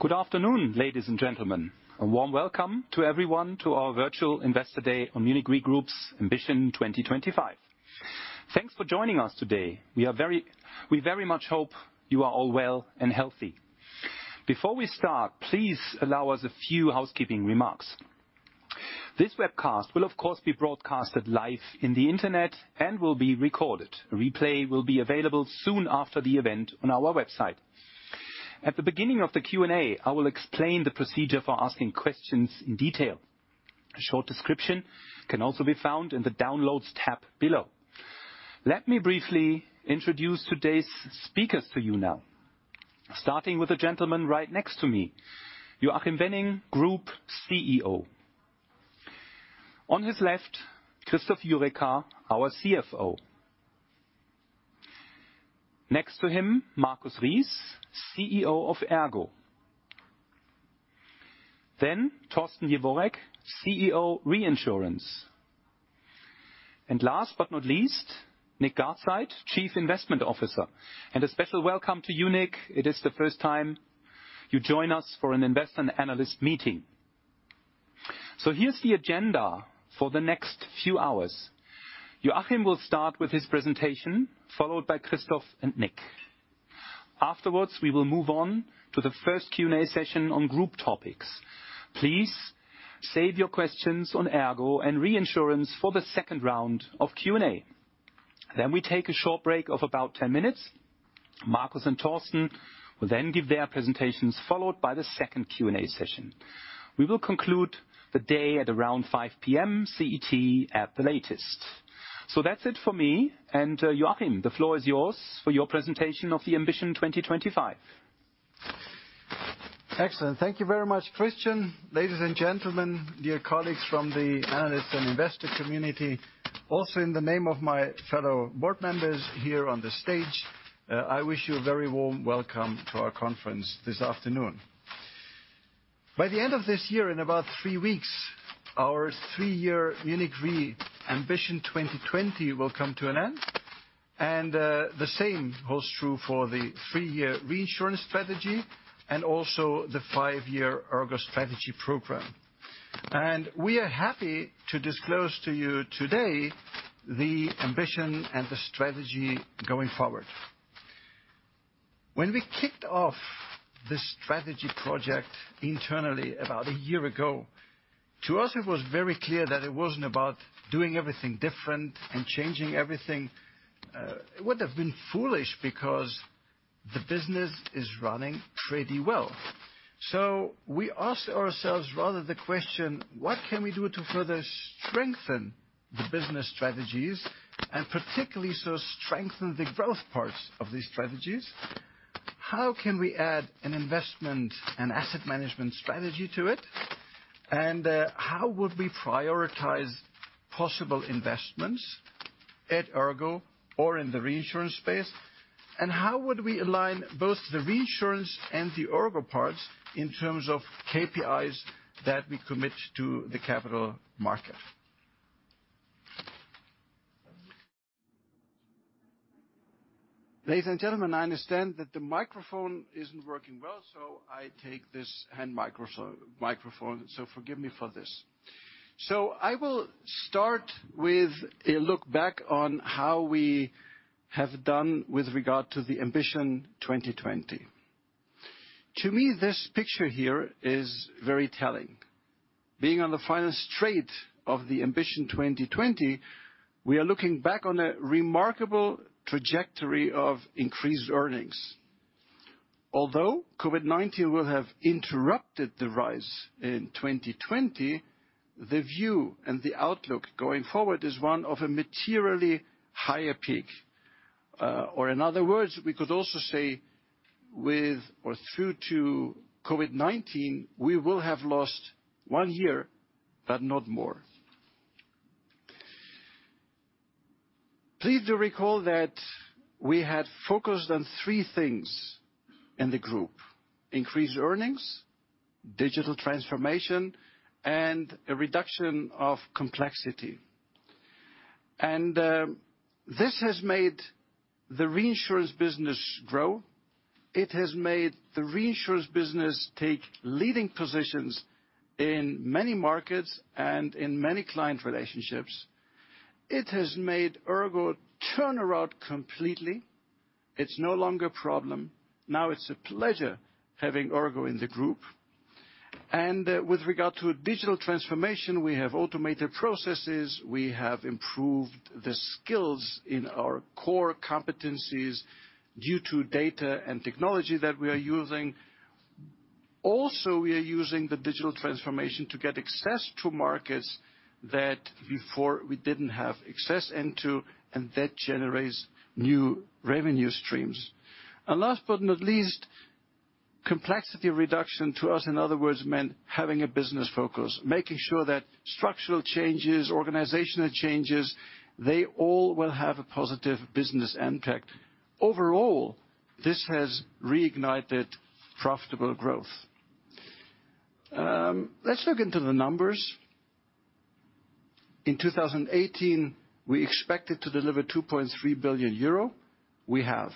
Good afternoon, ladies and gentlemen. A warm welcome to everyone to our virtual Investor Day on Munich RE Group's Ambition 2025. Thanks for joining us today. We very much hope you are all well and healthy. Before we start, please allow us a few housekeeping remarks. This webcast will of course be broadcasted live on the internet and will be recorded. A replay will be available soon after the event on our website. At the beginning of the Q&A, I will explain the procedure for asking questions in detail. A short description can also be found in the Downloads tab below. Let me briefly introduce today's speakers to you now. Starting with the gentleman right next to me, Joachim Wenning, Group CEO. On his left, Christoph Jurecka, our CFO. Next to him, Markus Riess, CEO of ERGO. Torsten Jeworrek, CEO Reinsurance. Last but not least, Nick Gartside, Chief Investment Officer. A special welcome to you, Nick. It is the first time you join us for an investor and analyst meeting. Here's the agenda for the next few hours. Joachim will start with his presentation, followed by Christoph and Nick. Afterwards, we will move on to the first Q&A session on group topics. Please save your questions on ERGO and reinsurance for the second round of Q&A. We take a short break of about 10 minutes. Markus and Torsten will then give their presentations, followed by the second Q&A session. We will conclude the day at around 5:00 P.M. CET at the latest. That's it for me. Joachim, the floor is yours for your presentation of the Ambition 2025. Excellent. Thank you very much, Christian. Ladies and gentlemen, dear colleagues from the analyst and investor community, also in the name of my fellow board members here on the stage, I wish you a very warm welcome to our conference this afternoon. By the end of this year, in about three weeks, our three-year Munich RE Ambition 2020 will come to an end, and the same holds true for the three-year reinsurance strategy and also the five-year ERGO strategy program. We are happy to disclose to you today the ambition and the strategy going forward. When we kicked off this strategy project internally about a year ago, to us it was very clear that it wasn't about doing everything different and changing everything. It would have been foolish because the business is running pretty well. We asked ourselves rather the question: what can we do to further strengthen the business strategies and particularly so strengthen the growth parts of these strategies? How can we add an investment and asset management strategy to it? How would we prioritize possible investments at ERGO or in the reinsurance space? How would we align both the reinsurance and the ERGO parts in terms of KPIs that we commit to the capital market? Ladies and gentlemen, I understand that the microphone isn't working well, so I take this hand microphone. Forgive me for this. I will start with a look back on how we have done with regard to the Ambition 2020. To me, this picture here is very telling. Being on the final straight of the Ambition 2020, we are looking back on a remarkable trajectory of increased earnings. Although COVID-19 will have interrupted the rise in 2020, the view and the outlook going forward is one of a materially higher peak. In other words, we could also say with or through to COVID-19, we will have lost one year, but not more. Please do recall that we had focused on three things in the group. Increased earnings, digital transformation, and a reduction of complexity. This has made the reinsurance business grow. It has made the reinsurance business take leading positions in many markets and in many client relationships. It has made ERGO turn around completely. It's no longer a problem. Now it's a pleasure having ERGO in the group. With regard to digital transformation, we have automated processes. We have improved the skills in our core competencies due to data and technology that we are using. We are using the digital transformation to get access to markets that before we didn't have access into, and that generates new revenue streams. Last but not least, complexity reduction to us, in other words, meant having a business focus, making sure that structural changes, organizational changes, they all will have a positive business impact. Overall, this has reignited profitable growth. Let's look into the numbers. In 2018, we expected to deliver 2.3 billion euro. We have.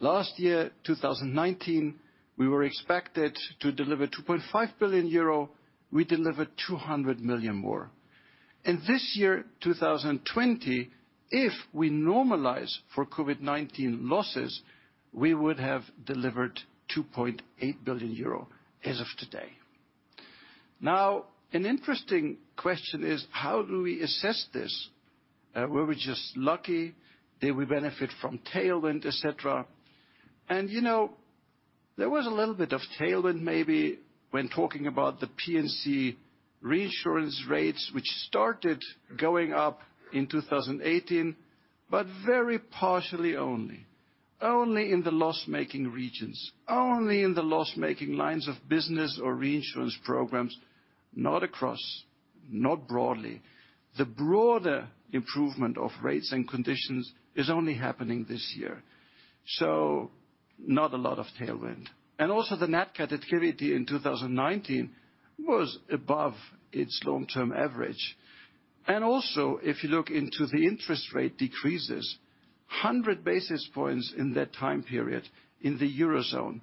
Last year, 2019, we were expected to deliver 2.5 billion euro. We delivered 200 million more. This year, 2020, if we normalize for COVID-19 losses, we would have delivered 2.8 billion euro as of today. An interesting question is how do we assess this? Were we just lucky? Did we benefit from tailwind, et cetera? There was a little bit of tailwind maybe when talking about the P&C reinsurance rates, which started going up in 2018, but very partially only. Only in the loss-making regions, only in the loss-making lines of business or reinsurance programs, not across, not broadly. The broader improvement of rates and conditions is only happening this year. Not a lot of tailwind. The Nat cat activity in 2019 was above its long-term average. If you look into the interest rate decreases, 100 basis points in that time period in the Eurozone,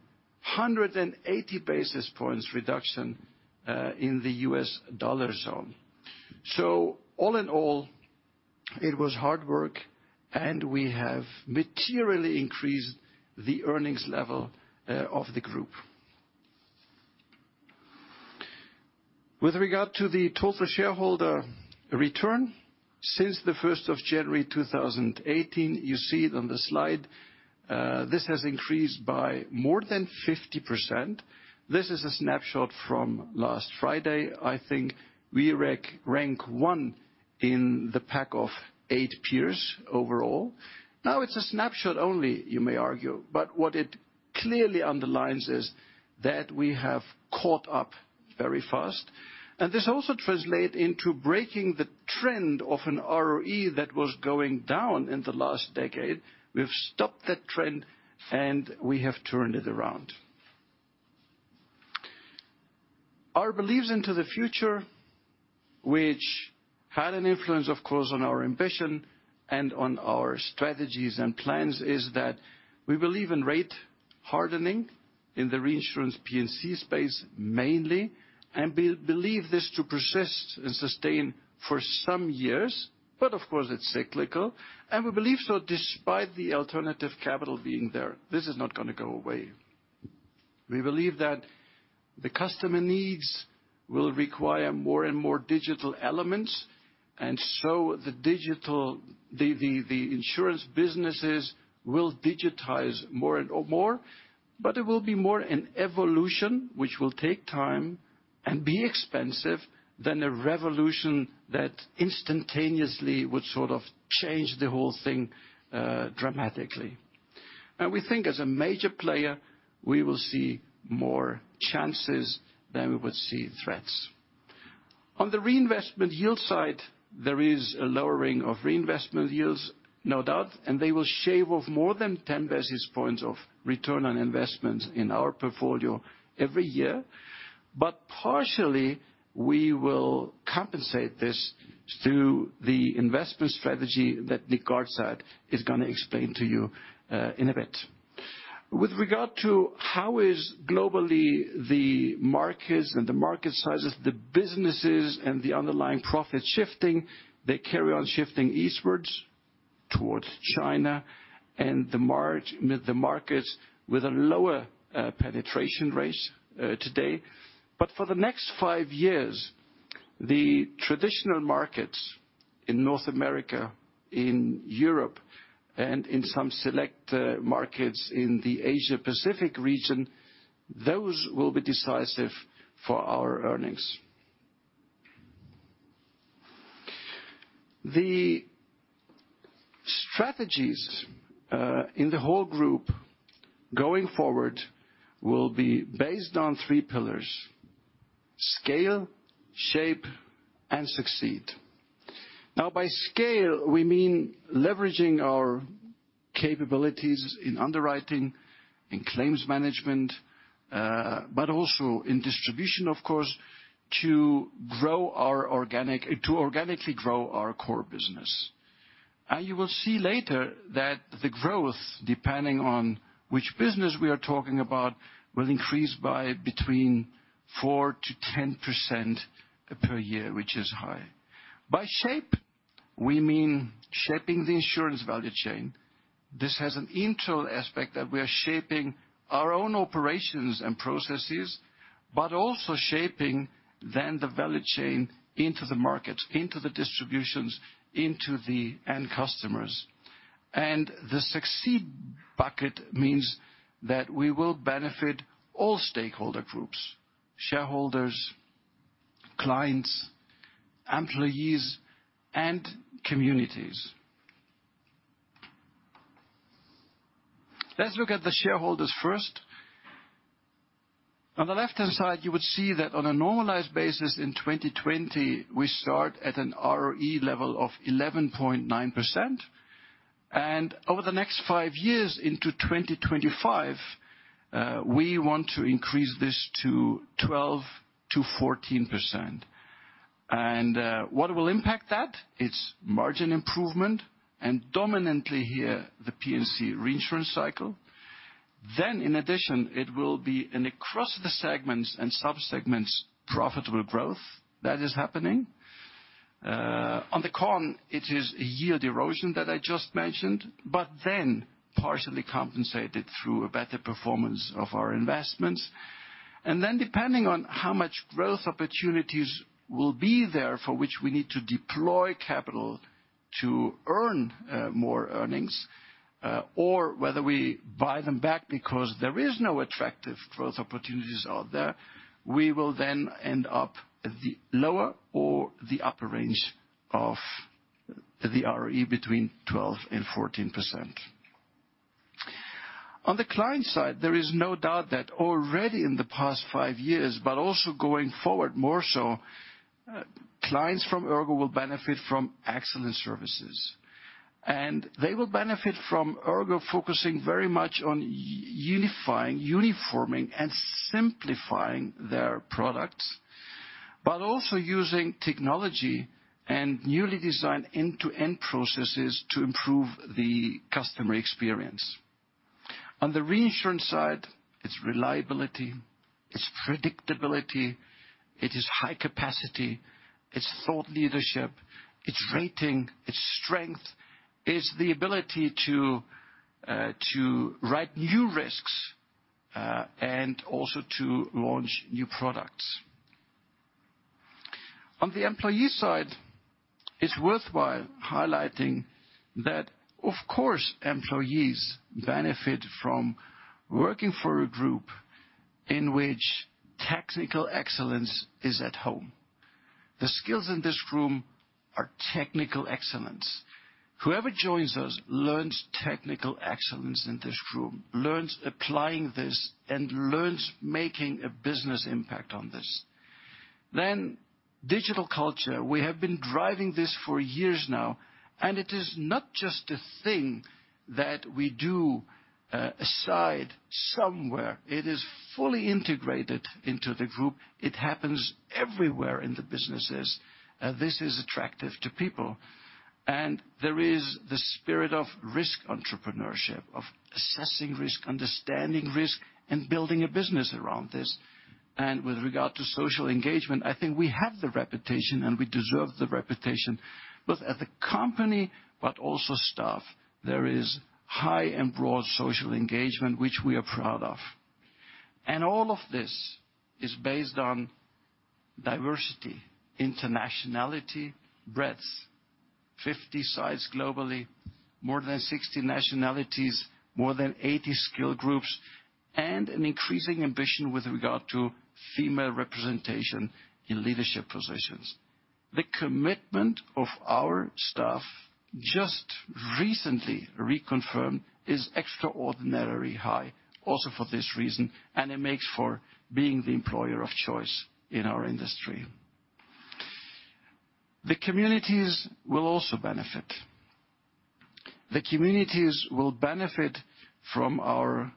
180 basis points reduction in the U.S. dollar zone. All in all, it was hard work, and we have materially increased the earnings level of the group. With regard to the total shareholder return since the 1st of January 2018, you see it on the slide, this has increased by more than 50%. This is a snapshot from last Friday. I think we rank one in the pack of eight peers overall. It's a snapshot only, you may argue, but what it clearly underlines is that we have caught up very fast and this also translates into breaking the trend of an ROE that was going down in the last decade. We've stopped that trend and we have turned it around. Our beliefs into the future, which had an influence, of course, on our ambition and on our strategies and plans, is that we believe in rate hardening in the reinsurance P&C space mainly, and believe this to persist and sustain for some years. Of course, it's cyclical, and we believe so despite the alternative capital being there. This is not going to go away. We believe that the customer needs will require more and more digital elements. The insurance businesses will digitize more and more. It will be more an evolution, which will take time and be expensive than a revolution that instantaneously would sort of change the whole thing dramatically. We think as a major player, we will see more chances than we would see threats. On the reinvestment yield side, there is a lowering of reinvestment yields, no doubt. They will shave off more than 10 basis points of return on investments in our portfolio every year. Partially, we will compensate this through the investment strategy that Nick Gartside is going to explain to you in a bit. With regard to how is globally the markets and the market sizes, the businesses and the underlying profits shifting, they carry on shifting eastwards towards China and the markets with a lower penetration rates today. For the next five years, the traditional markets in North America, in Europe, and in some select markets in the Asia-Pacific region, those will be decisive for our earnings. The strategies in the whole group going forward will be based on three pillars, scale, shape, and succeed. By scale, we mean leveraging our capabilities in underwriting and claims management, but also in distribution, of course, to organically grow our core business. You will see later that the growth, depending on which business we are talking about, will increase by between 4%-10% per year, which is high. By shape, we mean shaping the insurance value chain. This has an internal aspect that we are shaping our own operations and processes, but also shaping the value chain into the markets, into the distributions, into the end customers. The succeed bucket means that we will benefit all stakeholder groups, shareholders, clients, employees, and communities. Let's look at the shareholders first. On the left-hand side, you would see that on a normalized basis in 2020, we start at an ROE level of 11.9%. And over the next five years into 2025, we want to increase this to 12%-14%. What will impact that? It's margin improvement and dominantly here, the P&C reinsurance cycle. In addition, it will be an across the segments and sub-segments profitable growth that is happening. On the con, it is a yield erosion that I just mentioned, partially compensated through a better performance of our investments. Depending on how much growth opportunities will be there for which we need to deploy capital to earn more earnings, or whether we buy them back because there is no attractive growth opportunities out there, we will end up at the lower or the upper range of the ROE between 12% and 14%. On the client side, there is no doubt that already in the past five years, but also going forward more so, clients from ERGO will benefit from excellent services. They will benefit from ERGO focusing very much on unifying, uniforming, and simplifying their products, but also using technology and newly designed end-to-end processes to improve the customer experience. On the reinsurance side, it's reliability, it's predictability, it is high capacity, it's thought leadership, it's rating, it's strength. It's the ability to write new risks, and also to launch new products. On the employee side, it's worthwhile highlighting that, of course, employees benefit from working for a group in which technical excellence is at home. The skills in this room are technical excellence. Whoever joins us learns technical excellence in this room, learns applying this, and learns making a business impact on this. Digital culture. We have been driving this for years now, and it is not just a thing that we do aside somewhere. It is fully integrated into the group. It happens everywhere in the businesses. This is attractive to people. There is the spirit of risk entrepreneurship, of assessing risk, understanding risk, and building a business around this. With regard to social engagement, I think we have the reputation and we deserve the reputation, both as a company, but also staff. There is high and broad social engagement, which we are proud of. All of this is based on diversity, internationality, breadth, 50 sites globally, more than 60 nationalities, more than 80 skill groups, and an increasing ambition with regard to female representation in leadership positions. The commitment of our staff just recently reconfirmed is extraordinarily high, also for this reason, and it makes for being the employer of choice in our industry. The communities will also benefit. The communities will benefit from our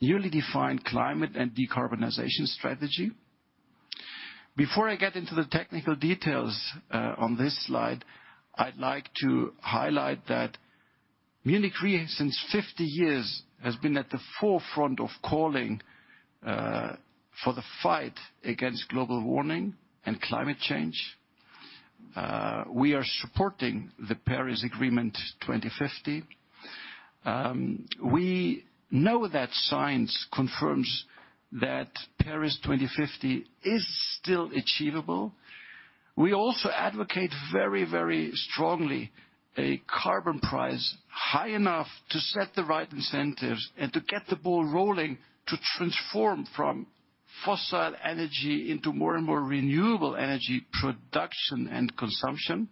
newly defined climate and decarbonization strategy. Before I get into the technical details, on this slide, I'd like to highlight that Munich RE, since 50 years, has been at the forefront of calling for the fight against global warming and climate change. We are supporting the Paris Agreement 2050. We know that science confirms that Paris 2050 is still achievable. We also advocate very strongly a carbon price high enough to set the right incentives and to get the ball rolling to transform from fossil energy into more and more renewable energy production and consumption.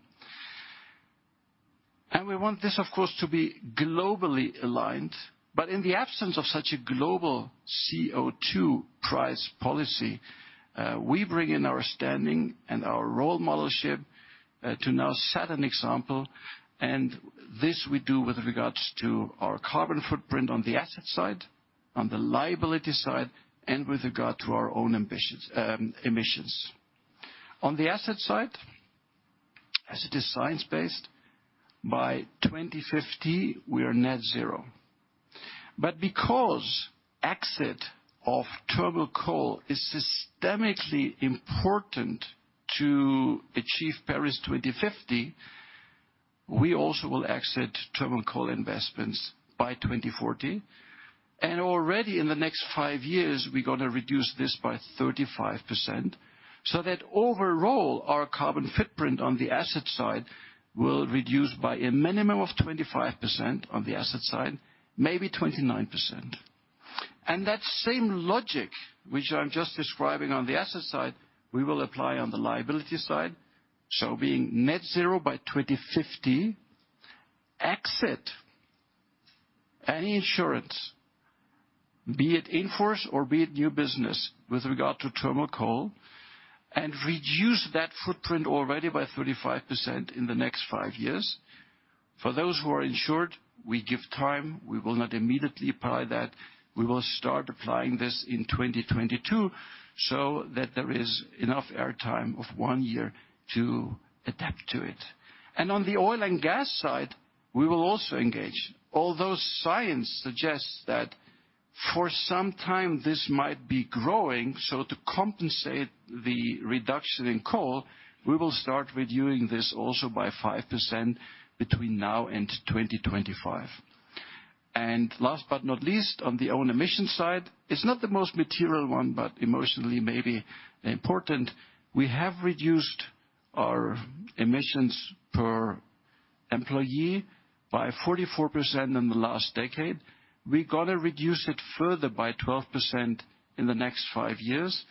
We want this, of course, to be globally aligned. In the absence of such a global CO2 price policy, we bring in our standing and our role modelship to now set an example, and this we do with regards to our carbon footprint on the asset side, on the liability side, and with regard to our own emissions. On the asset side, as it is science-based, by 2050, we are net zero. Because exit of thermal coal is systemically important to achieve Paris 2050, we also will exit thermal coal investments by 2040. Already in the next five years, we're going to reduce this by 35%, so that overall, our carbon footprint on the asset side will reduce by a minimum of 25% on the asset side, maybe 29%. That same logic, which I'm just describing on the asset side, we will apply on the liability side. Being net zero by 2050. Exit any insurance, be it in force or be it new business, with regard to thermal coal, and reduce that footprint already by 35% in the next five years. For those who are insured, we give time. We will not immediately apply that. We will start applying this in 2022, so that there is enough airtime of one year to adapt to it. On the oil and gas side, we will also engage. Science suggests that for some time this might be growing. To compensate the reduction in coal, we will start reducing this also by 5% between now and 2025. Last but not least, on the own emission side, it's not the most material one, but emotionally maybe important. We have reduced our emissions per employee by 44% in the last decade. We got to reduce it further by 12% in the next five years,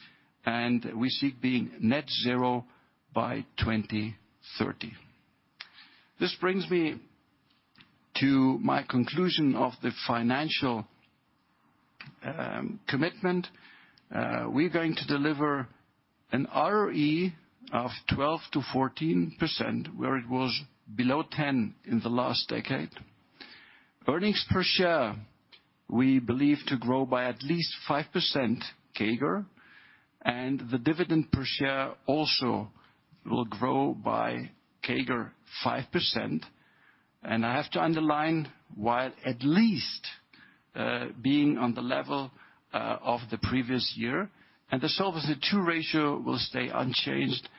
and we seek being net-zero by 2030. This brings me to my conclusion of the financial commitment. We're going to deliver an ROE of 12%-14% where it was below 10 in the last decade. Earnings per share, we believe to grow by at least 5% CAGR. The dividend per share also will grow by 5% CAGR. I have to underline while at least being on the level of the previous year. The Solvency II ratio will stay unchanged,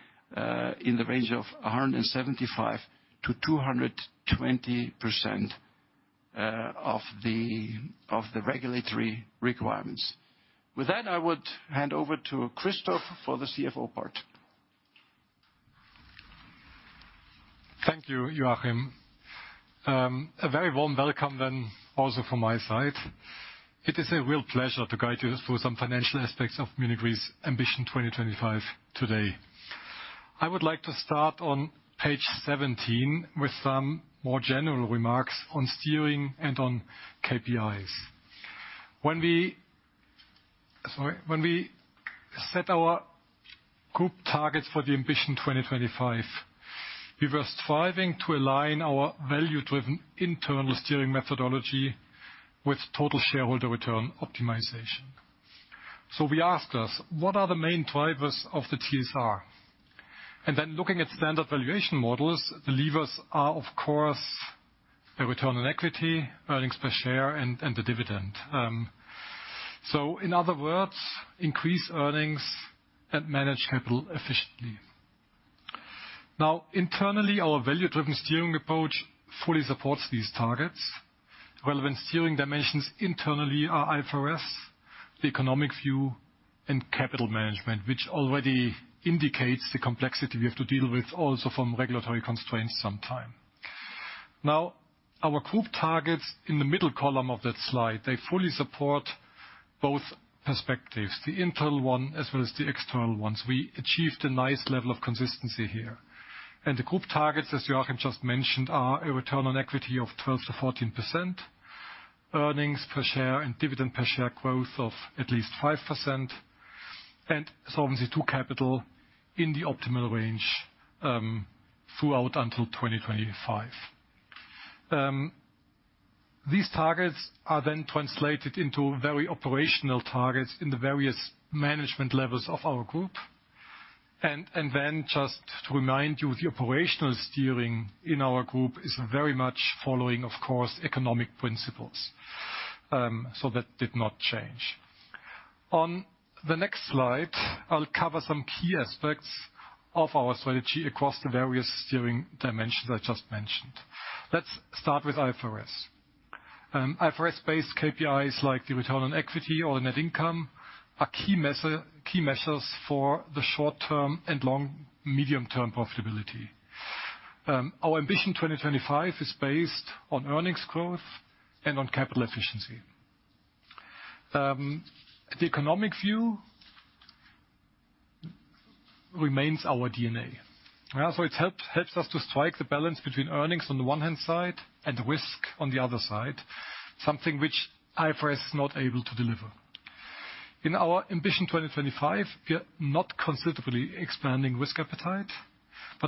in the range of 175%-220% of the regulatory requirements. With that, I would hand over to Christoph for the CFO part. Thank you, Joachim. A very warm welcome also from my side. It is a real pleasure to guide you through some financial aspects of Munich RE's Ambition 2025 today. I would like to start on page 17 with some more general remarks on steering and on KPIs. When we set our group targets for the Ambition 2025, we were striving to align our value-driven internal steering methodology with total shareholder return optimization. We asked ourselves, what are the main drivers of the TSR? Looking at standard valuation models, the levers are, of course, the return on equity, earnings per share, and the dividend. In other words, increase earnings and manage capital efficiently. Now, internally, our value-driven steering approach fully supports these targets. Relevant steering dimensions internally are IFRS, the economic view, and capital management. Which already indicates the complexity we have to deal with also from regulatory constraints sometime. Our group targets in the middle column of that slide, they fully support both perspectives, the internal one as well as the external ones. We achieved a nice level of consistency here. The group targets, as Joachim just mentioned, are a return on equity of 12%-14%, earnings per share and dividend per share growth of at least 5%, and Solvency II capital in the optimal range, throughout until 2025. These targets are then translated into very operational targets in the various management levels of our group. Just to remind you, the operational steering in our group is very much following, of course, economic principles. That did not change. On the next slide, I'll cover some key aspects of our strategy across the various steering dimensions I just mentioned. Let's start with IFRS. IFRS-based KPIs like the return on equity or net income are key measures for the short-term and long, medium-term profitability. Our Ambition 2025 is based on earnings growth and on capital efficiency. The economic view remains our DNA. It helps us to strike the balance between earnings on the one hand side and risk on the other side, something which IFRS is not able to deliver. In our Ambition 2025, we are not considerably expanding risk appetite,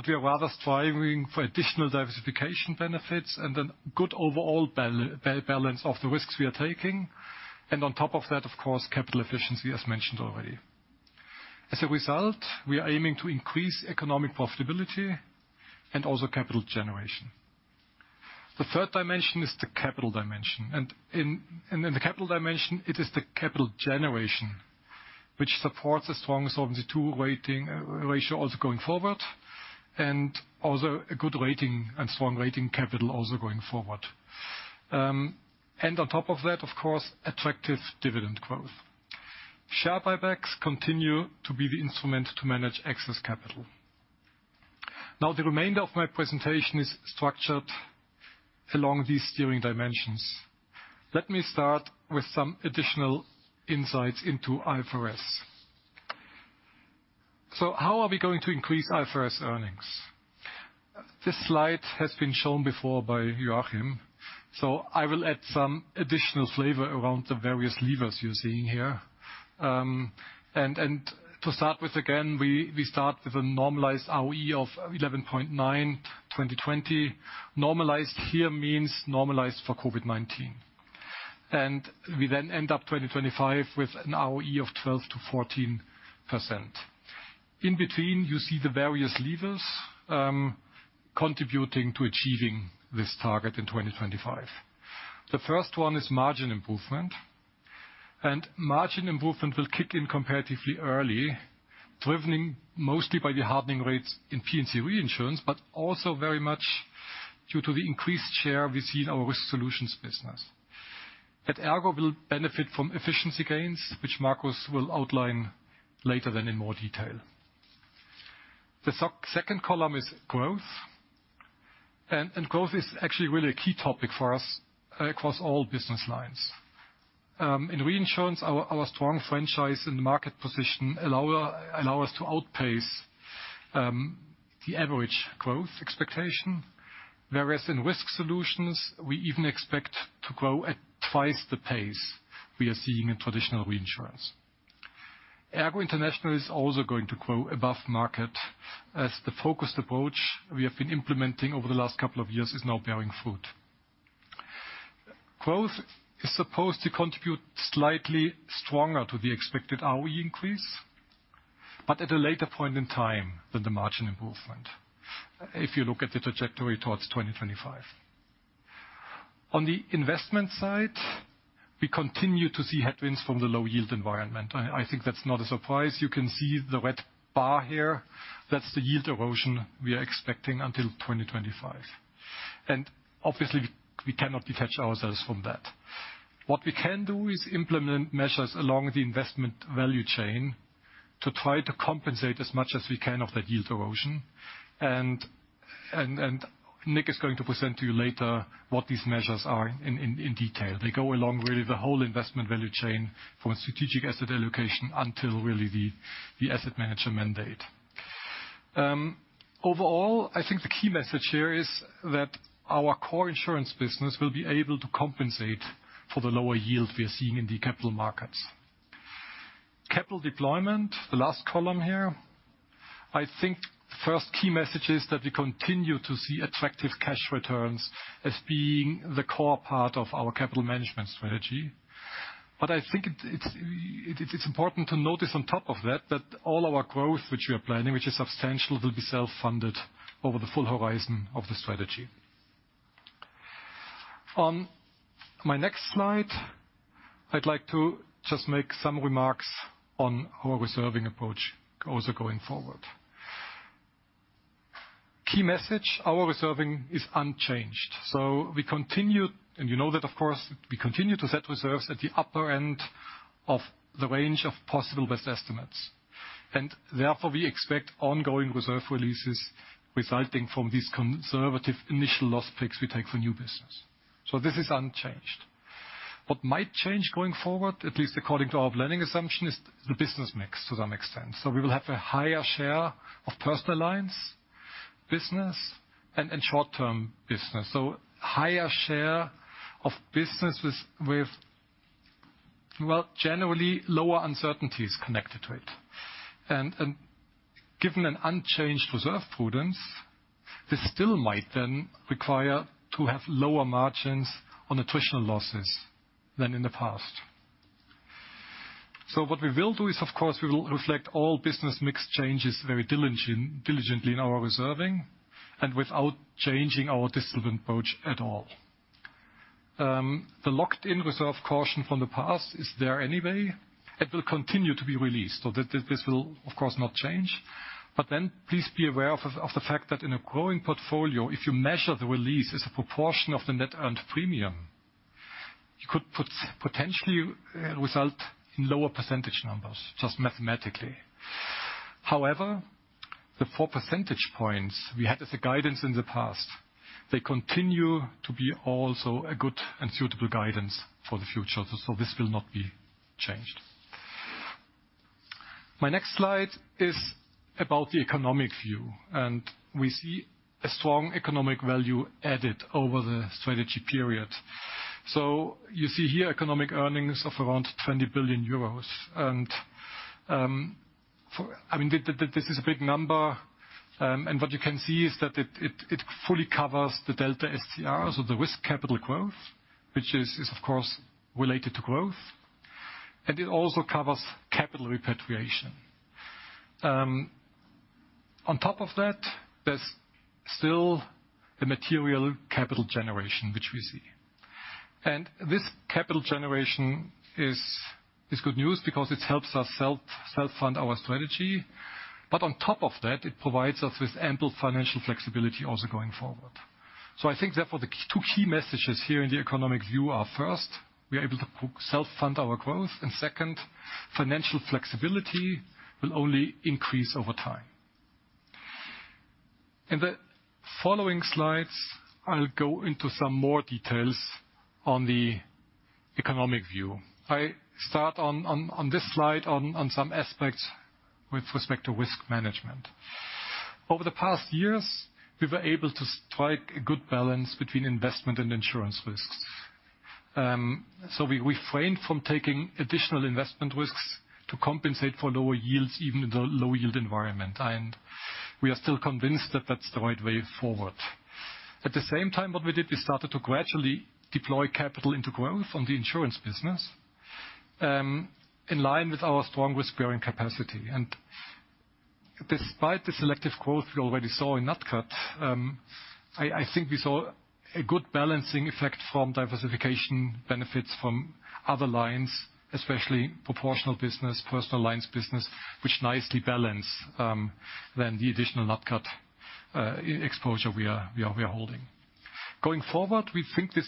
we are rather striving for additional diversification benefits and then good overall balance of the risks we are taking. On top of that, of course, capital efficiency as mentioned already. As a result, we are aiming to increase economic profitability and also capital generation. The third dimension is the capital dimension. In the capital dimension, it is the capital generation, which supports a strong Solvency II ratio also going forward, and also a good rating and strong rating capital also going forward. On top of that, of course, attractive dividend growth. Share buybacks continue to be the instrument to manage excess capital. The remainder of my presentation is structured along these steering dimensions. Let me start with some additional insights into IFRS. How are we going to increase our first earnings? This slide has been shown before by Joachim, so I will add some additional flavor around the various levers you're seeing here. To start with again, we start with a normalized ROE of 11.9% in 2020. Normalized here means normalized for COVID-19. We then end up 2025 with an ROE of 12%-14%. In between, you see the various levers, contributing to achieving this target in 2025. The first one is margin improvement. Margin improvement will kick in comparatively early, driven mostly by the hardening rates in P&C reinsurance, but also very much due to the increased share we see in our Risk Solutions business. At ERGO, we'll benefit from efficiency gains, which Markus will outline later in more detail. The second column is growth. Growth is actually really a key topic for us across all business lines. In reinsurance, our strong franchise and market position allow us to outpace the average growth expectation. Whereas in Risk Solutions, we even expect to grow at twice the pace we are seeing in traditional reinsurance. ERGO International is also going to grow above market, as the focused approach we have been implementing over the last couple of years is now bearing fruit. Growth is supposed to contribute slightly stronger to the expected ROE increase, but at a later point in time than the margin improvement, if you look at the trajectory towards 2025. On the investment side, we continue to see headwinds from the low yield environment. I think that's not a surprise. You can see the red bar here. That's the yield erosion we are expecting until 2025. Obviously, we cannot detach ourselves from that. What we can do is implement measures along the investment value chain to try to compensate as much as we can of that yield erosion. Nick is going to present to you later what these measures are in detail. They go along really the whole investment value chain from strategic asset allocation until really the asset management mandate. Overall, I think the key message here is that our core insurance business will be able to compensate for the lower yield we are seeing in the capital markets. Capital deployment, the last column here. I think the first key message is that we continue to see attractive cash returns as being the core part of our capital management strategy. I think it's important to notice on top of that all our growth which we are planning, which is substantial, will be self-funded over the full horizon of the strategy. On my next slide, I'd like to just make some remarks on our reserving approach also going forward. Key message, our reserving is unchanged. We continue, and you know that, of course, we continue to set reserves at the upper end of the range of possible best estimates. Therefore, we expect ongoing reserve releases resulting from these conservative initial loss picks we take for new business. This is unchanged. What might change going forward, at least according to our planning assumption, is the business mix to some extent. We will have a higher share of personal lines business and short-term business. Higher share of business with, well, generally lower uncertainties connected to it. Given an unchanged reserve prudence, this still might then require to have lower margins on attritional losses than in the past. What we will do is, of course, we will reflect all business mix changes very diligently in our reserving and without changing our discipline approach at all. The locked-in reserve caution from the past is there anyway. It will continue to be released. This will, of course, not change. Please be aware of the fact that in a growing portfolio, if you measure the release as a proportion of the net earned premium, you could potentially result in lower percentage numbers, just mathematically. However, the four percentage points we had as a guidance in the past, they continue to be also a good and suitable guidance for the future. This will not be changed. My next slide is about the economic view, and we see a strong economic value added over the strategy period. You see here economic earnings of around 20 billion euros. This is a big number, and what you can see is that it fully covers the delta SCRs or the risk capital growth, which is, of course, related to growth. It also covers capital repatriation. On top of that, there's still a material capital generation, which we see. This capital generation is good news because it helps us self-fund our strategy. On top of that, it provides us with ample financial flexibility also going forward. I think therefore the two key messages here in the economic view are, first, we are able to self-fund our growth. Second, financial flexibility will only increase over time. In the following slides, I'll go into some more details on the economic view. I start on this slide on some aspects with respect to risk management. Over the past years, we were able to strike a good balance between investment and insurance risks. We refrained from taking additional investment risks to compensate for lower yields, even in the low-yield environment. We are still convinced that that's the right way forward. At the same time, what we did, we started to gradually deploy capital into growth on the insurance business, in line with our strong risk-bearing capacity. Despite the selective growth we already saw in nat cat, I think we saw a good balancing effect from diversification benefits from other lines, especially proportional business, personal lines business, which nicely balance then the additional nat cat exposure we are holding. Going forward, we think this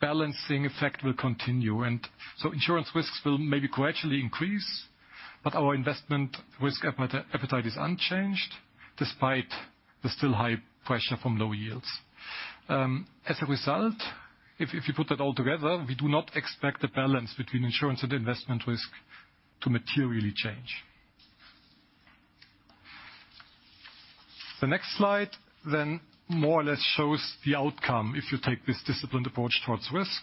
balancing effect will continue. Insurance risks will maybe gradually increase, but our investment risk appetite is unchanged despite the still high pressure from low yields. As a result, if you put that all together, we do not expect the balance between insurance and investment risk to materially change. The next slide then more or less shows the outcome if you take this disciplined approach towards risk.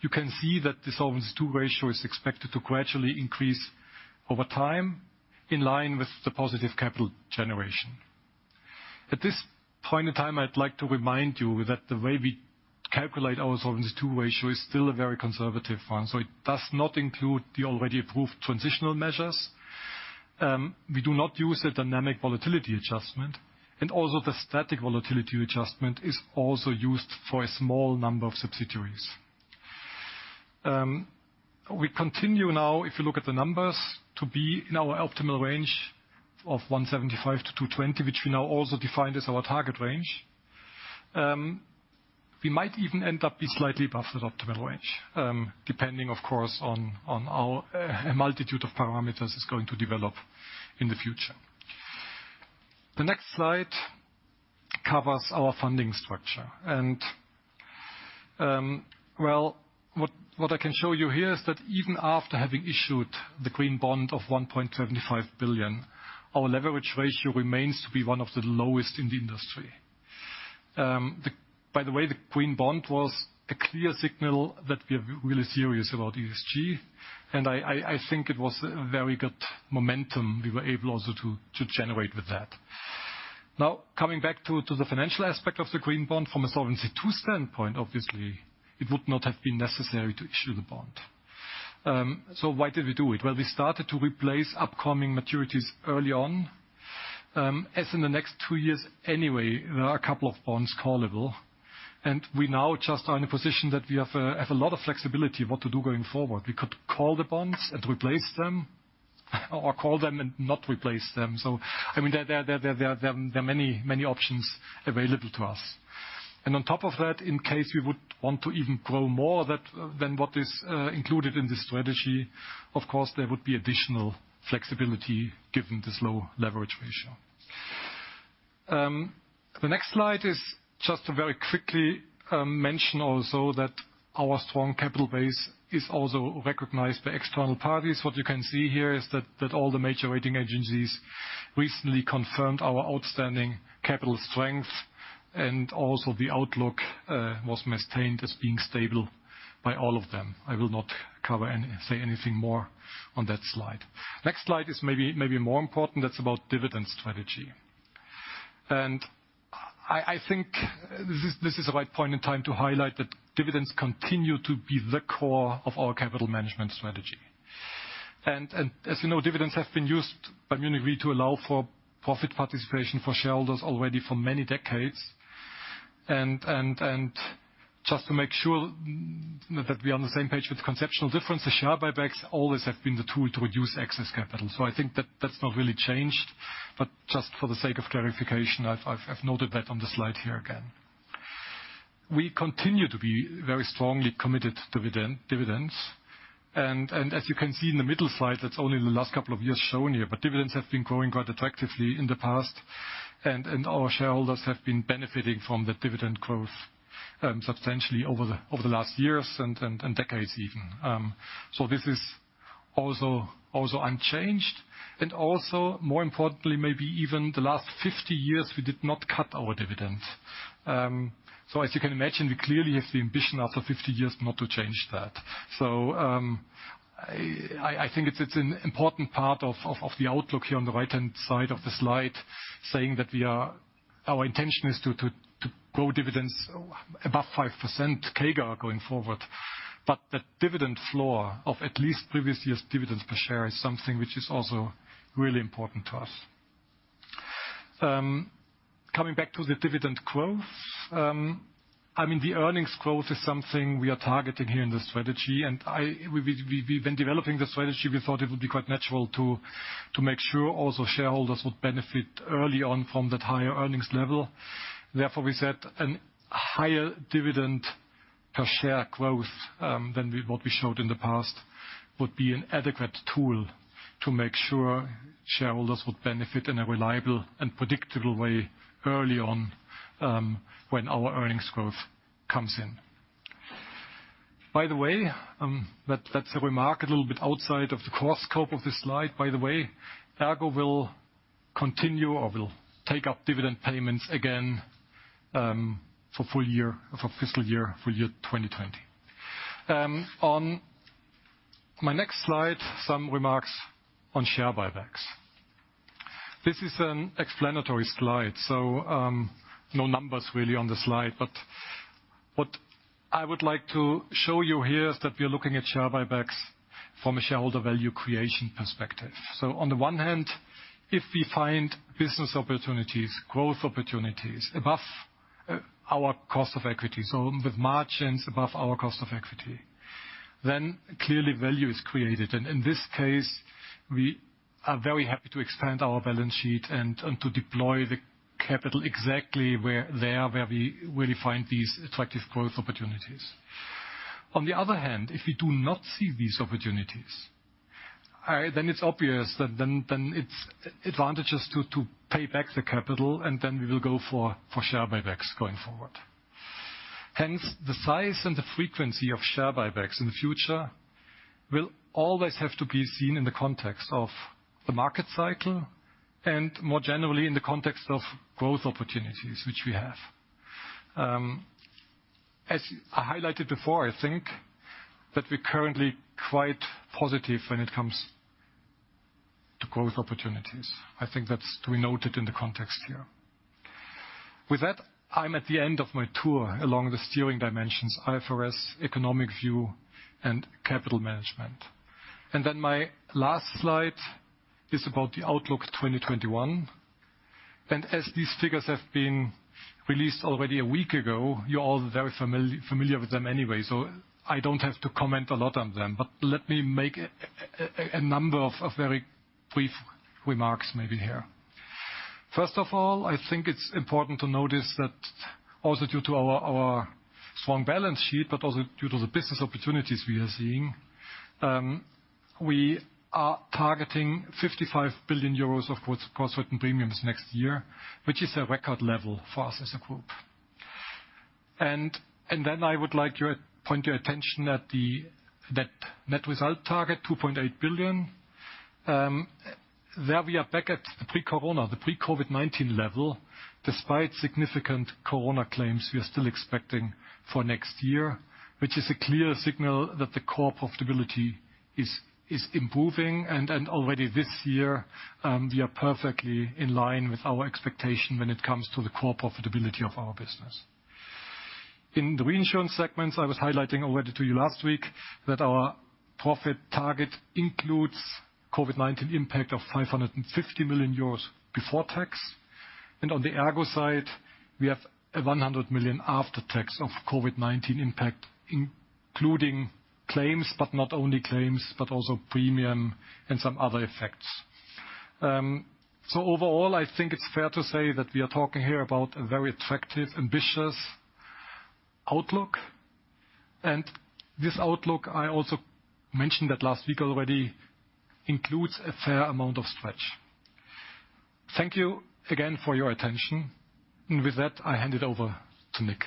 You can see that the Solvency II ratio is expected to gradually increase over time, in line with the positive capital generation. At this point in time, I'd like to remind you that the way we calculate our Solvency II ratio is still a very conservative one. It does not include the already approved transitional measures. We do not use a dynamic volatility adjustment, and also the static volatility adjustment is also used for a small number of subsidiaries. We continue now, if you look at the numbers, to be in our optimal range of 175-220, which we now also defined as our target range. We might even end up being slightly above that optimal range, depending, of course, on how a multitude of parameters is going to develop in the future. The next slide covers our funding structure. Well, what I can show you here is that even after having issued the green bond of 1.75 billion, our leverage ratio remains to be one of the lowest in the industry. By the way, the green bond was a clear signal that we are really serious about ESG, and I think it was a very good momentum we were able also to generate with that. Now, coming back to the financial aspect of the green bond. From a Solvency II standpoint, obviously, it would not have been necessary to issue the bond. Why did we do it? Well, we started to replace upcoming maturities early on, as in the next two years anyway, there are a couple of bonds callable, and we now just are in a position that we have a lot of flexibility what to do going forward. We could call the bonds and replace them or call them and not replace them. There are many solutions available to us. On top of that, in case we would want to even grow more than what is included in this strategy, of course, there would be additional flexibility given this low leverage ratio. The next slide is just to very quickly mention also that our strong capital base is also recognized by external parties. What you can see here is that all the major rating agencies recently confirmed our outstanding capital strength, and also the outlook was maintained as being stable by all of them. I will not cover and say anything more on that slide. Next slide is maybe more important. That's about dividend strategy. I think this is the right point in time to highlight that dividends continue to be the core of our capital management strategy. As you know, dividends have been used by Munich RE to allow for profit participation for shareholders already for many decades. Just to make sure that we're on the same page with conceptual differences, share buybacks always have been the tool to reduce excess capital. I think that that's not really changed. Just for the sake of clarification, I've noted that on the slide here again. We continue to be very strongly committed to dividends. As you can see in the middle slide, that's only in the last couple of years shown here, but dividends have been growing quite attractively in the past, and our shareholders have been benefiting from the dividend growth substantially over the last years and decades even. This is also unchanged. Also, more importantly, maybe even the last 50 years, we did not cut our dividends. As you can imagine, we clearly have the ambition after 50 years not to change that. I think it's an important part of the outlook here on the right-hand side of the slide, saying that our intention is to grow dividends above 5% CAGR going forward. The dividend floor of at least previous year's dividends per share is something which is also really important to us. Coming back to the dividend growth. The earnings growth is something we are targeting here in the strategy, and as we've been developing the strategy, we thought it would be quite natural to make sure also shareholders would benefit early on from that higher earnings level. Therefore, we set a higher dividend per share growth than what we showed in the past would be an adequate tool to make sure shareholders would benefit in a reliable and predictable way early on when our earnings growth comes in. By the way, that's a remark a little bit outside of the core scope of this slide. By the way, ERGO will continue or will take up dividend payments again for fiscal year, full year 2020. On my next slide, some remarks on share buybacks. This is an explanatory slide. No numbers really on the slide. What I would like to show you here is that we are looking at share buybacks from a shareholder value creation perspective. On the one hand, if we find business opportunities, growth opportunities above our cost of equity, so with margins above our cost of equity, then clearly value is created. In this case, we are very happy to expand our balance sheet and to deploy the capital exactly where they are, where we really find these attractive growth opportunities. On the other hand, if we do not see these opportunities, then it's obvious that then it's advantageous to pay back the capital and then we will go for share buybacks going forward. Hence, the size and the frequency of share buybacks in the future will always have to be seen in the context of the market cycle, and more generally, in the context of growth opportunities, which we have. As I highlighted before, I think that we're currently quite positive when it comes to growth opportunities. I think that's to be noted in the context here. With that, I'm at the end of my tour along the steering dimensions, IFRS, economic view, and capital management. My last slide is about the outlook 2021. As these figures have been released already a week ago, you're all very familiar with them anyway, so I don't have to comment a lot on them. Let me make a number of very brief remarks maybe here. I think it's important to notice that also due to our strong balance sheet, but also due to the business opportunities we are seeing, we are targeting 55 billion euros of gross written premiums next year, which is a record level for us as a group. I would like to point your attention at that net result target, 2.8 billion. There we are back at the pre-corona, the pre-COVID-19 level. Despite significant corona claims we are still expecting for next year, which is a clear signal that the core profitability is improving. Already this year, we are perfectly in line with our expectation when it comes to the core profitability of our business. In the reinsurance segments, I was highlighting already to you last week that our profit target includes COVID-19 impact of 550 million euros before tax. On the ERGO side, we have 100 million after tax of COVID-19 impact, including claims, but not only claims, but also premium and some other effects. Overall, I think it's fair to say that we are talking here about a very attractive, ambitious outlook. This outlook, I also mentioned that last week already, includes a fair amount of stretch. Thank you again for your attention. With that, I hand it over to Nick.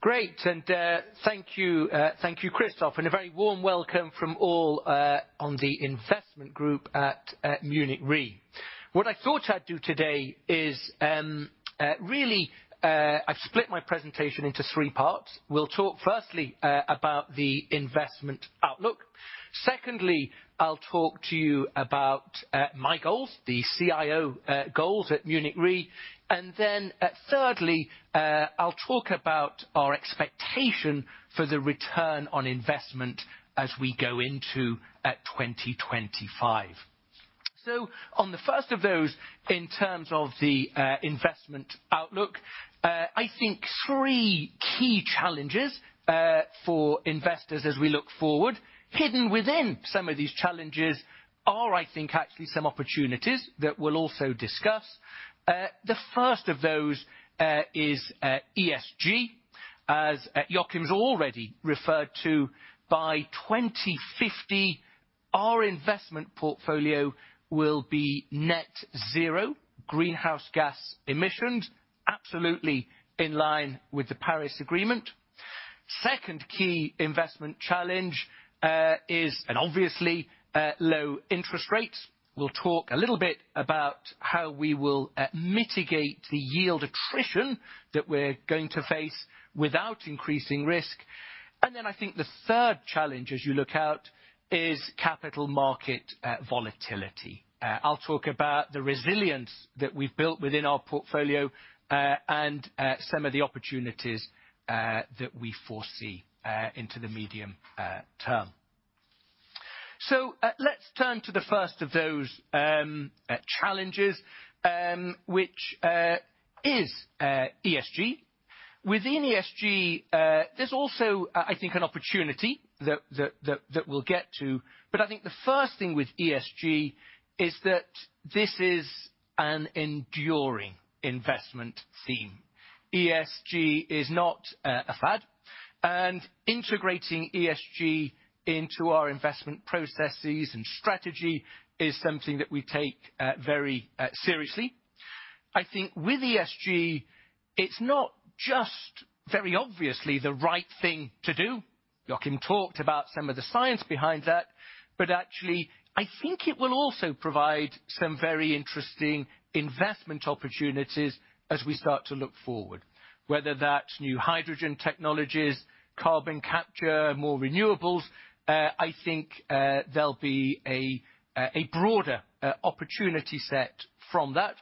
Great. Thank you, Christoph, and a very warm welcome from all on the investment group at Munich Re. What I thought I would do today is, really, I have split my presentation into three parts. We will talk firstly about the investment outlook. Secondly, I will talk to you about my goals, the CIO goals at Munich Re. Thirdly, I will talk about our expectation for the return on investment as we go into 2025. On the first of those, in terms of the investment outlook, I think three key challenges for investors as we look forward. Hidden within some of these challenges are, I think, actually some opportunities that we will also discuss. The first of those is ESG, as Joachim's already referred to. By 2050, our investment portfolio will be net zero greenhouse gas emissions, absolutely in line with the Paris Agreement. Second key investment challenge is, and obviously, low interest rates. We'll talk a little bit about how we will mitigate the yield attrition that we're going to face without increasing risk. I think the third challenge as you look out is capital market volatility. I'll talk about the resilience that we've built within our portfolio and some of the opportunities that we foresee into the medium term. Let's turn to the first of those challenges, which is ESG. Within ESG, there's also, I think, an opportunity that we'll get to, but I think the first thing with ESG is that this is an enduring investment theme. ESG is not a fad, and integrating ESG into our investment processes and strategy is something that we take very seriously. I think with ESG, it's not just very obviously the right thing to do. Joachim talked about some of the science behind that, but actually, I think it will also provide some very interesting investment opportunities as we start to look forward, whether that's new hydrogen technologies, carbon capture, more renewables. I think there'll be a broader opportunity set from that.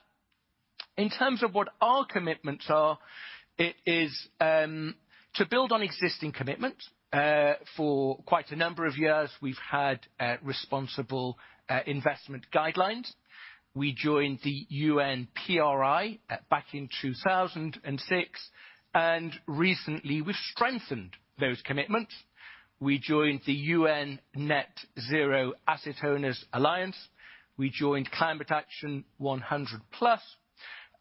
In terms of what our commitments are, it is to build on existing commitments. For quite a number of years, we've had responsible investment guidelines. We joined the UN PRI back in 2006, and recently we've strengthened those commitments. We joined the UN-convened Net-Zero Asset Owner Alliance. We joined Climate Action 100+.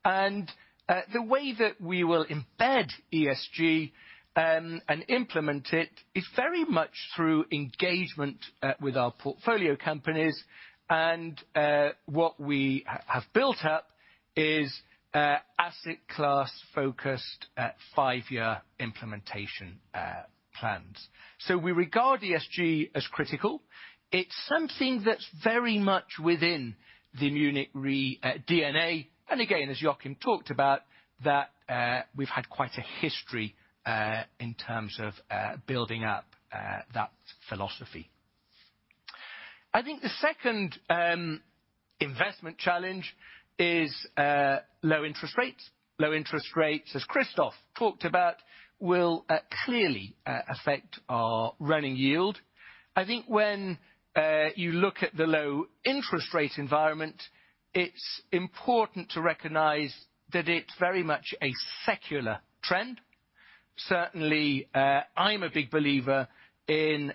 The way that we will embed ESG and implement it is very much through engagement with our portfolio companies. What we have built up is asset class-focused at five-year implementation plans. We regard ESG as critical. It's something that's very much within the Munich RE DNA. Again, as Joachim talked about, that we've had quite a history in terms of building up that philosophy. I think the second investment challenge is low interest rates. Low interest rates, as Christoph talked about, will clearly affect our running yield. I think when you look at the low interest rate environment, it's important to recognize that it's very much a secular trend. Certainly, I'm a big believer in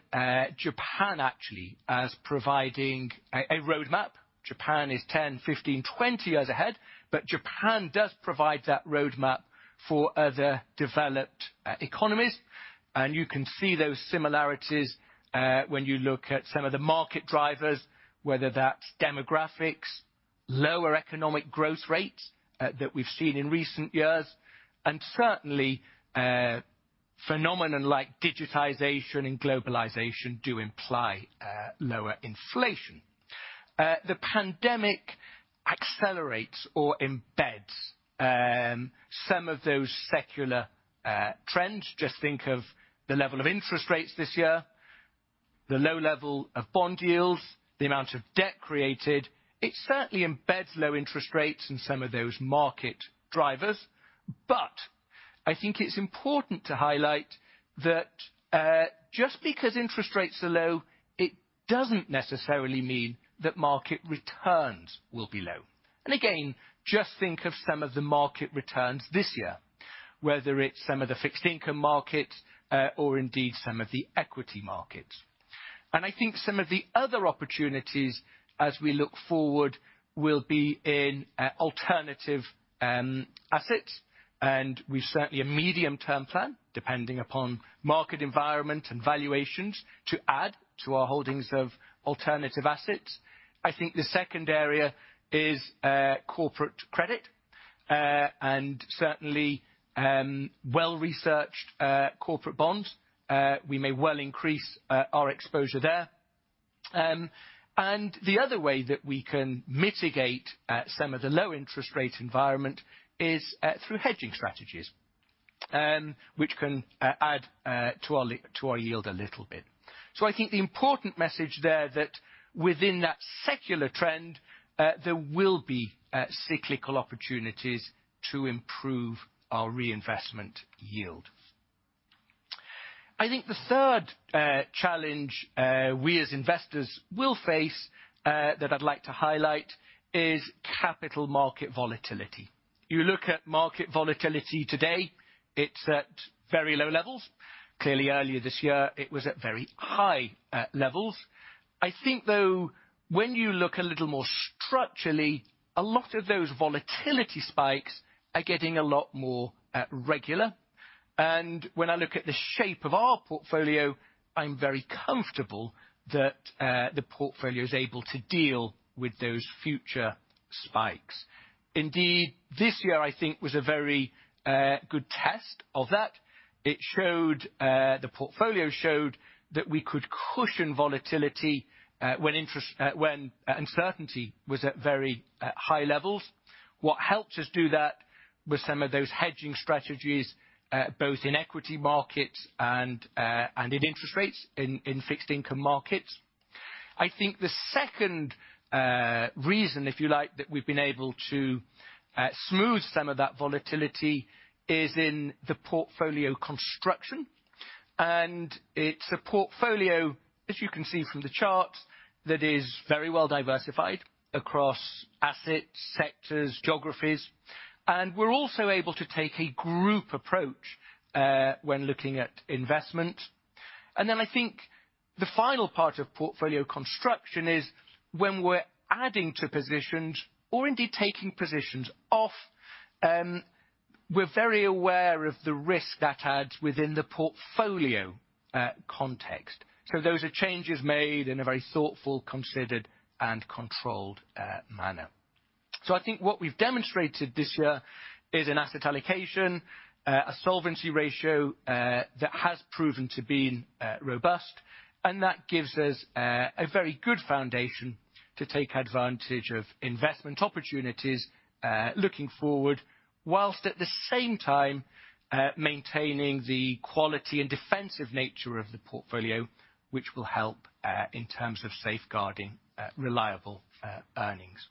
Japan, actually, as providing a roadmap. Japan is 10, 15, 20 years ahead, but Japan does provide that roadmap for other developed economies. You can see those similarities, when you look at some of the market drivers, whether that's demographics, lower economic growth rates that we've seen in recent years. Certainly, phenomenon like digitization and globalization do imply lower inflation. The pandemic accelerates or embeds some of those secular trends. Just think of the level of interest rates this year, the low level of bond yields, the amount of debt created. It certainly embeds low interest rates in some of those market drivers. I think it's important to highlight that, just because interest rates are low, it doesn't necessarily mean that market returns will be low. Again, just think of some of the market returns this year, whether it's some of the fixed income markets or indeed some of the equity markets. I think some of the other opportunities as we look forward, will be in alternative assets. We've certainly a medium term plan, depending upon market environment and valuations to add to our holdings of alternative assets. I think the second area is corporate credit, and certainly, well-researched corporate bonds. We may well increase our exposure there. The other way that we can mitigate some of the low interest rate environment is through hedging strategies, which can add to our yield a little bit. I think the important message there that within that secular trend, there will be cyclical opportunities to improve our reinvestment yield. I think the third challenge we as investors will face, that I'd like to highlight, is capital market volatility. You look at market volatility today, it's at very low levels. Clearly earlier this year, it was at very high levels. I think, though, when you look a little more structurally, a lot of those volatility spikes are getting a lot more regular. When I look at the shape of our portfolio, I am very comfortable that the portfolio is able to deal with those future spikes. Indeed, this year, I think, was a very good test of that. The portfolio showed that we could cushion volatility when uncertainty was at very high levels. What helped us do that was some of those hedging strategies, both in equity markets and in interest rates in fixed income markets. I think the second reason, if you like, that we've been able to smooth some of that volatility is in the portfolio construction. It's a portfolio, as you can see from the chart, that is very well diversified across assets, sectors, geographies. We're also able to take a group approach, when looking at investment. I think the final part of portfolio construction is when we're adding to positions or indeed taking positions off, we're very aware of the risk that adds within the portfolio context. Those are changes made in a very thoughtful, considered, and controlled manner. I think what we've demonstrated this year is an asset allocation, a solvency ratio, that has proven to been robust, and that gives us a very good foundation to take advantage of investment opportunities, looking forward, whilst at the same time, maintaining the quality and defensive nature of the portfolio, which will help in terms of safeguarding reliable earnings.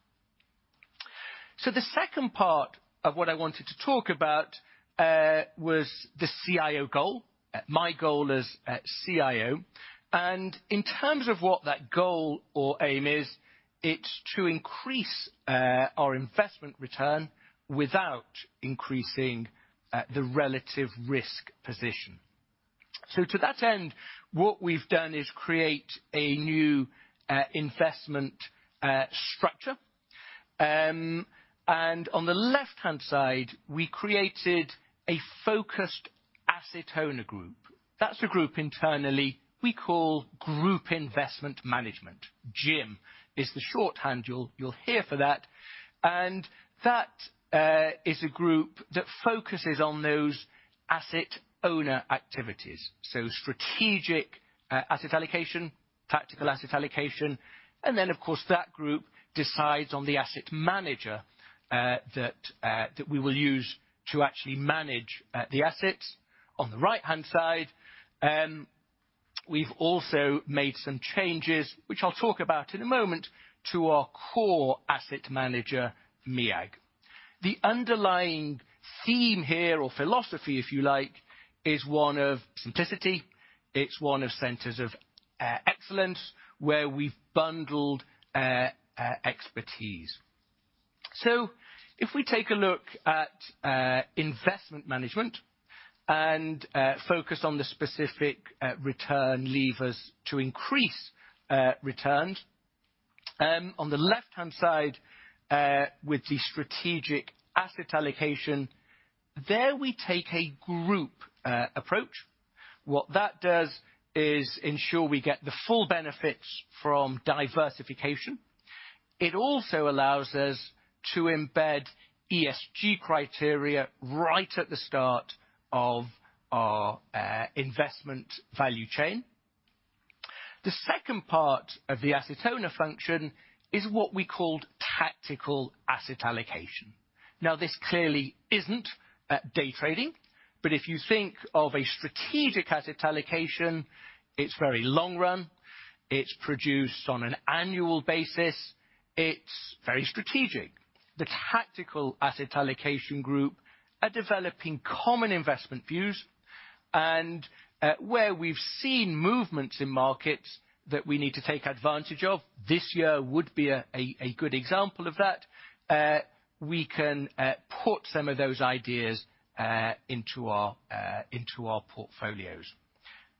The second part of what I wanted to talk about was the CIO goal, my goal as CIO, and in terms of what that goal or aim is, it's to increase our investment return without increasing the relative risk position. To that end, what we've done is create a new investment structure. On the left-hand side, we created a focused asset owner group. That's a group internally we call Group Investment Management. GIM is the shorthand you'll hear for that. That is a group that focuses on those asset owner activities. Strategic asset allocation, tactical asset allocation. Of course, that group decides on the asset manager that we will use to actually manage the assets. On the right-hand side, we've also made some changes, which I'll talk about in a moment, to our core asset manager, MEAG. The underlying theme here, or philosophy if you like, is one of simplicity. It's one of centers of excellence, where we've bundled expertise. If we take a look at investment management and focus on the specific return levers to increase returns. On the left-hand side, with the strategic asset allocation, there we take a group approach. What that does is ensure we get the full benefits from diversification. It also allows us to embed ESG criteria right at the start of our investment value chain. The second part of the asset owner function is what we called tactical asset allocation. This clearly isn't day trading, but if you think of a strategic asset allocation, it's very long run. It's produced on an annual basis. It's very strategic. The tactical asset allocation group are developing common investment views, and where we've seen movements in markets that we need to take advantage of, this year would be a good example of that, we can put some of those ideas into our portfolios.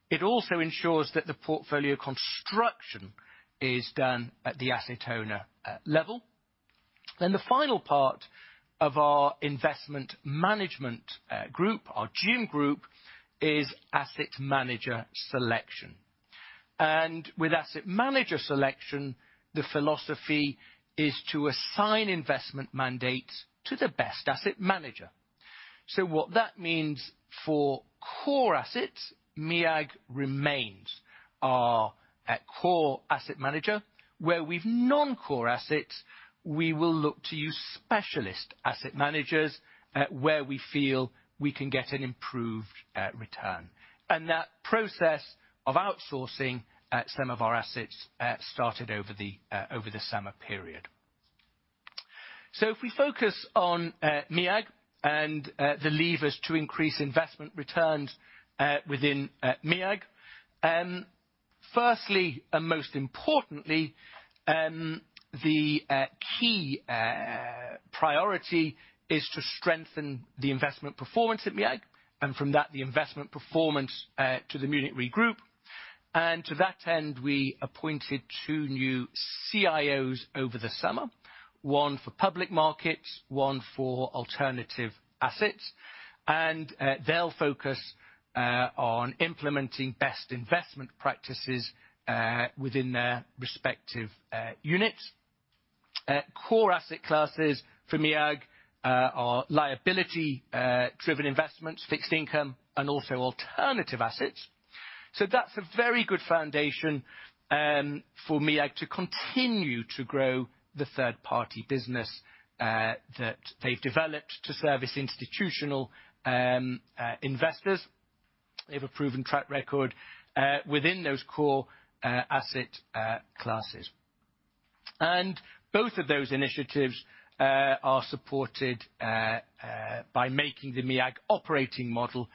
It also ensures that the portfolio construction is done at the asset owner level. The final part of our investment management group, our GIM group, is asset manager selection. With asset manager selection, the philosophy is to assign investment mandates to the best asset manager. What that means for core assets, MEAG remains our core asset manager. Where we've non-core assets, we will look to use specialist asset managers where we feel we can get an improved return. That process of outsourcing some of our assets started over the summer period. If we focus on MEAG and the levers to increase investment returns within MEAG. Firstly, and most importantly, the key priority is to strengthen the investment performance at MEAG and from that, the investment performance to the Munich RE Group. To that end, we appointed two new CIOs over the summer, one for public markets, one for alternative assets. They'll focus on implementing best investment practices within their respective units. Core asset classes for MEAG are liability driven investments, fixed income, and also alternative assets. That's a very good foundation for MEAG to continue to grow the third-party business that they've developed to service institutional investors. They have a proven track record within those core asset classes. Both of those initiatives are supported by making the MEAG operating model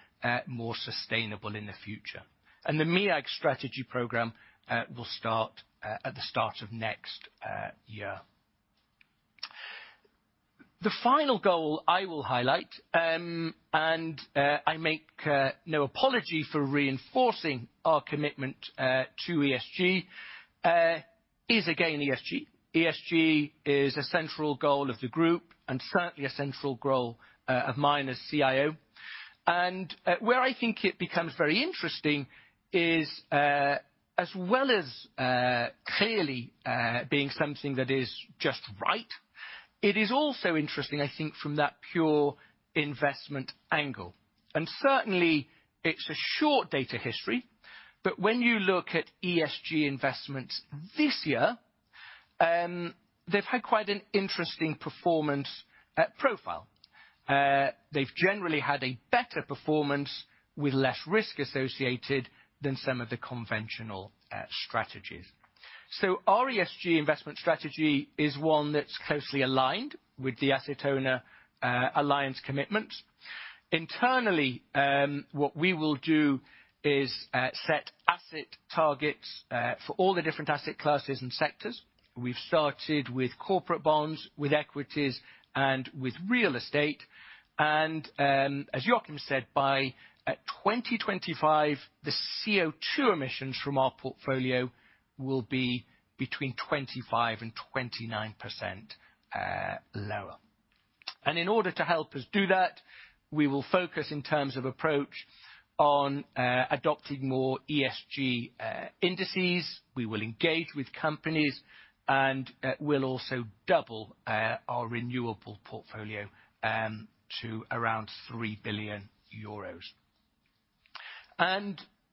more sustainable in the future. The MEAG strategy program will start at the start of next year. The final goal I will highlight, and I make no apology for reinforcing our commitment to ESG, is again, ESG. ESG is a central goal of the group and certainly a central goal of mine as CIO. Where I think it becomes very interesting is, as well as clearly being something that is just right, it is also interesting, I think, from that pure investment angle. Certainly, it's a short data history, but when you look at ESG investments this year, they've had quite an interesting performance profile. They've generally had a better performance with less risk associated than some of the conventional strategies. Our ESG investment strategy is one that's closely aligned with the Asset Owner Alliance commitment. Internally, what we will do is set asset targets for all the different asset classes and sectors. We've started with corporate bonds, with equities, and with real estate. As Joachim said, by 2025, the CO2 emissions from our portfolio will be between 25% and 29% lower. In order to help us do that, we will focus in terms of approach on adopting more ESG indices. We will engage with companies, and we'll also double our renewable portfolio to around EUR 3 billion.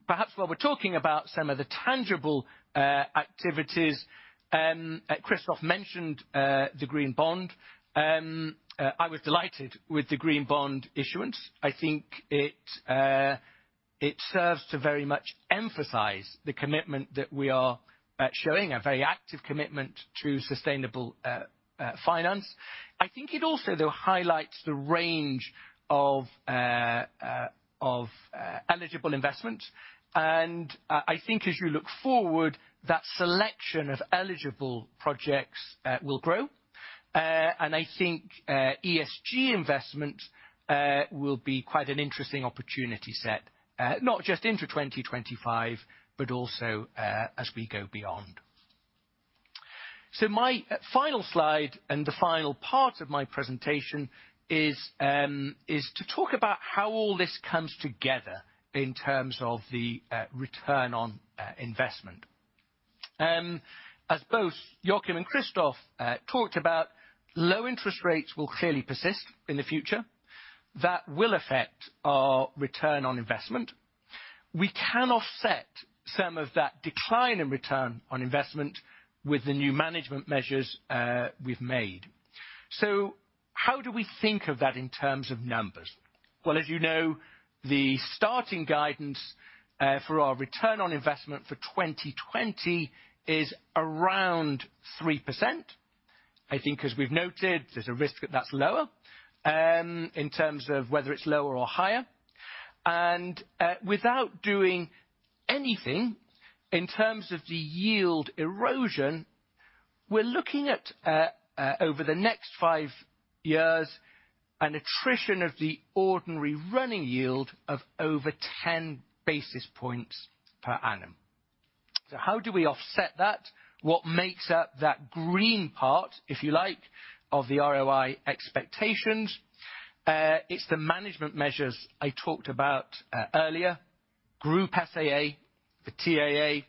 Perhaps while we're talking about some of the tangible activities, Christoph mentioned the green bond. I was delighted with the green bond issuance. I think it serves to very much emphasize the commitment that we are showing, a very active commitment to sustainable finance. I think it also though highlights the range of eligible investment. I think as you look forward, that selection of eligible projects will grow. I think ESG investment will be quite an interesting opportunity set, not just into 2025, but also as we go beyond. My final slide and the final part of my presentation is to talk about how all this comes together in terms of the return on investment. As both Joachim and Christoph talked about, low interest rates will clearly persist in the future. That will affect our return on investment. We can offset some of that decline in return on investment with the new management measures we've made. How do we think of that in terms of numbers? Well, as you know, the starting guidance for our return on investment for 2020 is around 3%. I think as we've noted, there's a risk that that's lower, in terms of whether it's lower or higher. Without doing anything in terms of the yield erosion, we're looking at, over the next five years, an attrition of the ordinary running yield of over 10 basis points per annum. How do we offset that? What makes up that green part, if you like, of the ROI expectations? It's the management measures I talked about earlier. Group SAA, the TAA,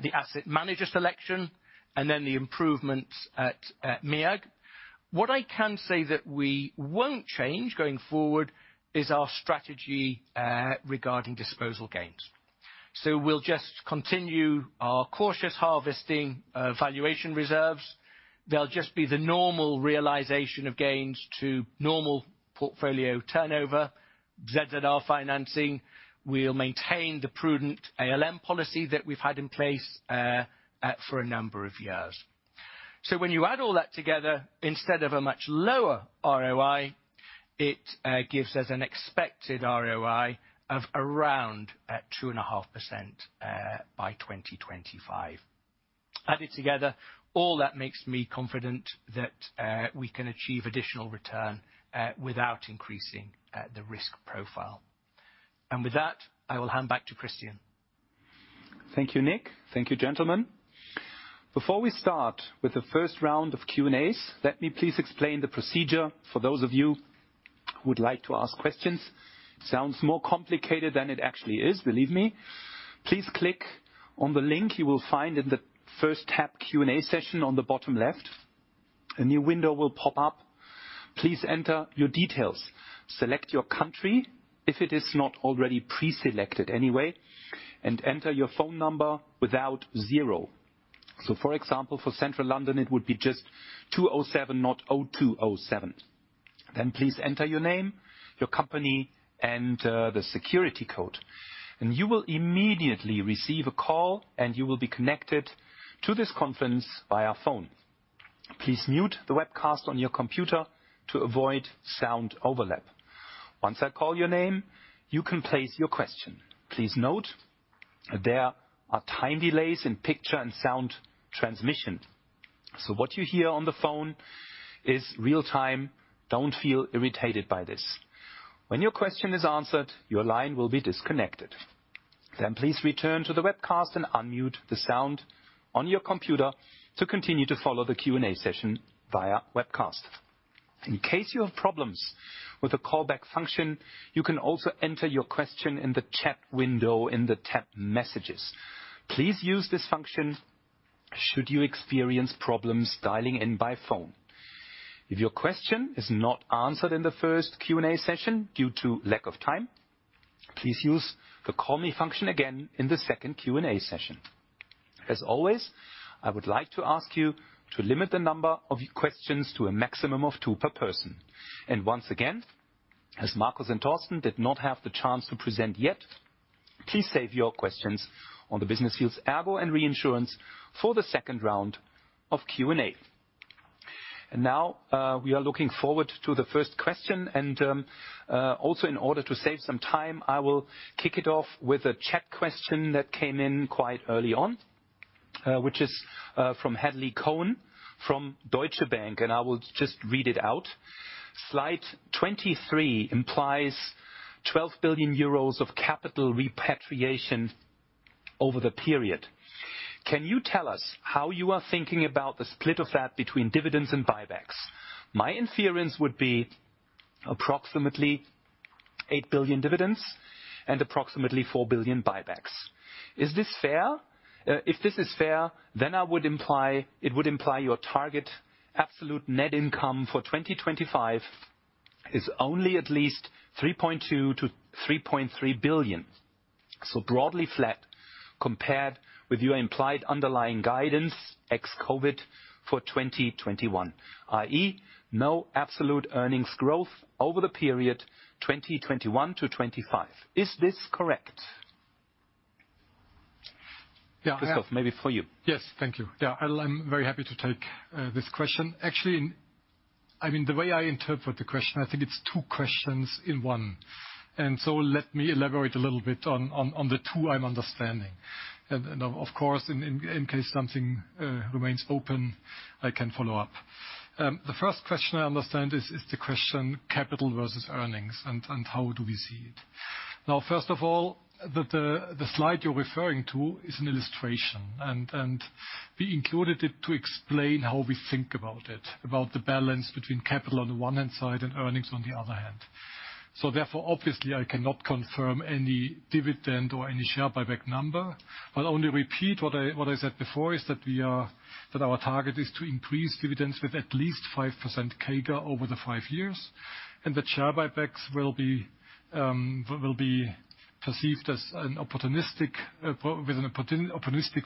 the asset manager selection, and then the improvements at MEAG. What I can say that we won't change going forward is our strategy regarding disposal gains. We'll just continue our cautious harvesting valuation reserves. They'll just be the normal realization of gains to normal portfolio turnover. ZZR financing will maintain the prudent ALM policy that we've had in place for a number of years. When you add all that together, instead of a much lower ROI, it gives us an expected ROI of around 2.5% by 2025. Added together, all that makes me confident that we can achieve additional return without increasing the risk profile. With that, I will hand back to Christian. Thank you, Nick. Thank you, gentlemen. Before we start with the first round of Q&As, let me please explain the procedure for those of you who would like to ask questions. Sounds more complicated than it actually is, believe me. Please click on the link you will find in the first tab Q&A session on the bottom left. A new window will pop up. Please enter your details, select your country if it is not already preselected anyway, and enter your phone number without zero. For example, for Central London, it would be just 207, not 0207. Please enter your name, your company, and the security code. You will immediately receive a call, and you will be connected to this conference via phone. Please mute the webcast on your computer to avoid sound overlap. Once I call your name, you can place your question. Please note that there are time delays in picture and sound transmission. What you hear on the phone is real time. Don't feel irritated by this. When your question is answered, your line will be disconnected. Please return to the webcast and unmute the sound on your computer to continue to follow the Q&A session via webcast. In case you have problems with the callback function, you can also enter your question in the chat window in the tab Messages. Please use this function should you experience problems dialing in by phone. If your question is not answered in the first Q&A session due to lack of time, please use the call me function again in the second Q&A session. As always, I would like to ask you to limit the number of questions to a maximum of two per person. Once again, as Markus and Torsten did not have the chance to present yet, please save your questions on the business fields, ERGO and reinsurance, for the second round of Q&A. Now we are looking forward to the first question. Also, in order to save some time, I will kick it off with a chat question that came in quite early on, which is from Hadley Cohen from Deutsche Bank, and I will just read it out. Slide 23 implies 12 billion euros of capital repatriation over the period. Can you tell us how you are thinking about the split of that between dividends and buybacks? My inference would be approximately 8 billion dividends and approximately 4 billion buybacks. Is this fair? If this is fair, then it would imply your target absolute net income for 2025 is only at least 3.2 billion-3.3 billion. Broadly flat compared with your implied underlying guidance ex-COVID for 2021, i.e., no absolute earnings growth over the period 2021-2025. Is this correct? Yeah. Christoph, maybe for you. Yes. Thank you. I'm very happy to take this question. Actually, the way I interpret the question, I think it's two questions in one. Let me elaborate a little bit on the two I'm understanding. Of course, in case something remains open, I can follow up. The first question I understand is the question capital versus earnings and how do we see it. Now, first of all, the slide you're referring to is an illustration, and we included it to explain how we think about it, about the balance between capital on the one hand side and earnings on the other hand. Therefore, obviously, I cannot confirm any dividend or any share buyback number. I'll only repeat what I said before, is that our target is to increase dividends with at least 5% CAGR over the five years. The share buybacks will be perceived as an opportunistic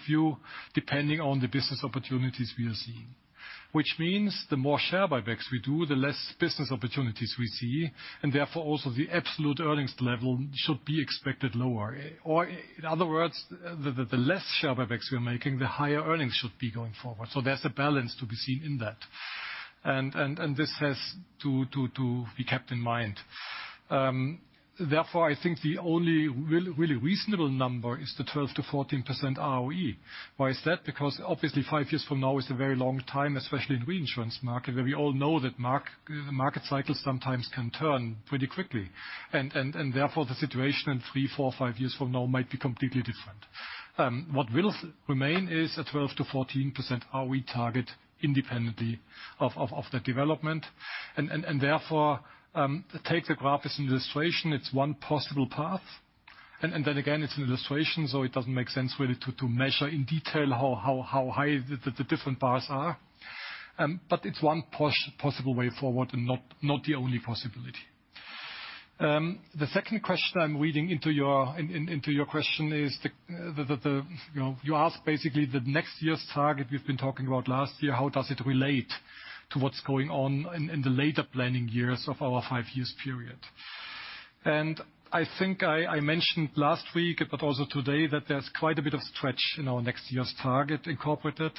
view depending on the business opportunities we are seeing. Which means the more share buybacks we do, the less business opportunities we see. Therefore, also the absolute earnings level should be expected lower. In other words, the less share buybacks we are making, the higher earnings should be going forward. There's a balance to be seen in that. This has to be kept in mind. Therefore, I think the only really reasonable number is the 12%-14% ROE. Why is that? Obviously, five years from now is a very long time, especially in the reinsurance market, where we all know that market cycles sometimes can turn pretty quickly. Therefore, the situation in three, four, five years from now might be completely different. What will remain is a 12%-14% ROE target independently of the development. Therefore, take the graph as an illustration. It's one possible path. Again, it's an illustration, it doesn't make sense really to measure in detail how high the different bars are. It's one possible way forward and not the only possibility. The second question I'm reading into your question is, you ask basically the next year's target we've been talking about last year, how does it relate to what's going on in the later planning years of our five years period? I think I mentioned last week, but also today, that there's quite a bit of stretch in our next year's target incorporated.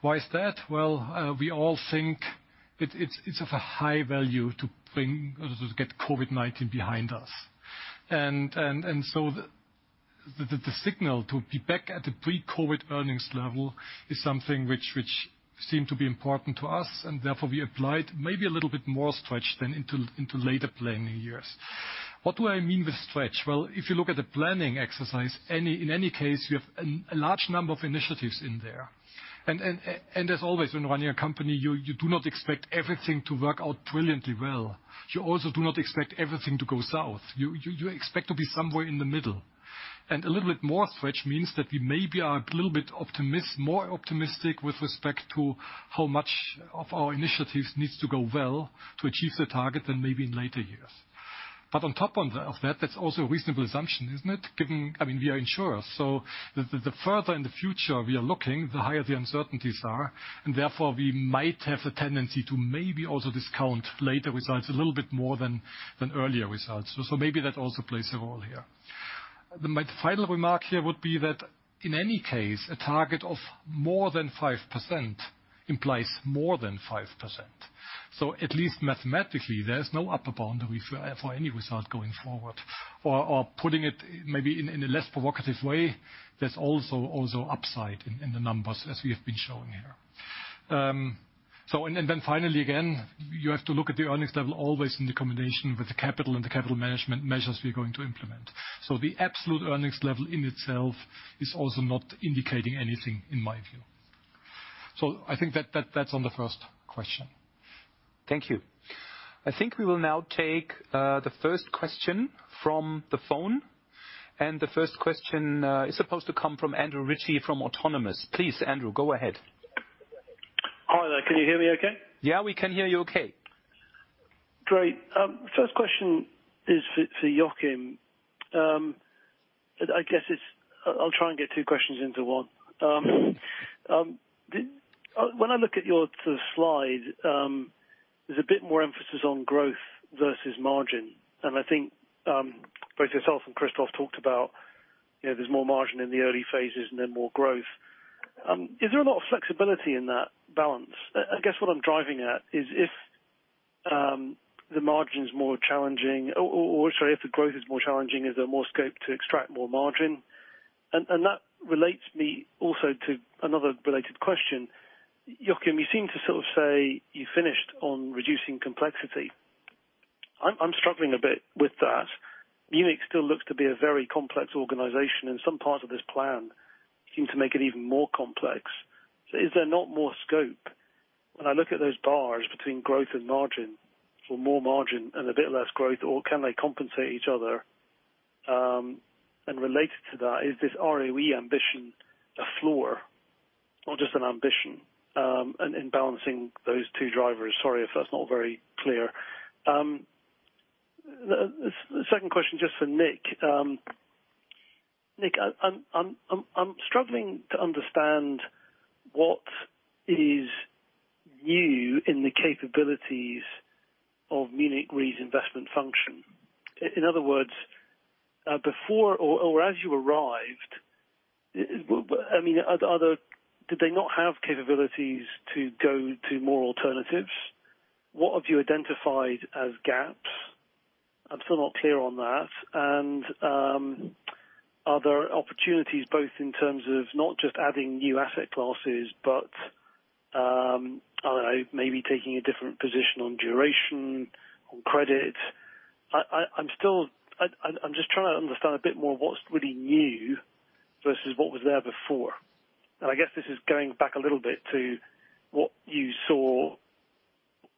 Why is that? Well, we all think it's of a high value to get COVID-19 behind us. The signal to be back at the pre-COVID earnings level is something which seemed to be important to us, and therefore we applied maybe a little bit more stretch then into later planning years. What do I mean with stretch? Well, if you look at the planning exercise, in any case, you have a large number of initiatives in there. As always, when running a company, you do not expect everything to work out brilliantly well. You also do not expect everything to go south. You expect to be somewhere in the middle. A little bit more stretch means that we maybe are a little bit more optimistic with respect to how much of our initiatives needs to go well to achieve the target than maybe in later years. On top of that's also a reasonable assumption, isn't it? Given, we are insurers, so the further in the future we are looking, the higher the uncertainties are, and therefore, we might have a tendency to maybe also discount later results a little bit more than earlier results. Maybe that also plays a role here. My final remark here would be that, in any case, a target of more than 5% implies more than 5%. Putting it maybe in a less provocative way, there's also upside in the numbers as we have been showing here. Finally, again, you have to look at the earnings level always in the combination with the capital and the capital management measures we're going to implement. The absolute earnings level in itself is also not indicating anything in my view. I think that's on the first question. Thank you. I think we will now take the first question from the phone. The first question is supposed to come from Andrew Ritchie from Autonomous. Please, Andrew, go ahead. Hi there. Can you hear me okay? Yeah, we can hear you okay. Great. First question is for Joachim. I guess I'll try and get two questions into one. When I look at your sort of slide, there's a bit more emphasis on growth versus margin. I think both yourself and Christoph talked about there's more margin in the early phases and then more growth. Is there a lot of flexibility in that balance? I guess what I'm driving at is, if the margin is more challenging or, sorry, if the growth is more challenging, is there more scope to extract more margin? That relates me also to another related question. Joachim, you seem to sort of say you finished on reducing complexity. I'm struggling a bit with that. Munich RE still looks to be a very complex organization. Some parts of this plan seem to make it even more complex. Is there not more scope? When I look at those bars between growth and margin for more margin and a bit less growth, or can they compensate each other? Related to that, is this ROE ambition a floor or just an ambition? In balancing those two drivers. Sorry if that's not very clear. The second question, just for Nick. Nick, I'm struggling to understand what is new in the capabilities of Munich RE's investment function. In other words, before or as you arrived, did they not have capabilities to go to more alternatives? What have you identified as gaps? I'm still not clear on that. Are there opportunities both in terms of not just adding new asset classes, but, I don't know, maybe taking a different position on duration, on credit? I'm just trying to understand a bit more of what's really new versus what was there before. I guess this is going back a little bit to what you saw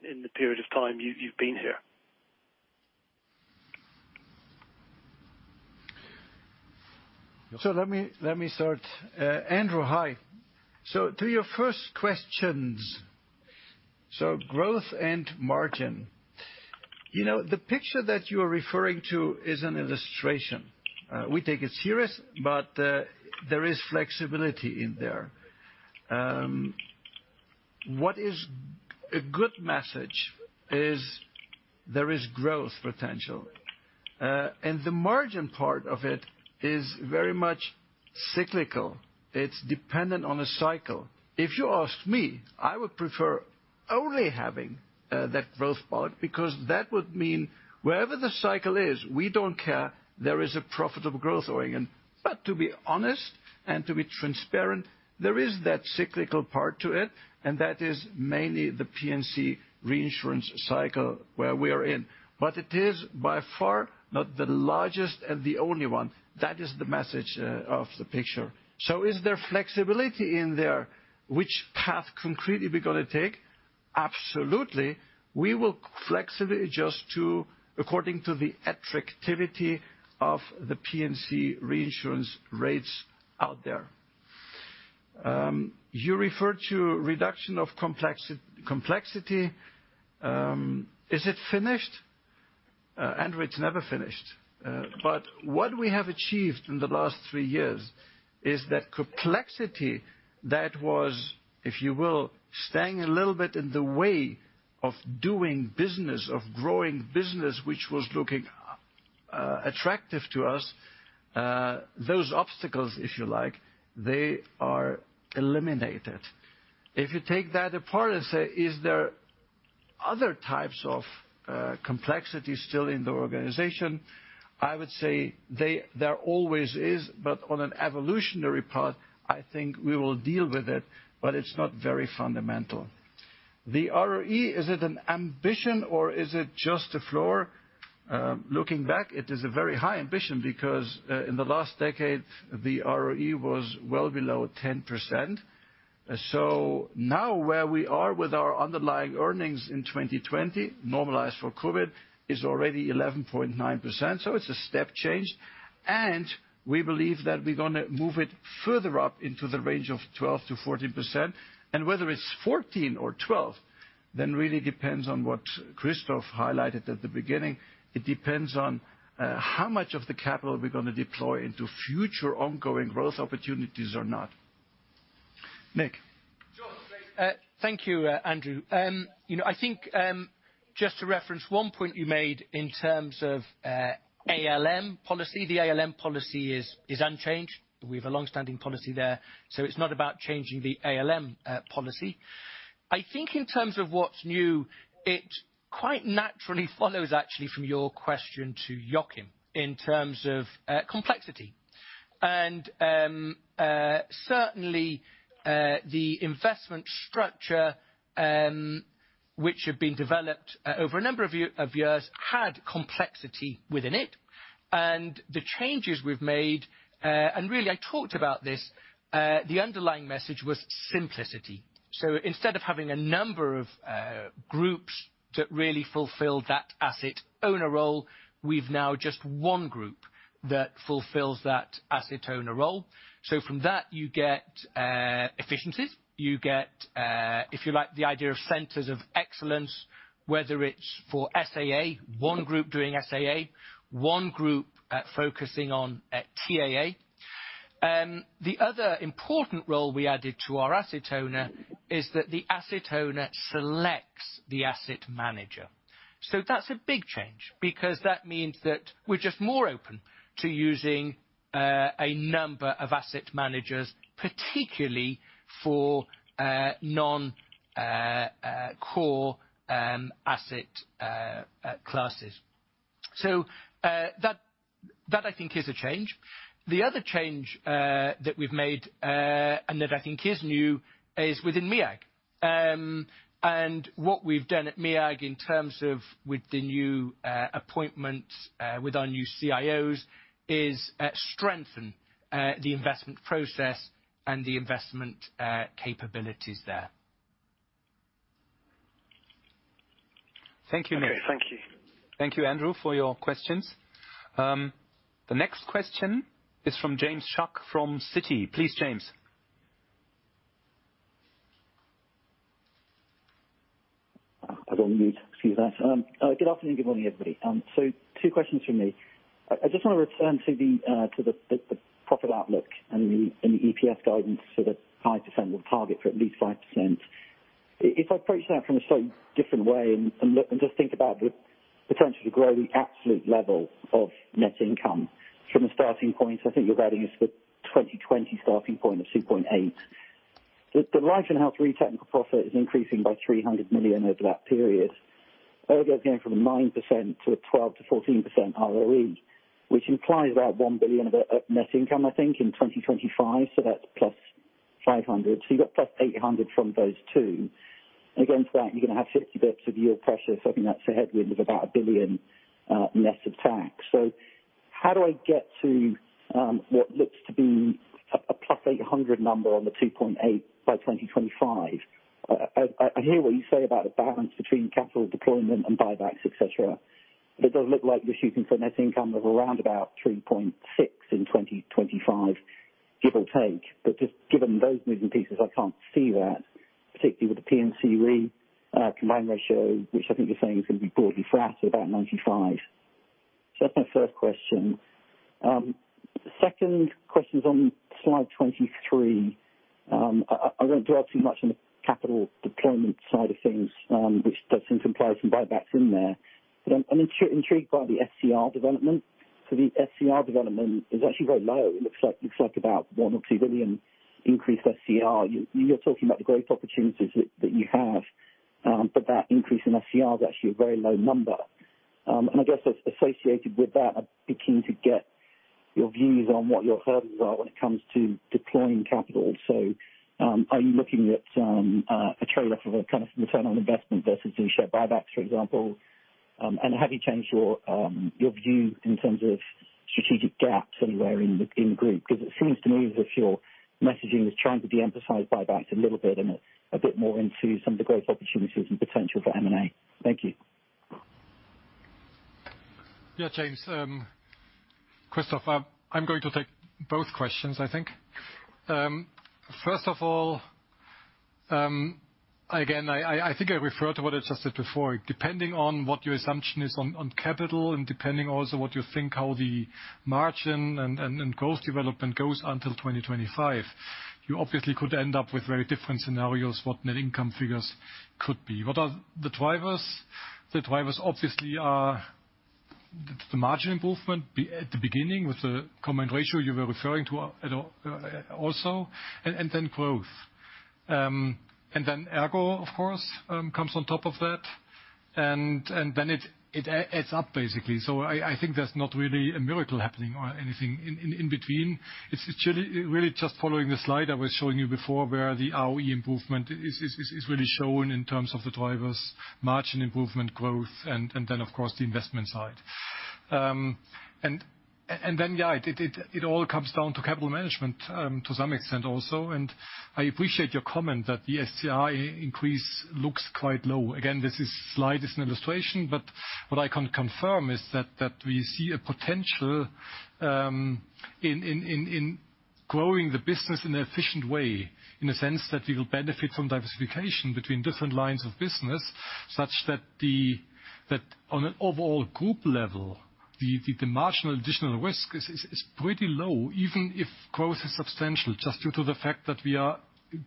in the period of time you've been here. Let me start. Andrew, hi. To your first questions, growth and margin. The picture that you are referring to is an illustration. We take it serious, but there is flexibility in there. What is a good message is there is growth potential. The margin part of it is very much cyclical. It is dependent on a cycle. If you ask me, I would prefer only having that growth part, because that would mean wherever the cycle is, we don't care. There is a profitable growth going in. To be honest and to be transparent, there is that cyclical part to it, and that is mainly the P&C reinsurance cycle where we are in. It is by far not the largest and the only one. That is the message of the picture. Is there flexibility in there? Which path concretely are we going to take? Absolutely. We will flexibly adjust according to the attractivity of the P&C reinsurance rates out there. You referred to reduction of complexity. Is it finished? Andrew, it's never finished. What we have achieved in the last three years is that complexity that was, if you will, staying a little bit in the way of doing business, of growing business, which was looking attractive to us. Those obstacles, if you like, they are eliminated. If you take that apart and say, is there other types of complexity still in the organization? I would say there always is. On an evolutionary path, I think we will deal with it, but it's not very fundamental. The ROE, is it an ambition or is it just a floor? Looking back, it is a very high ambition because, in the last decade, the ROE was well below 10%. Now where we are with our underlying earnings in 2020, normalized for COVID-19, is already 11.9%. It's a step change, and we believe that we're going to move it further up into the range of 12%-14%. Whether it's 14% or 12%, really depends on what Christoph highlighted at the beginning. It depends on how much of the capital we're going to deploy into future ongoing growth opportunities or not. Nick. John. Thank you, Andrew. I think just to reference one point you made in terms of ALM policy. The ALM policy is unchanged. We've a long-standing policy there. It's not about changing the ALM policy. I think in terms of what's new, it quite naturally follows actually from your question to Joachim in terms of complexity. Certainly, the investment structure, which had been developed over a number of years, had complexity within it. The changes we've made, and really, I talked about this, the underlying message was simplicity. Instead of having a number of groups that really fulfill that asset owner role, we've now just one group that fulfills that asset owner role. From that, you get efficiencies. You get, if you like the idea of centers of excellence, whether it's for SAA, one group doing SAA, one group focusing on TAA. The other important role we added to our asset owner is that the asset owner selects the asset manager. That's a big change because that means that we're just more open to using a number of asset managers, particularly for non-core asset classes. That I think is a change. The other change that we've made, and that I think is new, is within MEAG. What we've done at MEAG in terms of with the new appointments with our new CIOs, is strengthen the investment process and the investment capabilities there. Thank you, Nick. Okay, thank you. Thank you, Andrew, for your questions. The next question is from James Shuck from Citi. Please, James. I was on mute. Excuse that. Good afternoon, good morning, everybody. Two questions from me. I just want to return to the profit outlook and the EPS guidance to the 5% target, for at least 5%. If I approach that from a slightly different way and just think about the potential to grow the absolute level of net income from a starting point, I think you're guiding us to a 2020 starting point of 2.8. The right and how technical profit is increasing by 300 million over that period. That is going from a 9% to a 12%-14% ROE, which implies about 1 billion of net income, I think, in 2025. That's plus 500. You got plus 800 from those two. Against that you're going to have 50 basis points of yield pressure. I think that's a headwind of about 1 billion net of tax. How do I get to what looks to be a +800 number on the 2.8 billion by 2025? I hear what you say about the balance between capital deployment and buybacks, et cetera. It does look like you're shooting for net income of around about 3.6 billion in 2025, give or take. Just given those moving pieces, I can't see that, particularly with the P&C RE combined ratio, which I think you're saying is going to be broadly flat at about 95%. That's my first question. Second question is on slide 23. I won't dwell too much on the capital deployment side of things, which does seem to imply some buybacks in there. I'm intrigued by the SCR development. The SCR development is actually very low. It looks like about 1 billion or 2 billion increase SCR. You're talking about the growth opportunities that you have, but that increase in SCR is actually a very low number. I guess associated with that, I'd be keen to get your views on what your hurdles are when it comes to deploying capital. Are you looking at a trade-off of a kind of return on investment versus the share buybacks, for example? Have you changed your view in terms of strategic gaps anywhere in the group? It seems to me as if your messaging is trying to de-emphasize buybacks a little bit, and it's a bit more into some of the growth opportunities and potential for M&A. Thank you. James. Christoph, I'm going to take both questions, I think. First of all, again, I think I refer to what I just said before. Depending on what your assumption is on capital and depending also what you think how the margin and growth development goes until 2025, you obviously could end up with very different scenarios, what net income figures could be. What are the drivers? The drivers obviously are the margin improvement at the beginning with the combined ratio you were referring to also, growth. ERGO, of course, comes on top of that. It adds up, basically. I think there's not really a miracle happening or anything in between. It's really just following the slide I was showing you before, where the ROE improvement is really shown in terms of the drivers, margin improvement growth and then, of course, the investment side. It all comes down to capital management, to some extent also. I appreciate your comment that the SCR increase looks quite low. Again, this slide is an illustration. What I can confirm is that we see a potential in growing the business in an efficient way, in a sense that we will benefit from diversification between different lines of business, such that on an overall group level, the marginal additional risk is pretty low, even if growth is substantial, just due to the fact that we are,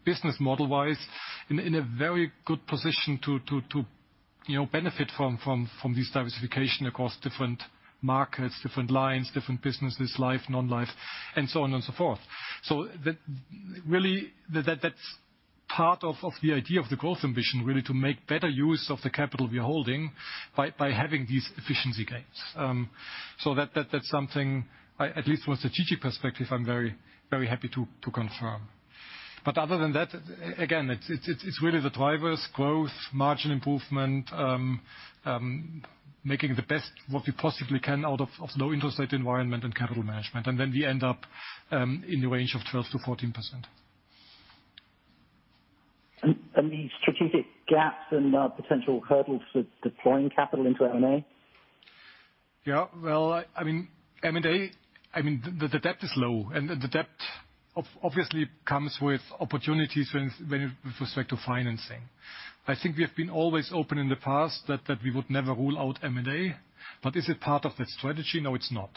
business model-wise, in a very good position to benefit from this diversification across different markets, different lines, different businesses, life, non-life, and so on and so forth. Really, that's part of the idea of the growth ambition, really to make better use of the capital we are holding by having these efficiency gains. That's something, at least from a strategic perspective, I'm very happy to confirm. Other than that, again, it's really the drivers, growth, margin improvement, making the best what we possibly can out of low interest rate environment and capital management. Then we end up in the range of 12%-14%. The strategic gaps and potential hurdles for deploying capital into M&A? Yeah. Well, M&A, the debt is low, and the debt obviously comes with opportunities with respect to financing. I think we have been always open in the past that we would never rule out M&A. Is it part of the strategy? No, it's not.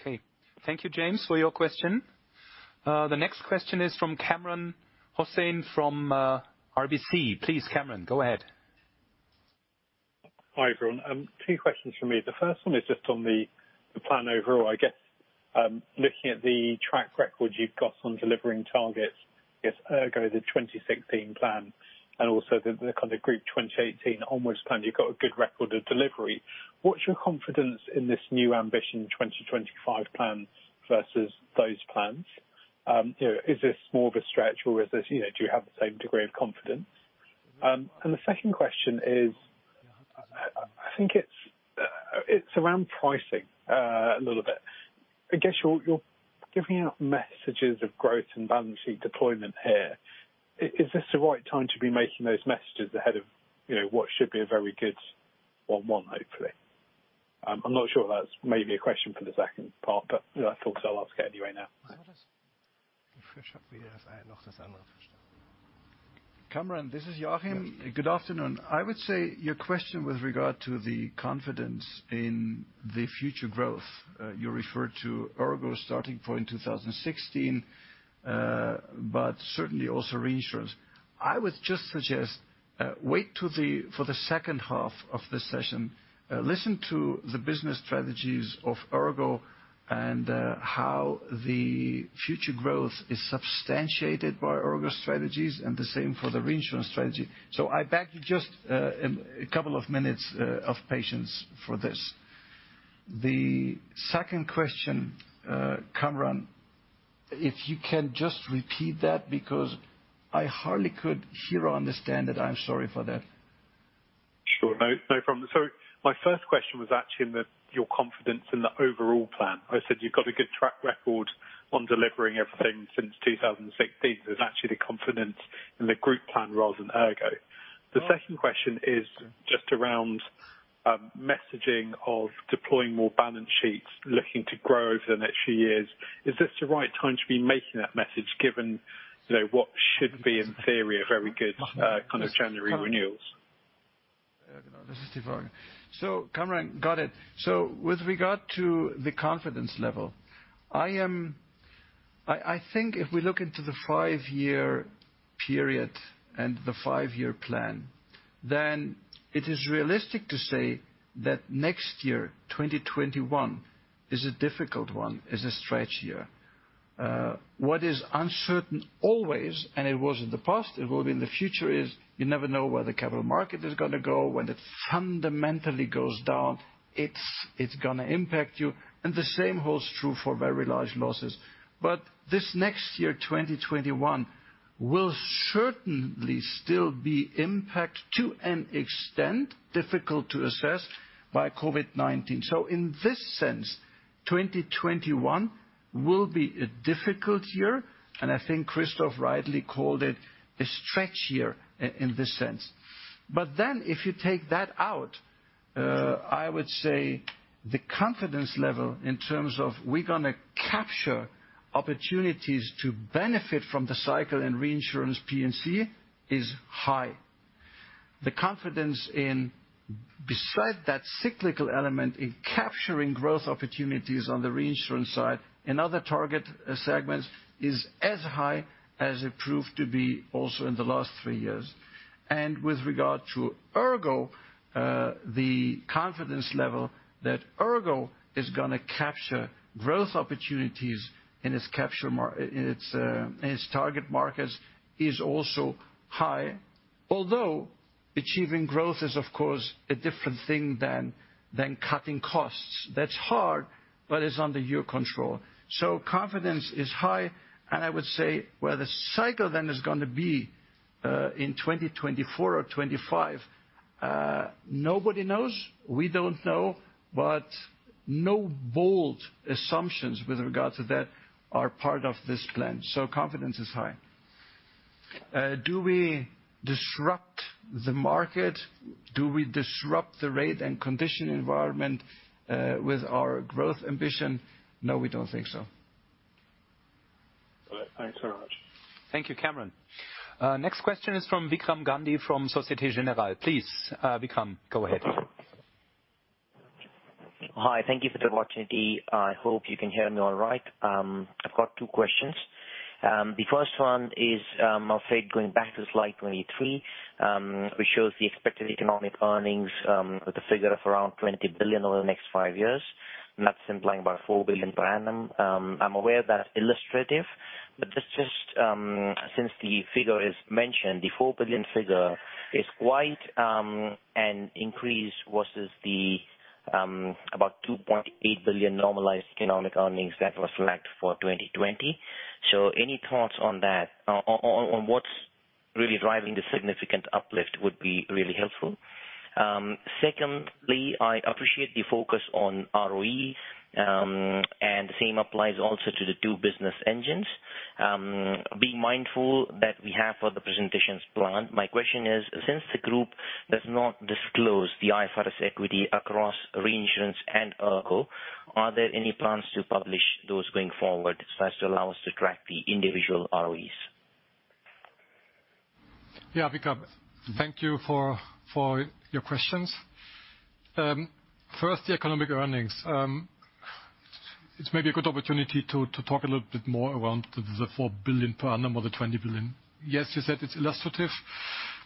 Okay. Thank you, James, for your question. The next question is from Kamran Hossain from RBC. Please, Kamran, go ahead. Hi, everyone. Two questions from me. The first one is just on the plan overall. I guess, looking at the track record you've got on delivering targets, ERGO, the 2016 plan, and also the Group 2018 onwards plan, you've got a good record of delivery. What's your confidence in this new Ambition 2025 plan versus those plans? Is this more of a stretch or do you have the same degree of confidence? The second question is, I think it's around pricing a little bit. I guess you're giving out messages of growth and balance sheet deployment here. Is this the right time to be making those messages ahead of what should be a very good one one, hopefully? I'm not sure if that's maybe a question for the second part, I thought I'll ask anyway now. Kamran, this is Joachim. Good afternoon. I would say your question with regard to the confidence in the future growth, you referred to ERGO starting point 2016, but certainly also reinsurance. I would just suggest, wait for the second half of the session. Listen to the business strategies of ERGO and how the future growth is substantiated by ERGO strategies and the same for the reinsurance strategy. I beg you just a couple of minutes of patience for this. The second question, Kamran, if you can just repeat that because I hardly could hear or understand it. I am sorry for that. Sure. No problem. My first question was actually on your confidence in the overall plan. I said you've got a good track record on delivering everything since 2016. It was actually the confidence in the group plan rather than ERGO. The second question is just around messaging of deploying more balance sheets, looking to grow over the next few years. Is this the right time to be making that message given what should be, in theory, a very good kind of January renewals? This is Stefan. Kamran, got it. With regard to the confidence level, I think if we look into the five-year period and the five-year plan, then it is realistic to say that next year, 2021, is a difficult one, is a stretch year. What is uncertain always, and it was in the past, it will be in the future, is you never know where the capital market is going to go. When it fundamentally goes down, it's going to impact you. The same holds true for very large losses. This next year, 2021, will certainly still be impact to an extent, difficult to assess, by COVID-19. In this sense, 2021 will be a difficult year, and I think Christoph rightly called it a stretch year in this sense. If you take that out, I would say the confidence level in terms of we're going to capture opportunities to benefit from the cycle and reinsurance P&C is high. The confidence in, beside that cyclical element in capturing growth opportunities on the reinsurance side in other target segments is as high as it proved to be also in the last three years. With regard to ERGO, the confidence level that ERGO is going to capture growth opportunities in its target markets is also high. Although achieving growth is, of course, a different thing than cutting costs. That's hard, but it's under your control. Confidence is high, and I would say where the cycle then is going to be, in 2024 or 2025. Nobody knows. We don't know, but no bold assumptions with regards to that are part of this plan. Confidence is high. Do we disrupt the market? Do we disrupt the rate and condition environment with our growth ambition? No, we don't think so. All right. Thanks very much. Thank you, Kamran. Next question is from Vikram Gandhi from Societe Generale. Please, Vikram, go ahead. Hi. Thank you for the opportunity. I hope you can hear me all right. I've got two questions. The first one is, I'm afraid, going back to slide 23, which shows the expected economic earnings with a figure of around 20 billion over the next five years, that's implying about 4 billion per annum. I'm aware that's illustrative, just since the figure is mentioned, the 4 billion figure is quite an increase versus the about 2.8 billion normalized economic earnings that was flagged for 2020. Any thoughts on that? On what's really driving the significant uplift would be really helpful. Secondly, I appreciate the focus on ROE, the same applies also to the two business engines. Being mindful that we have for the presentations planned, my question is, since the group does not disclose the IFRS equity across reinsurance and ERGO, are there any plans to publish those going forward so as to allow us to track the individual ROEs? Yeah, Vikram. Thank you for your questions. First, the economic earnings. It's maybe a good opportunity to talk a little bit more around the 4 billion per annum or the 20 billion. Yes, you said it's illustrative.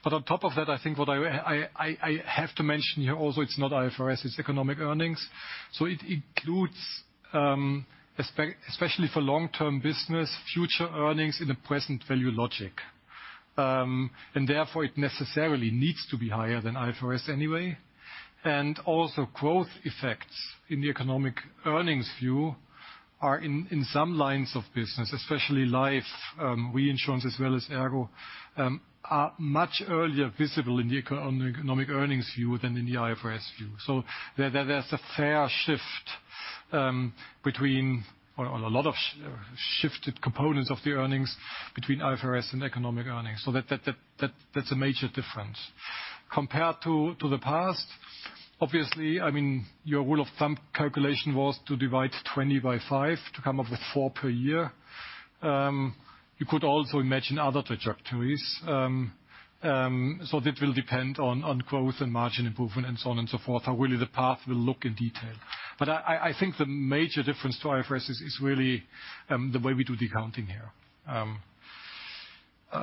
On top of that, I think what I have to mention here also, it's not IFRS, it's economic earnings. It includes, especially for long-term business, future earnings in the present value logic. Therefore, it necessarily needs to be higher than IFRS anyway. Also growth effects in the economic earnings view are in some lines of business, especially life, reinsurance as well as ERGO, are much earlier visible in the economic earnings view than in the IFRS view. There's a fair shift between, on a lot of shifted components of the earnings between IFRS and economic earnings. That's a major difference. Compared to the past, obviously, your rule of thumb calculation was to divide 20 by five to come up with four per year. You could also imagine other trajectories. That will depend on growth and margin improvement and so on and so forth, how really the path will look in detail. I think the major difference to IFRS is really the way we do the accounting here.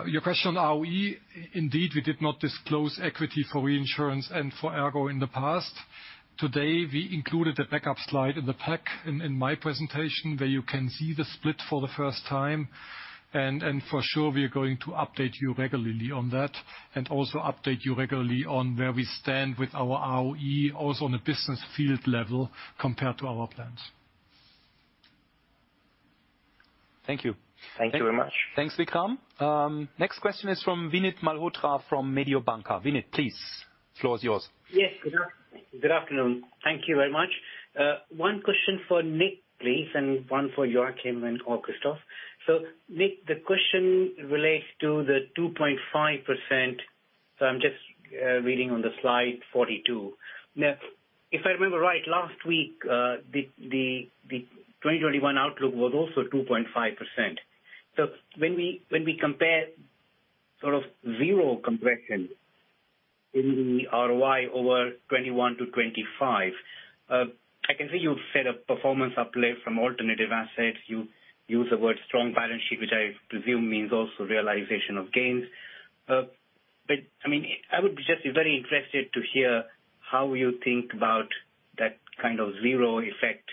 Your question on ROE, indeed, we did not disclose equity for reinsurance and for ERGO in the past. Today, we included a backup slide in the pack in my presentation where you can see the split for the first time. For sure we are going to update you regularly on that and also update you regularly on where we stand with our ROE also on a business field level compared to our plans. Thank you. Thank you very much. Thanks, Vikram. nexible question is from Vinit Malhotra from Mediobanca. Vinit, please. Floor is yours. Yes. Good afternoon. Thank you very much. One question for Nick, please, and one for Joachim and/or Christoph. Nick, the question relates to the 2.5%, I'm just reading on the slide 42. Now, if I remember right, last week, the 2021 outlook was also 2.5%. When we compare sort of zero compression in the ROI over 2021-2025, I can see you've set a performance uplift from alternative assets. You use the word strong balance sheet, which I presume means also realization of gains. I would just be very interested to hear how you think about that kind of zero effect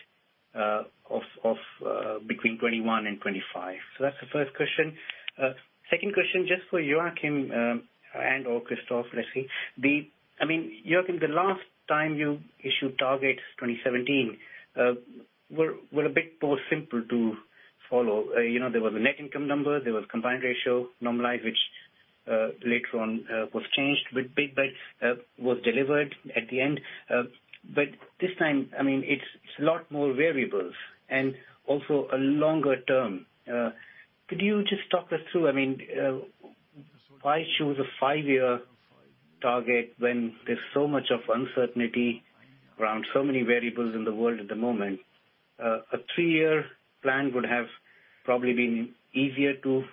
between 2021 and 2025. That's the first question. Second question, just for Joachim and/or Christoph, let's see. Joachim, the last time you issued targets, 2017, were a bit more simple to follow. There was a net income number, there was combined ratio normalized, which later on was changed with big, but was delivered at the end. This time, it's a lot more variables and also a longer term. Could you just talk us through, why choose a five-year target when there's so much of uncertainty around so many variables in the world at the moment? A three-year plan would have probably been easier to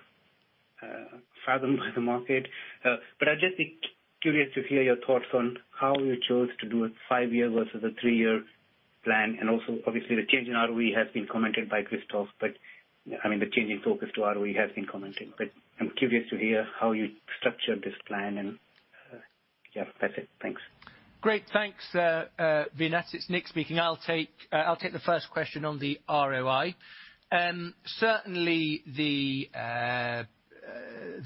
fathom by the market. I'd just be curious to hear your thoughts on how you chose to do a five-year versus a three-year plan. Also, obviously, the change in ROE has been commented by Christoph. The change in focus to ROE has been commented. I'm curious to hear how you structured this plan and Yeah, that's it. Thanks. Great. Thanks, Vinit. It's Nick speaking. I'll take the first question on the ROI. Certainly, the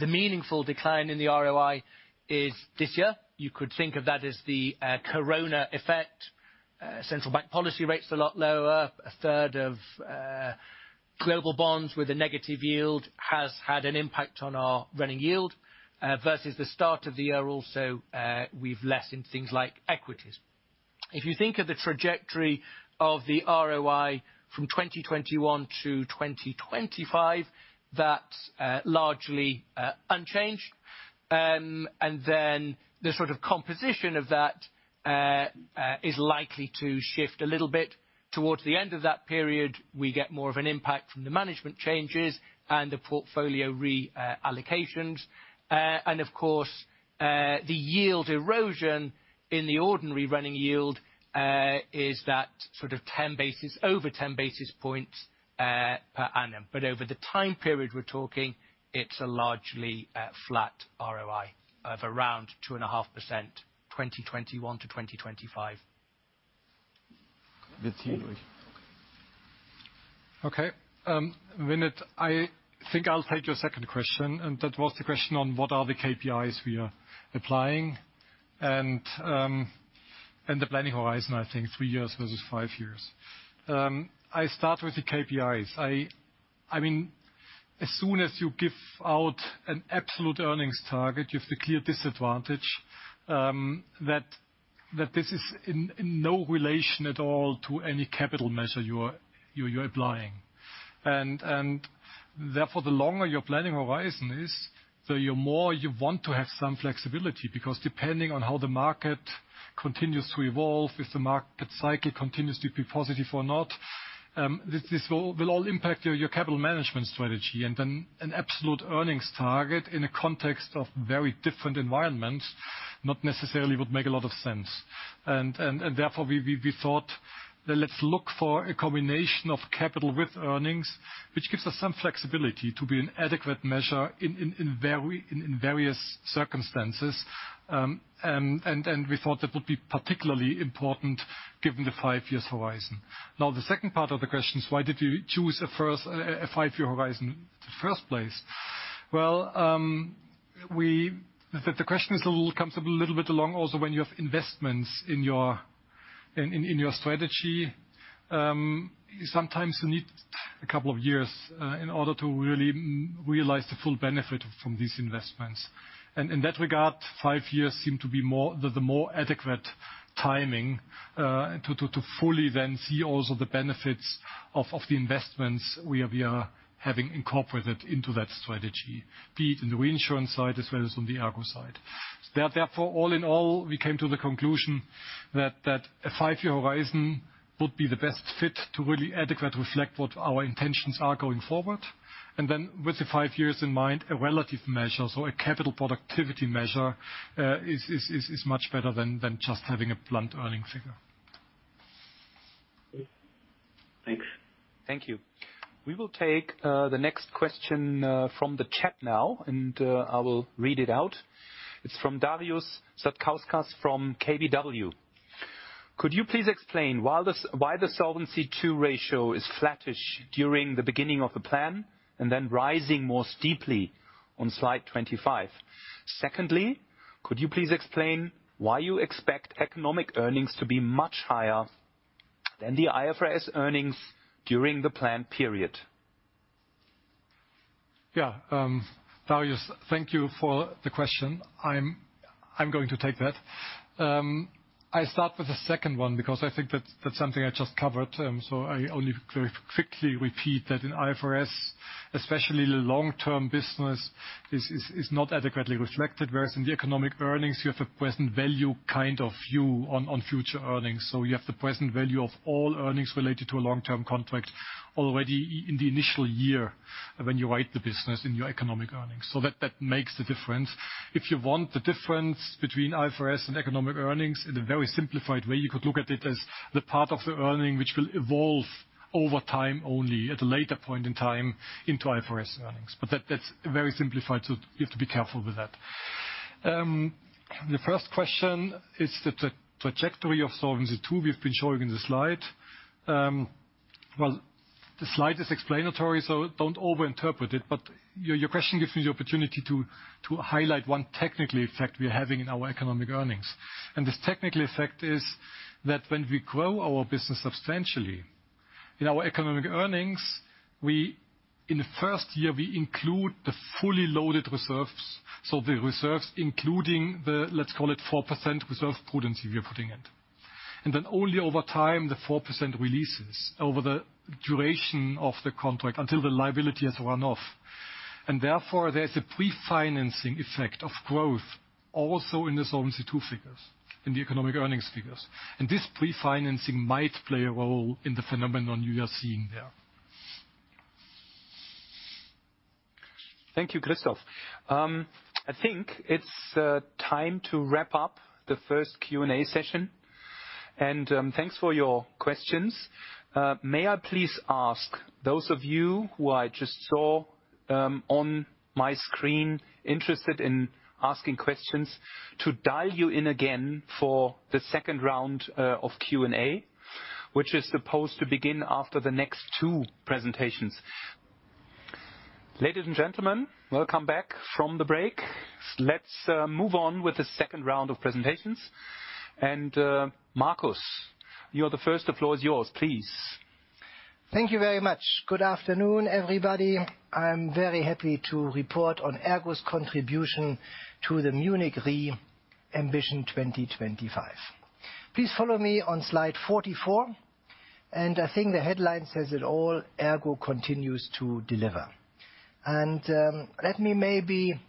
meaningful decline in the ROI is this year. You could think of that as the corona effect. Central bank policy rates are a lot lower. A third of global bonds with a negative yield has had an impact on our running yield. Versus the start of the year, also, we've less in things like equities. If you think of the trajectory of the ROI from 2021 to 2025, that's largely unchanged. The sort of composition of that is likely to shift a little bit. Towards the end of that period, we get more of an impact from the management changes and the portfolio reallocations. The yield erosion in the ordinary running yield is that over 10 basis points per annum. Over the time period we're talking, it's a largely flat ROI of around 2.5% 2021 to 2025. Okay. Vinit, I think I'll take your second question, and that was the question on what are the KPIs we are applying and the planning horizon, I think three years versus five years. I start with the KPIs. As soon as you give out an absolute earnings target, you have the clear disadvantage that this is in no relation at all to any capital measure you're applying. Therefore, the longer your planning horizon is, the more you want to have some flexibility, because depending on how the market continues to evolve, if the market cycle continues to be positive or not, this will all impact your capital management strategy. Then an absolute earnings target in a context of very different environments not necessarily would make a lot of sense. Therefore, we thought that let's look for a combination of capital with earnings, which gives us some flexibility to be an adequate measure in various circumstances. We thought that would be particularly important given the five year horizon. The second part of the question is why did you choose a five year horizon in the first place? The question comes up a little bit along also when you have investments in your strategy. Sometimes you need a couple of years in order to really realize the full benefit from these investments. In that regard, five years seem to be the more adequate timing to fully then see also the benefits of the investments we are having incorporated into that strategy, be it in the reinsurance side as well as on the ERGO side. All in all, we came to the conclusion that a five-year horizon would be the best fit to really adequately reflect what our intentions are going forward. With the five years in mind, a relative measure. A capital productivity measure is much better than just having a blunt earnings figure. Thanks. Thank you. We will take the next question from the chat now, and I will read it out. It's from Darius Satkauskas from KBW. Could you please explain why the Solvency II ratio is flattish during the beginning of the plan and then rising more steeply on slide 25? Secondly, could you please explain why you expect economic earnings to be much higher than the IFRS earnings during the plan period? Darius, thank you for the question. I'm going to take that. I start with the second one because I think that's something I just covered. I only quickly repeat that in IFRS, especially the long-term business is not adequately reflected, whereas in the economic earnings, you have a present value kind of view on future earnings. You have the present value of all earnings related to a long-term contract already in the initial year when you write the business in your economic earnings. That makes the difference. If you want the difference between IFRS and economic earnings in a very simplified way, you could look at it as the part of the earning which will evolve over time only at a later point in time into IFRS earnings. That's very simplified, you have to be careful with that. The first question is the trajectory of Solvency II we've been showing in the slide. Well, the slide is explanatory, so don't over-interpret it. Your question gives me the opportunity to highlight one technical effect we are having in our economic earnings. This technical effect is that when we grow our business substantially, in our economic earnings, in the first year, we include the fully loaded reserves. The reserves, including the, let's call it 4% reserve prudence, if you're putting it. Then only over time, the 4% releases over the duration of the contract until the liability has run off. Therefore, there's a pre-financing effect of growth also in the Solvency II figures, in the economic earnings figures. This pre-financing might play a role in the phenomenon you are seeing there. Thank you, Christoph. I think it's time to wrap up the first Q&A session, and thanks for your questions. May I please ask those of you who I just saw on my screen interested in asking questions to dial you in again for the second round of Q&A, which is supposed to begin after the next two presentations. Ladies and gentlemen, welcome back from the break. Let's move on with the second round of presentations. Markus, you're the first. The floor is yours, please. Thank you very much. Good afternoon, everybody. I'm very happy to report on ERGO's contribution to the Munich RE Ambition 2025. Please follow me on slide 44. I think the headline says it all, ERGO continues to deliver. Let me maybe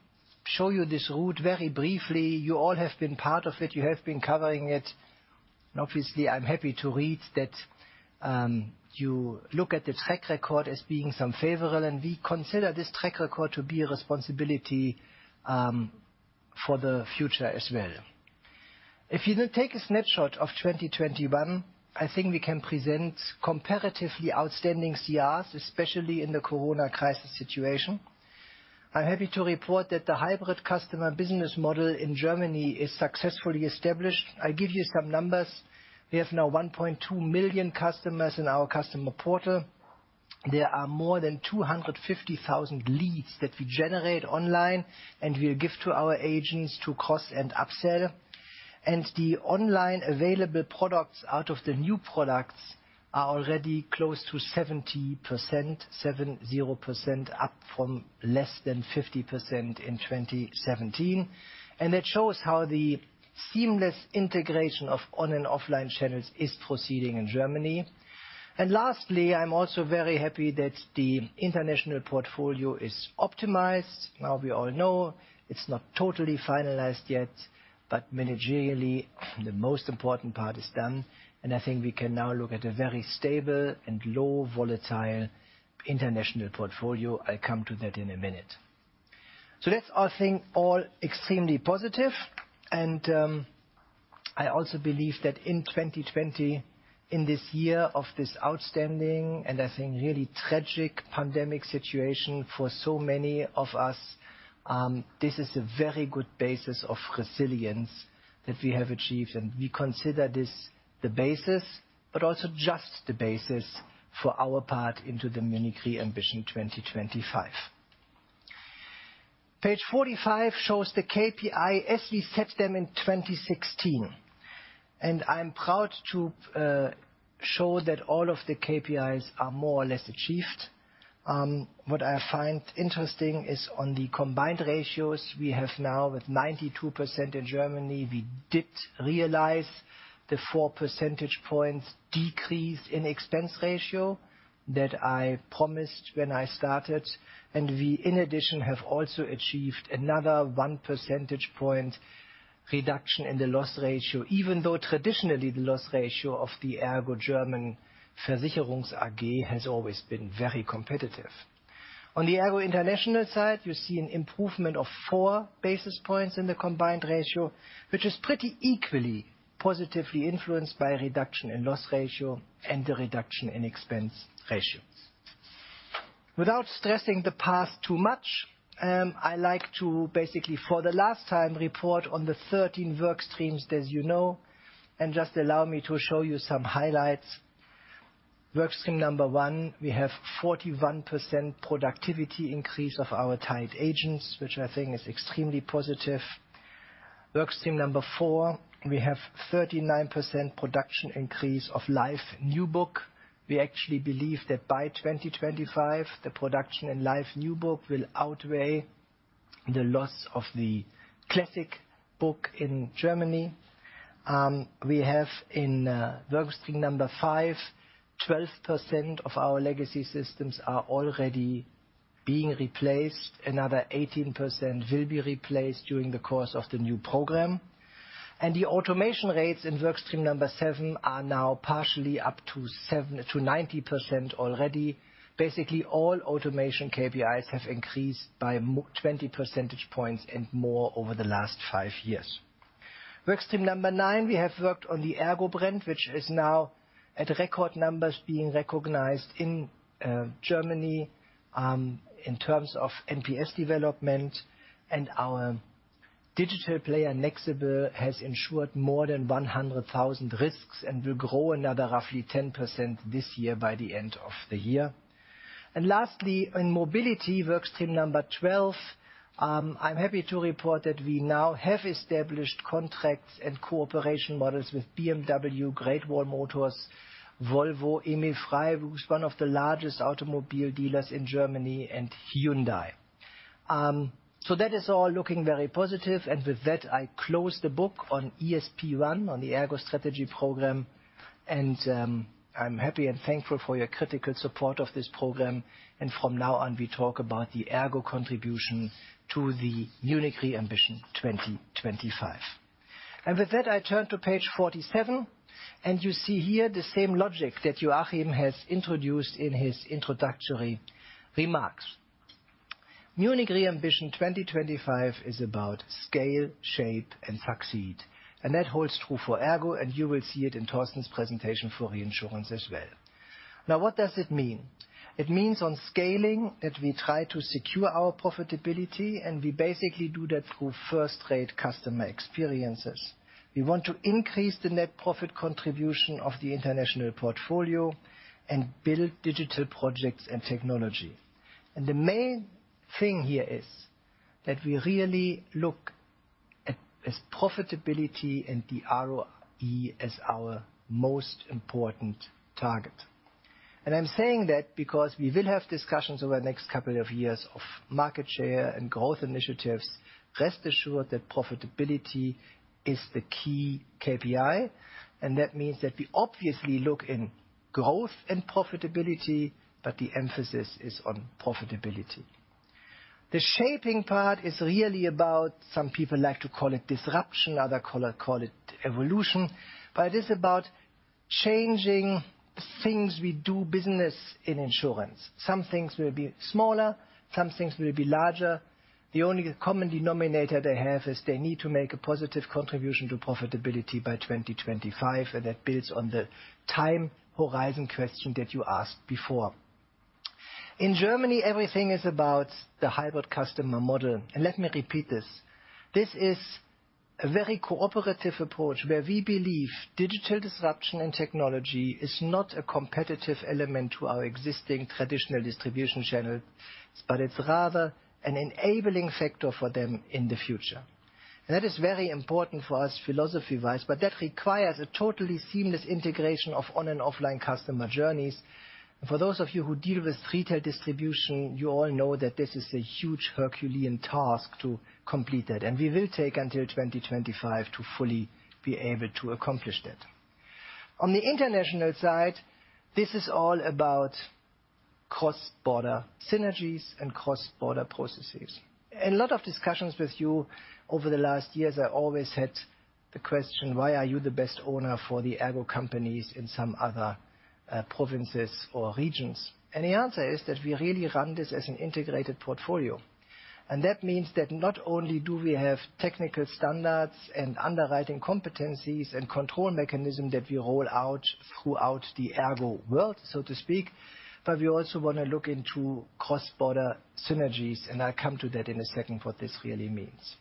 show you this route very briefly. You all have been part of it. You have been covering it. Obviously, I'm happy to read that you look at the track record as being some favorable, and we consider this track record to be a responsibility for the future as well. If you take a snapshot of 2021, I think we can present comparatively outstanding CRs, especially in the COVID crisis situation. I'm happy to report that the hybrid customer business model in Germany is successfully established. I give you some numbers. We have now 1.2 million customers in our customer portal. There are more than 250,000 leads that we generate online, and we give to our agents to cross and upsell. The online available products out of the new products are already close to 70%, seven zero percent, up from less than 50% in 2017. That shows how the seamless integration of on and offline channels is proceeding in Germany. Lastly, I'm also very happy that the international portfolio is optimized. Now we all know it's not totally finalized yet, but managerially, the most important part is done, and I think we can now look at a very stable and low volatile international portfolio. I come to that in a minute. That's, I think, all extremely positive. I also believe that in 2020, in this year of this outstanding and, I think, really tragic pandemic situation for so many of us, this is a very good basis of resilience that we have achieved. We consider this the basis, but also just the basis for our part into the Munich RE Ambition 2025. Page 45 shows the KPI as we set them in 2016. I'm proud to show that all of the KPIs are more or less achieved. What I find interesting is on the combined ratios we have now with 92% in Germany. We did realize the four percentage points decreased in expense ratio that I promised when I started. We, in addition, have also achieved another one percentage point reduction in the loss ratio, even though traditionally the loss ratio of the ERGO Versicherung AG has always been very competitive. On the ERGO International side, you see an improvement of four basis points in the combined ratio, which is pretty equally positively influenced by a reduction in loss ratio and the reduction in expense ratios. Without stressing the past too much, I like to basically, for the last time, report on the 13 work streams, as you know, and just allow me to show you some highlights. work stream number one, we have 41% productivity increase of our tied agents, which I think is extremely positive. work stream number four, we have 39% production increase of life new book. We actually believe that by 2025, the production and life new book will outweigh the loss of the classic book in Germany. We have in work stream number five, 12% of our legacy systems are already being replaced. Another 18% will be replaced during the course of the new program. The automation rates in work stream number seven are now partially up to 90% already. Basically, all automation KPIs have increased by 20 percentage points and more over the last five years. Work stream number nine, we have worked on the ERGO brand, which is now at record numbers being recognized in Germany, in terms of NPS development. Our digital player, nexible, has insured more than 100,000 risks and will grow another roughly 10% this year by the end of the year. Lastly, in mobility, work stream number 12, I'm happy to report that we now have established contracts and cooperation models with BMW, Great Wall Motors, Volvo, Emil Frey, who's one of the largest automobile dealers in Germany, and Hyundai. That is all looking very positive. With that, I close the book on ESP1, on the ERGO Strategy Program. I am happy and thankful for your critical support of this program. From now on, we talk about the ERGO contribution to the Munich RE Ambition 2025. With that, I turn to page 47, and you see here the same logic that Joachim has introduced in his introductory remarks. Munich RE Ambition 2025 is about scale, shape, and succeed. That holds true for ERGO, and you will see it in Torsten's presentation for reinsurance as well. What does it mean? It means on scaling that we try to secure our profitability, and we basically do that through first-rate customer experiences. We want to increase the net profit contribution of the international portfolio and build digital projects and technology. The main thing here is that we really look at profitability and the ROE as our most important target. I'm saying that because we will have discussions over the next couple of years of market share and growth initiatives. Rest assured that profitability is the key KPI, and that means that we obviously look in growth and profitability, but the emphasis is on profitability. The shaping part is really about, some people like to call it disruption, others call it evolution, but it is about changing things we do business in insurance. Some things will be smaller, some things will be larger. The only common denominator they have is they need to make a positive contribution to profitability by 2025, and that builds on the time horizon question that you asked before. In Germany, everything is about the hybrid customer model. Let me repeat this. This is a very cooperative approach where we believe digital disruption and technology is not a competitive element to our existing traditional distribution channel, but it's rather an enabling factor for them in the future. That is very important for us philosophy-wise, but that requires a totally seamless integration of on and offline customer journeys. For those of you who deal with retail distribution, you all know that this is a huge Herculean task to complete that. We will take until 2025 to fully be able to accomplish that. On the international side, this is all about cross-border synergies and cross-border processes. In a lot of discussions with you over the last years, I always had the question, why are you the best owner for the ERGO companies in some other provinces or regions? The answer is that we really run this as an integrated portfolio. That means that not only do we have technical standards and underwriting competencies and control mechanism that we roll out throughout the ERGO world, so to speak, but we also want to look into cross-border synergies, and I'll come to that in a second, what this really means.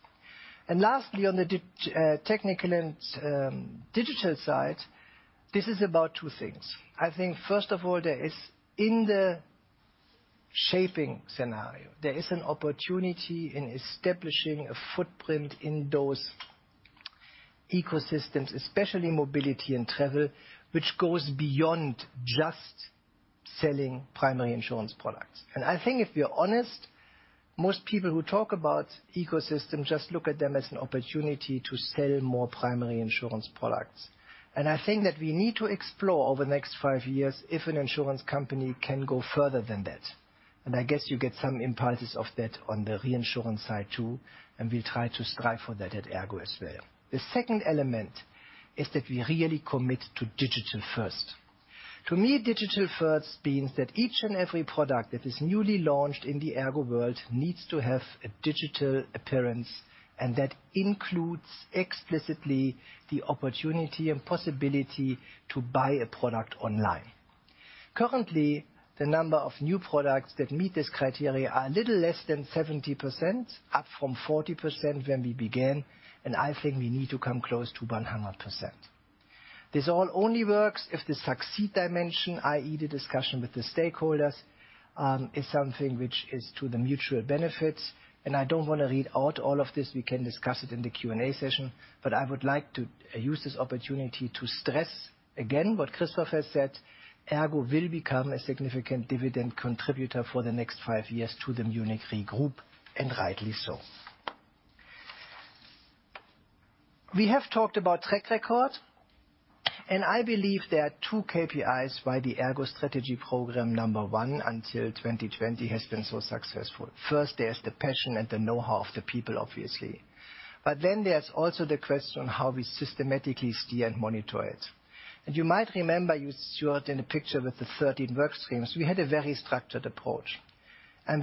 Lastly, on the technical and digital side, this is about two things. I think, first of all, in the shaping scenario, there is an opportunity in establishing a footprint in those ecosystems, especially mobility and travel, which goes beyond just selling primary insurance products. I think if we are honest, most people who talk about ecosystems just look at them as an opportunity to sell more primary insurance products. I think that we need to explore over the next five years if an insurance company can go further than that. I guess you get some impulses of that on the reinsurance side, too, and we'll try to strive for that at ERGO as well. The second element is that we really commit to digital first. To me, digital first means that each and every product that is newly launched in the ERGO world needs to have a digital appearance, and that includes explicitly the opportunity and possibility to buy a product online. Currently, the number of new products that meet this criteria are a little less than 70%, up from 40% when we began, and I think we need to come close to 100%. This all only works if the succeed dimension, i.e. the discussion with the stakeholders, is something which is to the mutual benefits. I don't want to read out all of this. We can discuss it in the Q&A session. I would like to use this opportunity to stress again what Christoph has said. ERGO will become a significant dividend contributor for the next five years to the Munich RE group, and rightly so. We have talked about track record, and I believe there are two KPIs why the ERGO strategy program number one until 2020 has been so successful. First, there's the passion and the know-how of the people, obviously. There's also the question how we systematically steer and monitor it. You might remember, you saw it in a picture with the 13 work streams. We had a very structured approach.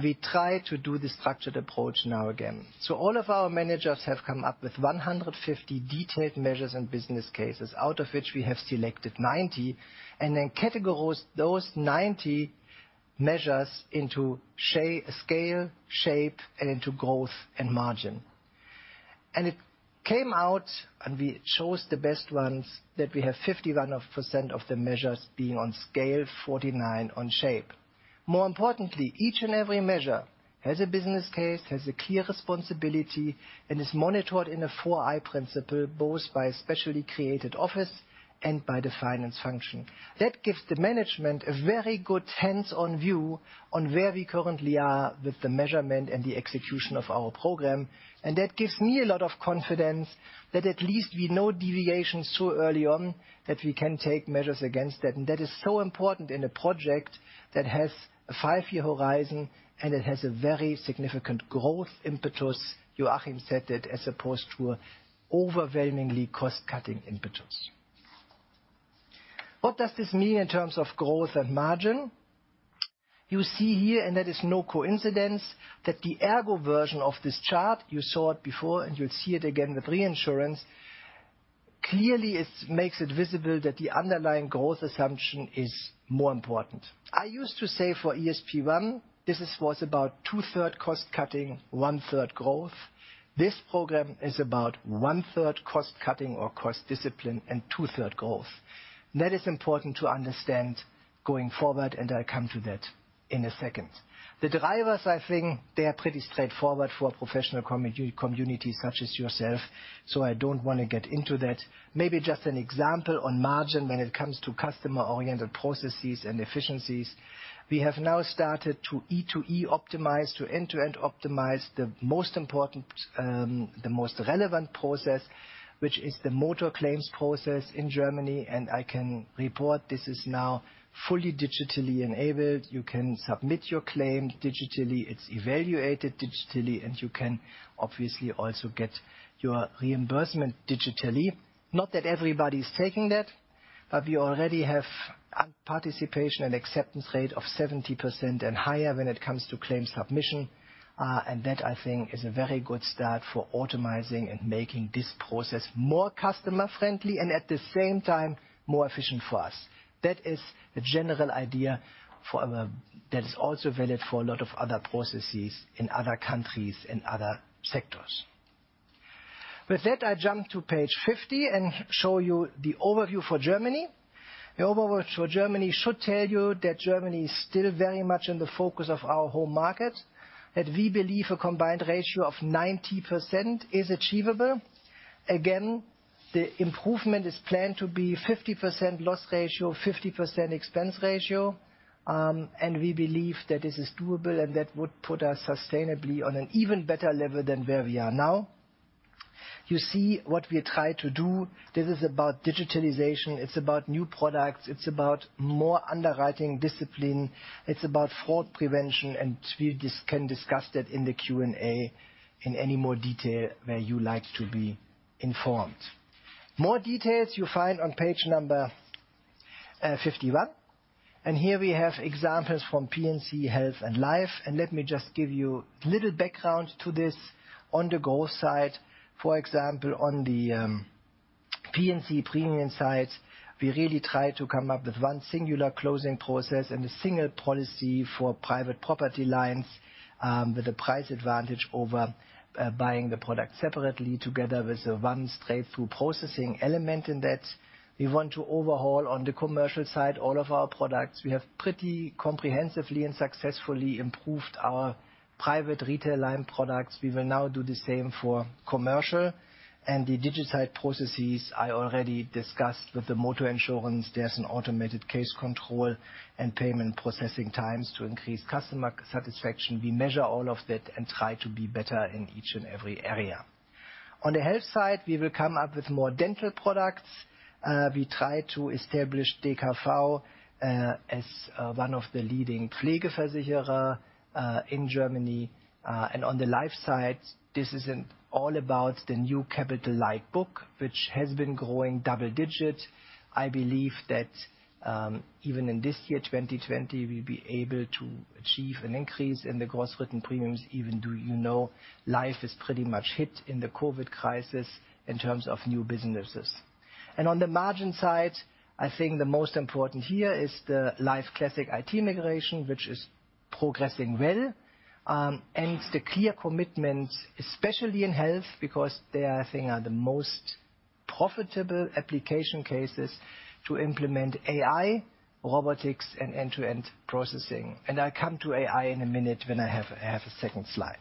We try to do the structured approach now again. All of our managers have come up with 150 detailed measures and business cases, out of which we have selected 90, and then categorized those 90 measures into scale, shape, and into growth and margin. It came out, and we chose the best ones, that we have 51% of the measures being on scale, 49 on shape. More importantly, each and every measure has a business case, has a clear responsibility, and is monitored in a four-eye principle, both by a specially created office and by the finance function. That gives the management a very good hands-on view on where we currently are with the measurement and the execution of our program. That gives me a lot of confidence that at least we know deviations so early on that we can take measures against that. That is so important in a project that has a five-year horizon, and it has a very significant growth impetus. Joachim said that as opposed to overwhelmingly cost-cutting impetus. What does this mean in terms of growth and margin? You see here, and that is no coincidence, that the ERGO version of this chart, you saw it before, and you'll see it again with reinsurance. Clearly, it makes it visible that the underlying growth assumption is more important. I used to say for ESP1, this was about two-third cost-cutting, one-third growth. This program is about one-third cost-cutting or cost discipline, and two-third growth. That is important to understand going forward, and I come to that in a second. The drivers, I think, they are pretty straightforward for a professional community such as yourself, so I don't want to get into that. Maybe just an example on margin when it comes to customer-oriented processes and efficiencies. We have now started to E2E optimize, to end-to-end optimize the most important, the most relevant process, which is the motor claims process in Germany. I can report this is now fully digitally enabled. You can submit your claim digitally, it's evaluated digitally, and you can obviously also get your reimbursement digitally. Not that everybody's taking that, we already have participation and acceptance rate of 70% and higher when it comes to claims submission. That, I think, is a very good start for automizing and making this process more customer-friendly and at the same time, more efficient for us. That is the general idea that is also valid for a lot of other processes in other countries and other sectors. With that, I jump to page 50 and show you the overview for Germany. The overview for Germany should tell you that Germany is still very much in the focus of our home market, that we believe a combined ratio of 90% is achievable. Again, the improvement is planned to be 50% loss ratio, 50% expense ratio. We believe that this is doable and that would put us sustainably on an even better level than where we are now. You see what we try to do. This is about digitalization. It's about new products. It's about more underwriting discipline. It's about fraud prevention. We can discuss that in the Q&A in any more detail where you like to be informed. More details you find on page number 51. Here we have examples from P&C health and life. Let me just give you a little background to this. On the growth side, for example, on the P&C premium side, we really try to come up with one singular closing process and a single policy for private property lines, with a price advantage over buying the product separately together with one straightforward processing element in that. We want to overhaul on the commercial side all of our products. We have pretty comprehensively and successfully improved our private retail line products. We will now do the same for commercial. The digital processes I already discussed with the motor insurance. There is an automated case control and payment processing times to increase customer satisfaction. We measure all of that and try to be better in each and every area. On the health side, we will come up with more dental products. We try to establish DKV as one of the leading in Germany. On the life side, this is all about the new capital-like book, which has been growing double digit. I believe that even in this year, 2020, we'll be able to achieve an increase in the gross written premiums, even though you know life is pretty much hit in the COVID crisis in terms of new businesses. On the margin side, I think the most important here is the life classic IT migration, which is progressing well. The clear commitment, especially in health, because they, I think, are the most profitable application cases to implement AI, robotics, and end-to-end processing. I come to AI in a minute when I have a second slide.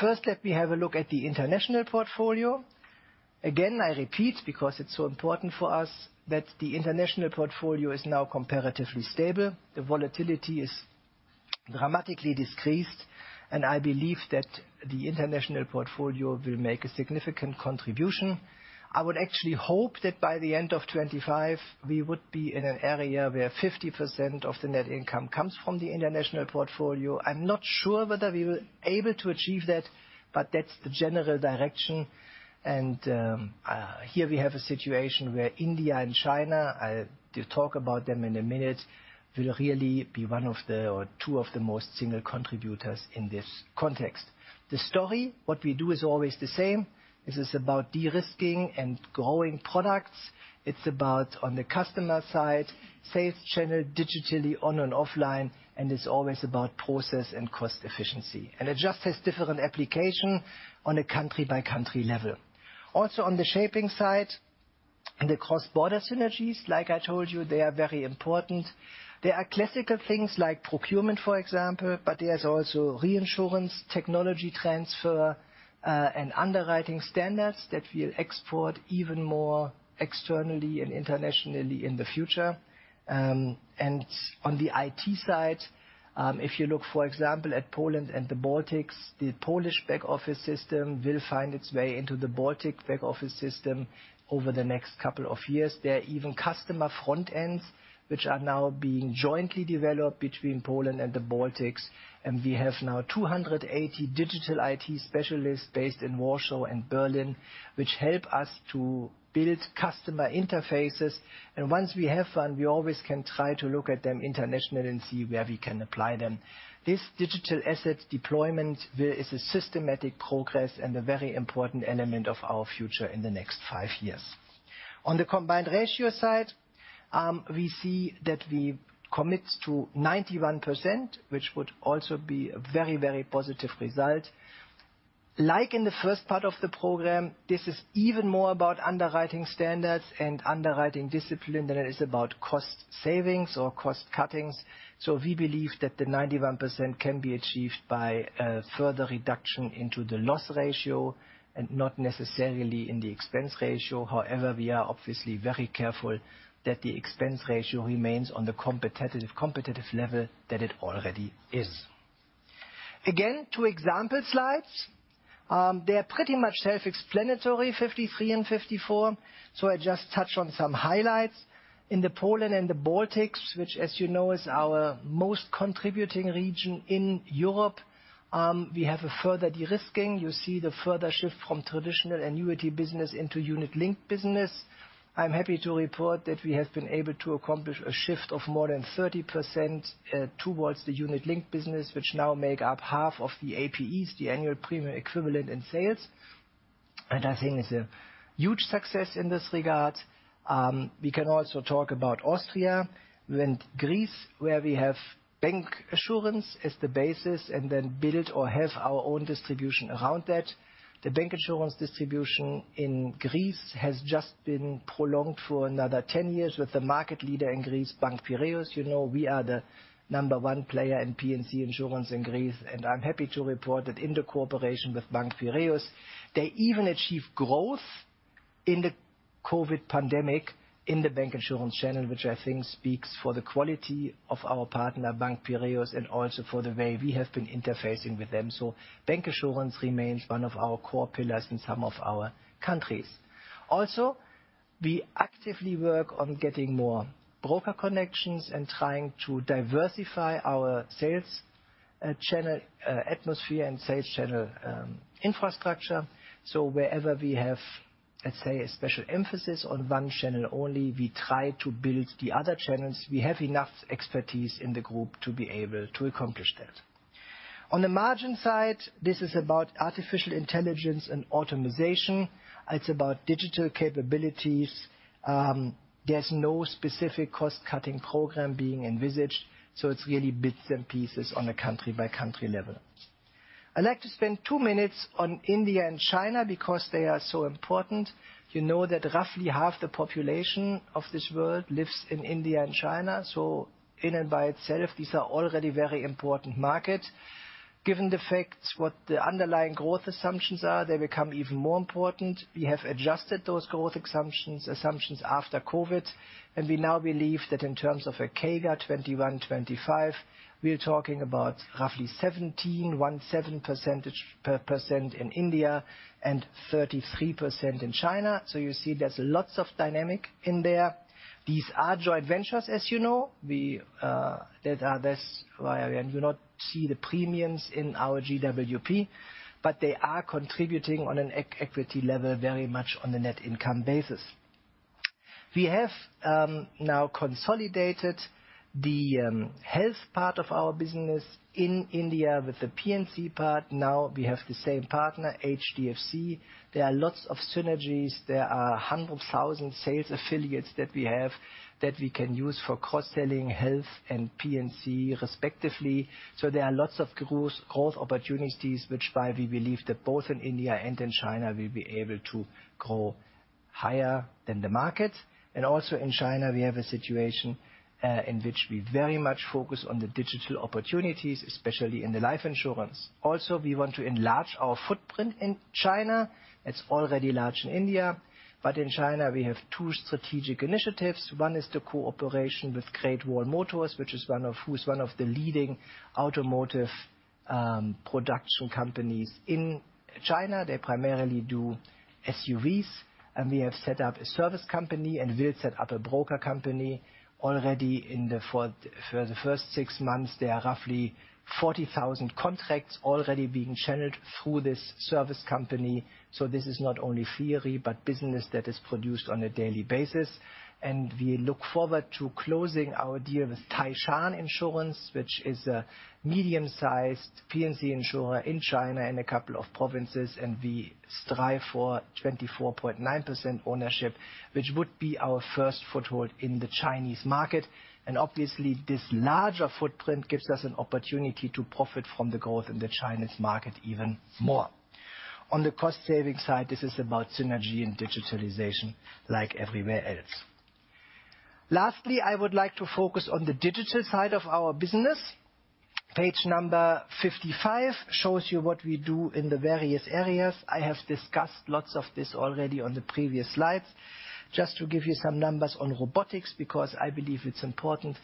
First, let me have a look at the international portfolio. Again, I repeat, because it's so important for us that the international portfolio is now comparatively stable. The volatility is dramatically decreased. I believe that the international portfolio will make a significant contribution. I would actually hope that by the end of 2025, we would be in an area where 50% of the net income comes from the international portfolio. I'm not sure whether we will able to achieve that. That's the general direction. Here we have a situation where India and China, I talk about them in a minute, will really be one of the, or two of the most single contributors in this context. The story, what we do is always the same. This is about de-risking and growing products. It's about, on the customer side, sales channel digitally, on and offline. It's always about process and cost efficiency. It just has different application on a country-by-country level. Also on the shaping side, the cross-border synergies, like I told you, they are very important. There are classical things like procurement, for example, but there is also reinsurance, technology transfer, and underwriting standards that we'll export even more externally and internationally in the future. On the IT side, if you look, for example, at Poland and the Baltics, the Polish back office system will find its way into the Baltic back office system over the next couple of years. There are even customer front ends, which are now being jointly developed between Poland and the Baltics, and we have now 280 digital IT specialists based in Warsaw and Berlin, which help us to build customer interfaces. Once we have one, we always can try to look at them internationally and see where we can apply them. This digital asset deployment is a systematic progress and a very important element of our future in the next five years. On the combined ratio side, we see that we commit to 91%, which would also be a very, very positive result. Like in the first part of the program, this is even more about underwriting standards and underwriting discipline than it is about cost savings or cost cuttings. We believe that the 91% can be achieved by a further reduction into the loss ratio and not necessarily in the expense ratio. However, we are obviously very careful that the expense ratio remains on the competitive level that it already is. Again, two example slides. They're pretty much self-explanatory, 53 and 54, so I just touch on some highlights. In the Poland and the Baltics, which as you know, is our most contributing region in Europe, we have a further de-risking. You see the further shift from traditional annuity business into unit-linked business. I'm happy to report that we have been able to accomplish a shift of more than 30% towards the unit-linked business, which now make up half of the APEs, the annual premium equivalent in sales. I think it's a huge success in this regard. We can also talk about Austria and Greece, where we have bank assurance as the basis and then build or have our own distribution around that. The bank assurance distribution in Greece has just been prolonged for another 10 years with the market leader in Greece, Piraeus Bank. You know we are the number one player in P&C insurance in Greece, and I'm happy to report that in the cooperation with Bank Piraeus, they even achieve growth in the COVID pandemic in the bank insurance channel, which I think speaks for the quality of our partner, Bank Piraeus, and also for the way we have been interfacing with them. Bank assurance remains one of our core pillars in some of our countries. Also, we actively work on getting more broker connections and trying to diversify our sales channel atmosphere and sales channel infrastructure. Wherever we have, let's say, a special emphasis on one channel only, we try to build the other channels. We have enough expertise in the group to be able to accomplish that. On the margin side, this is about artificial intelligence and automization. It's about digital capabilities. There's no specific cost-cutting program being envisaged, so it's really bits and pieces on a country-by-country level. I'd like to spend two minutes on India and China because they are so important. You know that roughly half the population of this world lives in India and China, so in and by itself, these are already very important markets. Given the facts, what the underlying growth assumptions are, they become even more important. We have adjusted those growth assumptions after COVID, and we now believe that in terms of a CAGR 2021-2025, we are talking about roughly 17% in India and 33% in China. You see there's lots of dynamic in there. These are joint ventures, as you know. You don't see the premiums in our GWP, but they are contributing on an equity level very much on the net income basis. We have now consolidated the health part of our business in India with the P&C part. We have the same partner, HDFC. There are lots of synergies. There are 100,000 sales affiliates that we have that we can use for cross-selling health and P&C respectively. There are lots of growth opportunities, which is why we believe that both in India and in China, we'll be able to grow higher than the market. In China, we have a situation in which we very much focus on the digital opportunities, especially in the life insurance. We want to enlarge our footprint in China. It's already large in India. In China, we have two strategic initiatives. One is the cooperation with Great Wall Motors, who is one of the leading automotive production companies in China. They primarily do SUVs. We have set up a service company and will set up a broker company. Already for the first six months, there are roughly 40,000 contracts already being channeled through this service company. This is not only theory, but business that is produced on a daily basis. We look forward to closing our deal with Taishan Insurance, which is a medium-sized P&C insurer in China in a couple of provinces. We strive for 24.9% ownership, which would be our first foothold in the Chinese market. Obviously, this larger footprint gives us an opportunity to profit from the growth in the Chinese market even more. On the cost-saving side, this is about synergy and digitalization like everywhere else. Lastly, I would like to focus on the digital side of our business. Page number 55 shows you what we do in the various areas. I have discussed lots of this already on the previous slides. Just to give you some numbers on robotics, because I believe it's important.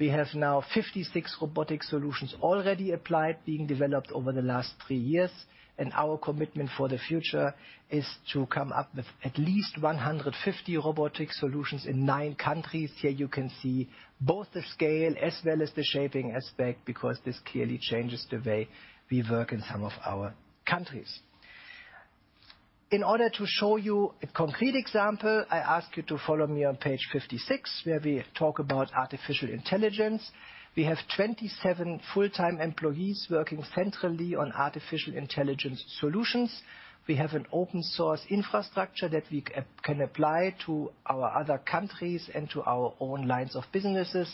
We have now 56 robotic solutions already applied, being developed over the last three years, and our commitment for the future is to come up with at least 150 robotic solutions in nine countries. Here you can see both the scale as well as the shaping aspect, because this clearly changes the way we work in some of our countries. In order to show you a concrete example, I ask you to follow me on page 56, where we talk about artificial intelligence. We have 27 full-time employees working centrally on artificial intelligence solutions. We have an open source infrastructure that we can apply to our other countries and to our own lines of businesses.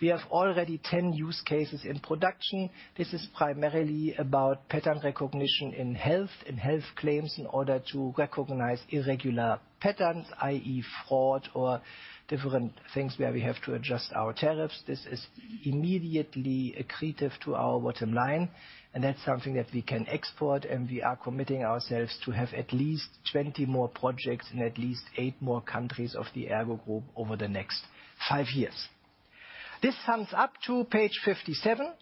We have already 10 use cases in production. This is primarily about pattern recognition in health and health claims in order to recognize irregular patterns, i.e., fraud or different things where we have to adjust our tariffs. This is immediately accretive to our bottom line, and that's something that we can export, and we are committing ourselves to have at least 20 more projects in at least eight more countries of the ERGO Group over the next five years. This sums up to page 57.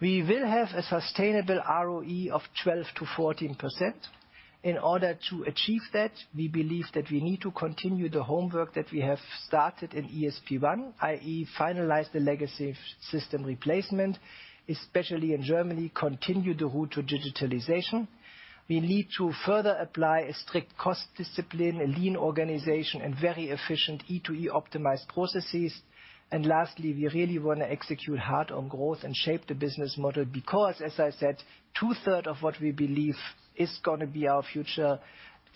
We will have a sustainable ROE of 12%-14%. In order to achieve that, we believe that we need to continue the homework that we have started in ESP1, i.e., finalize the legacy system replacement, especially in Germany, continue the route to digitalization. We need to further apply a strict cost discipline, a lean organization, and very efficient E2E optimized processes. Lastly, we really want to execute hard on growth and shape the business model because, as I said, two-thirds of what we believe is going to be our future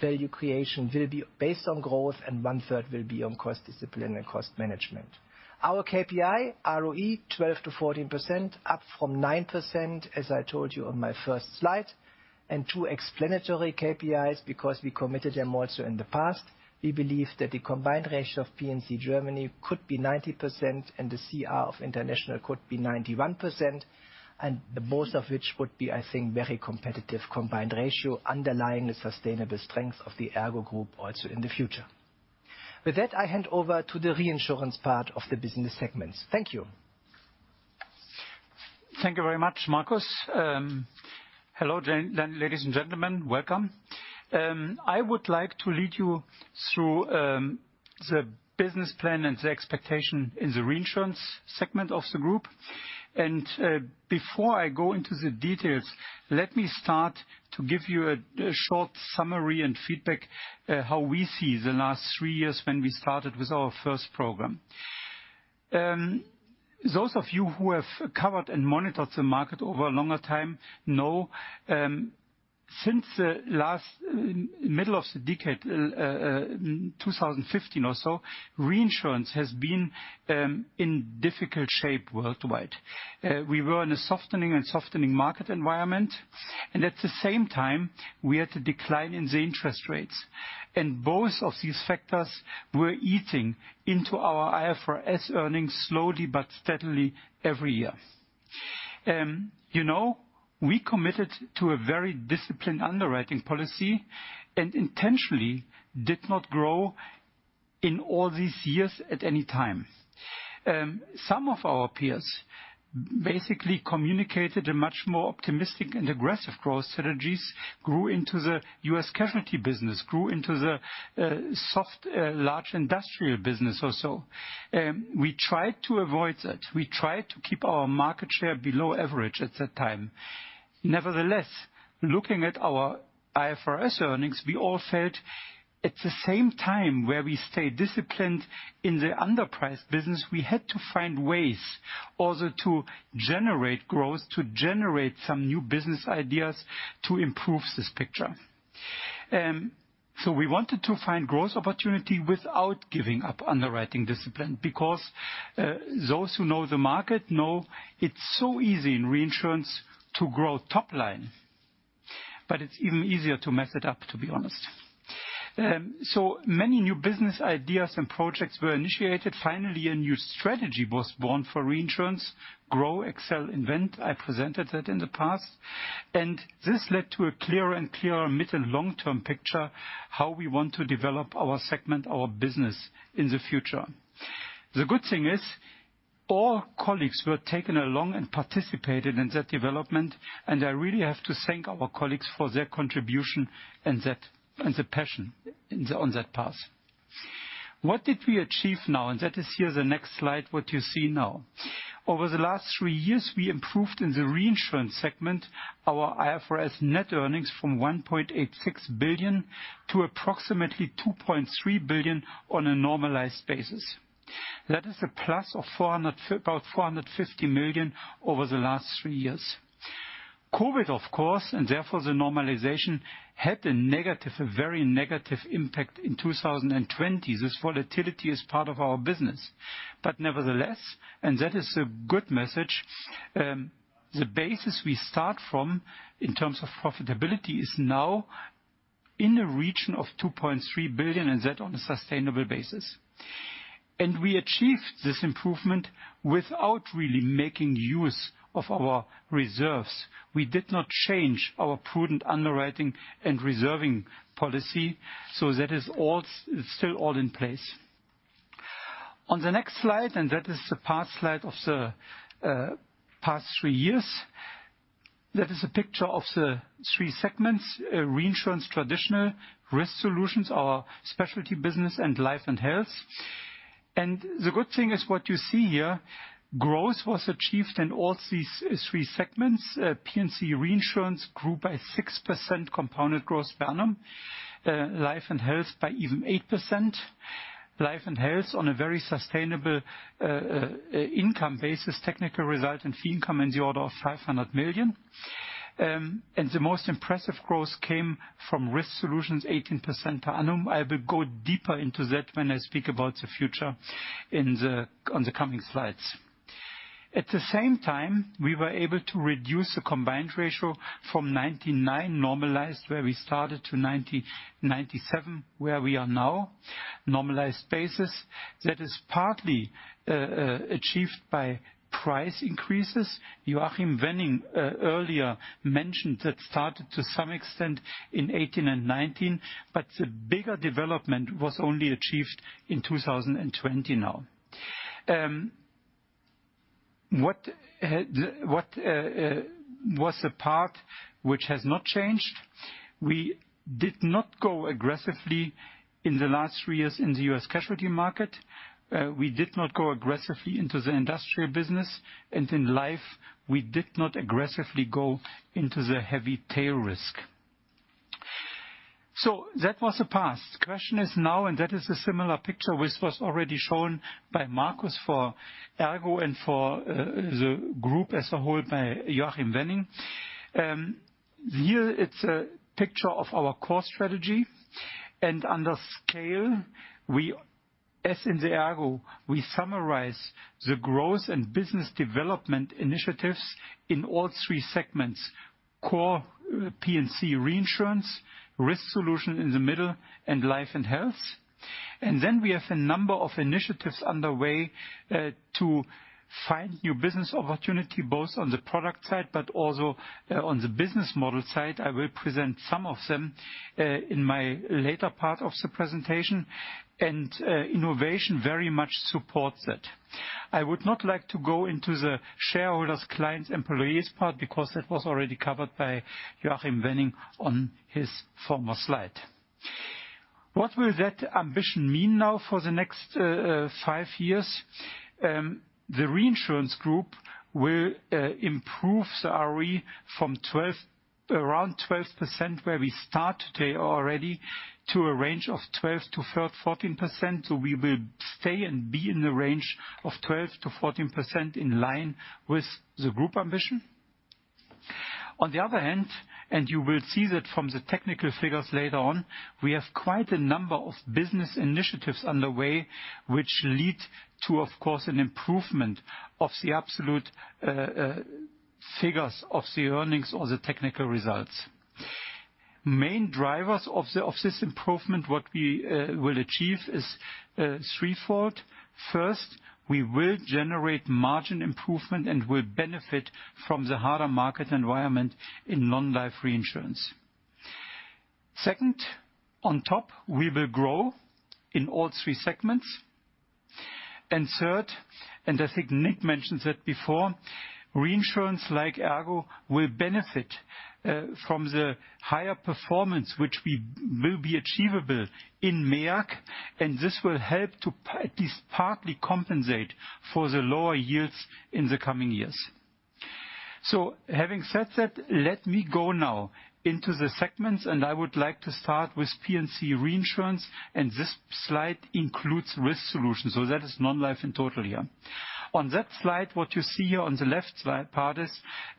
value creation will be based on growth, and one-third will be on cost discipline and cost management. Our KPI, ROE, 12%-14%, up from 9%, as I told you on my first slide. Two explanatory KPIs, because we committed them also in the past. We believe that the combined ratio of P&C Germany could be 90%, and the CR of international could be 91%, and both of which would be, I think, very competitive combined ratios underlying the sustainable strength of the ERGO Group also in the future. With that, I hand over to the reinsurance part of the business segments. Thank you. Thank you very much, Markus. Hello, ladies and gentlemen. Welcome. Before I go into the details, let me start to give you a short summary and feedback how we see the last three years when we started with our first program. Those of you who have covered and monitored the market over a longer time know, since middle of the decade, 2015 or so, reinsurance has been in difficult shape worldwide. We were in a softening and softening market environment, and at the same time, we had a decline in the interest rates. Both of these factors were eating into our IFRS earnings slowly but steadily every year. We committed to a very disciplined underwriting policy and intentionally did not grow in all these years at any time. Some of our peers basically communicated a much more optimistic and aggressive growth strategies, grew into the U.S. casualty business, grew into the soft, large industrial business also. We tried to avoid that. We tried to keep our market share below average at that time. Looking at our IFRS earnings, we all felt at the same time where we stay disciplined in the underpriced business, we had to find ways also to generate growth, to generate some new business ideas to improve this picture. We wanted to find growth opportunity without giving up underwriting discipline, because those who know the market know it's so easy in reinsurance to grow top line, but it's even easier to mess it up, to be honest. Many new business ideas and projects were initiated. A new strategy was born for reinsurance. Grow, Excel, Invent. I presented that in the past. This led to a clearer and clearer mid- and long-term picture how we want to develop our segment, our business in the future. The good thing is all colleagues were taken along and participated in that development, and I really have to thank our colleagues for their contribution and the passion on that path. What did we achieve now? That is here the next slide, what you see now. Over the last three years, we improved in the reinsurance segment our IFRS net earnings from 1.86 billion to approximately 2.3 billion on a normalized basis. That is a plus of about 450 million over the last three years. COVID, of course, and therefore the normalization, had a very negative impact in 2020. This volatility is part of our business. Nevertheless, and that is a good message, the basis we start from in terms of profitability is now in the region of 2.3 billion, and that on a sustainable basis. We achieved this improvement without really making use of our reserves. We did not change our prudent underwriting and reserving policy. That is still all in place. On the next slide, that is the part slide of the past three years. That is a picture of the three segments, reinsurance, traditional, Risk Solutions, our specialty business, and life and health. The good thing is what you see here, growth was achieved in all these three segments. P&C reinsurance grew by 6% compounded gross premium, life and health by even 8%. Life and health on a very sustainable income basis, technical result and fee income in the order of 500 million. The most impressive growth came from Risk Solutions, 18% per annum. I will go deeper into that when I speak about the future on the coming slides. At the same time, we were able to reduce the combined ratio from 99 normalized, where we started, to 97, where we are now, normalized basis. That is partly achieved by price increases. Joachim Wenning earlier mentioned that started to some extent in 2018 and 2019, but the bigger development was only achieved in 2020 now. What was the part which has not changed? We did not go aggressively in the last three years in the U.S. casualty market. We did not go aggressively into the industrial business, and in life, we did not aggressively go into the heavy tail risk. That was the past. Question is now. That is a similar picture which was already shown by Markus for ERGO and for the group as a whole by Joachim Wenning. Here it is a picture of our core strategy. Under scale, as in the ERGO, we summarize the growth and business development initiatives in all three segments, core P&C reinsurance, Risk Solutions in the middle, and life and health. Then we have a number of initiatives underway to find new business opportunity, both on the product side, but also on the business model side. I will present some of them in my later part of the presentation. Innovation very much supports that. I would not like to go into the shareholders, clients, employees part, because that was already covered by Joachim Wenning on his former slide. What will that ambition mean now for the next five years? The reinsurance group will improve the ROE from around 12%, where we start today already, to a range of 12%-14%. We will stay and be in the range of 12%-14% in line with the group ambition. On the other hand, and you will see that from the technical figures later on, we have quite a number of business initiatives underway, which lead to, of course, an improvement of the absolute figures of the earnings or the technical results. Main drivers of this improvement, what we will achieve is threefold. First, we will generate margin improvement and will benefit from the harder market environment in non-life reinsurance. Second, on top, we will grow in all three segments. Third, I think Nick mentioned that before, reinsurance like ERGO will benefit from the higher performance which will be achievable in MEAG, this will help to at least partly compensate for the lower yields in the coming years. Having said that, let me go now into the segments, I would like to start with P&C reinsurance, this slide includes Risk Solutions. That is non-life in total here. On that slide, what you see here on the left slide part is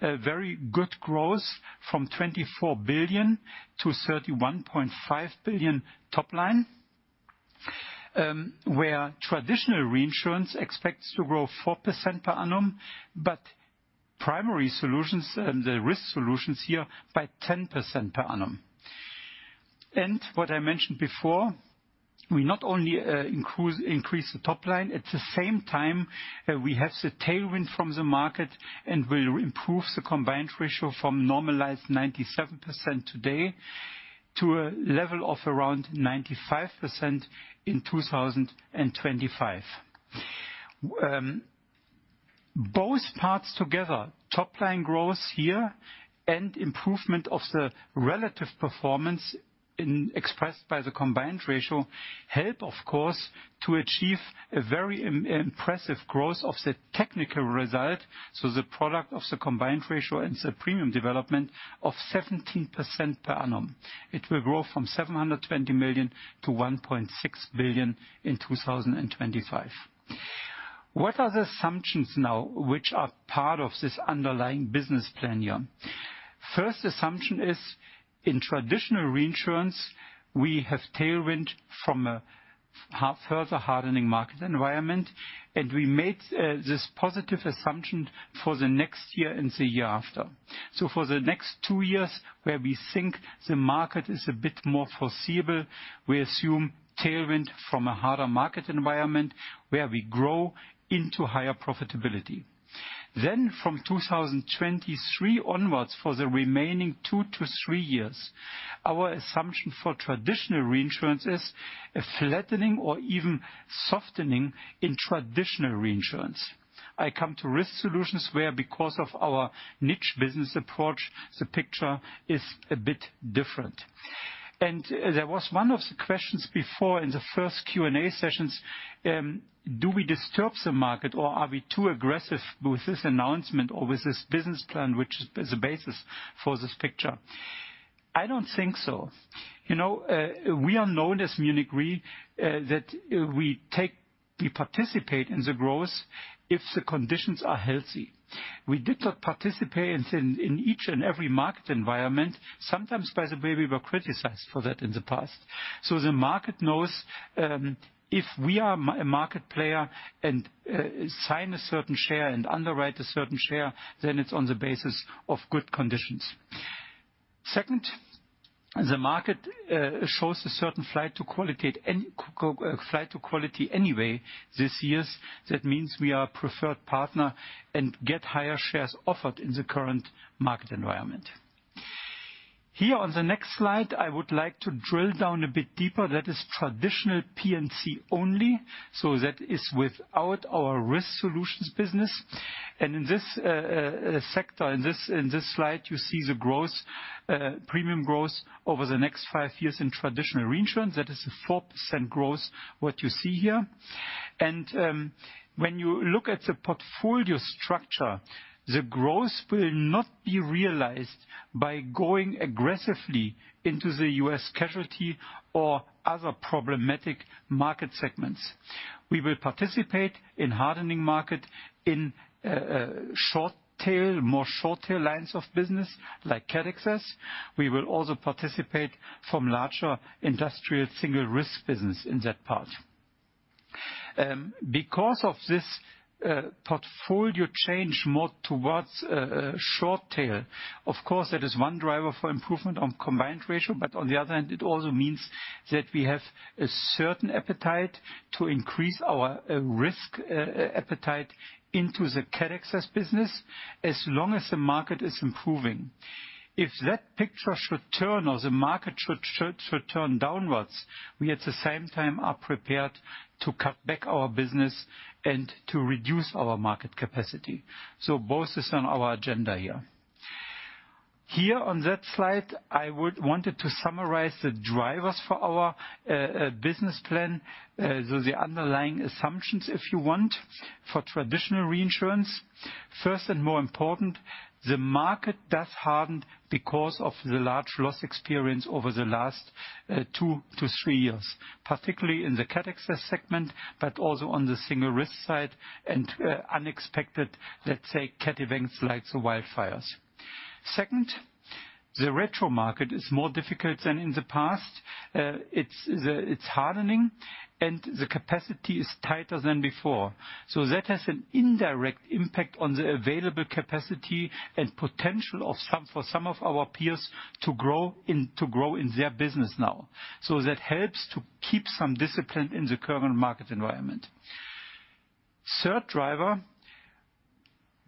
a very good growth from 24 billion to 31.5 billion top line, where traditional reinsurance expects to grow 4% per annum, primary solutions and the Risk Solutions here by 10% per annum. What I mentioned before, we not only increase the top line, at the same time, we have the tailwind from the market and will improve the combined ratio from normalized 97% today to a level of around 95% in 2025. Both parts together, top line growth here and improvement of the relative performance expressed by the combined ratio, help of course, to achieve a very impressive growth of the technical result. The product of the combined ratio and the premium development of 17% per annum. It will grow from 720 million to 1.6 billion in 2025. What are the assumptions now, which are part of this underlying business plan here? First assumption is in traditional reinsurance, we have tailwind from a further hardening market environment, and we made this positive assumption for the next year and the year after. For the next two years, where we think the market is a bit more foreseeable, we assume tailwind from a harder market environment where we grow into higher profitability. From 2023 onwards, for the remaining two to three years, our assumption for traditional reinsurance is a flattening or even softening in traditional reinsurance. I come to Risk Solutions where, because of our niche business approach, the picture is a bit different. There was one of the questions before in the first Q&A sessions, do we disturb the market or are we too aggressive with this announcement or with this business plan, which is the basis for this picture? I don't think so. We are known as Munich RE, that we participate in the growth if the conditions are healthy. We did not participate in each and every market environment. Sometimes, by the way, we were criticized for that in the past. The market knows, if we are a market player and sign a certain share and underwrite a certain share, then it's on the basis of good conditions. Second, the market shows a certain flight to quality anyway this year. That means we are a preferred partner and get higher shares offered in the current market environment. Here on the next slide, I would like to drill down a bit deeper. That is traditional P&C only, so that is without our Risk Solutions business. In this sector, in this slide, you see the premium growth over the next five years in traditional reinsurance. That is a 4% growth, what you see here. When you look at the portfolio structure, the growth will not be realized by going aggressively into the U.S. casualty or other problematic market segments. We will participate in hardening market in more short tail lines of business, like cat excess. We will also participate from larger industrial single risk business in that part. Because of this portfolio change more towards short tail, of course, that is one driver for improvement on combined ratio. On the other hand, it also means that we have a certain appetite to increase our risk appetite into the cat excess business as long as the market is improving. If that picture should turn or the market should turn downwards, we at the same time are prepared to cut back our business and to reduce our market capacity. Both is on our agenda here. Here on that slide, I wanted to summarize the drivers for our business plan. The underlying assumptions, if you want, for traditional reinsurance. First, and more important, the market does harden because of the large loss experience over the last 2-3 years, particularly in the cat excess segment, but also on the single risk side and unexpected, let's say, cat events like the wildfires. Second, the retro market is more difficult than in the past. It's hardening and the capacity is tighter than before. That has an indirect impact on the available capacity and potential for some of our peers to grow in their business now. That helps to keep some discipline in the current market environment. Third driver,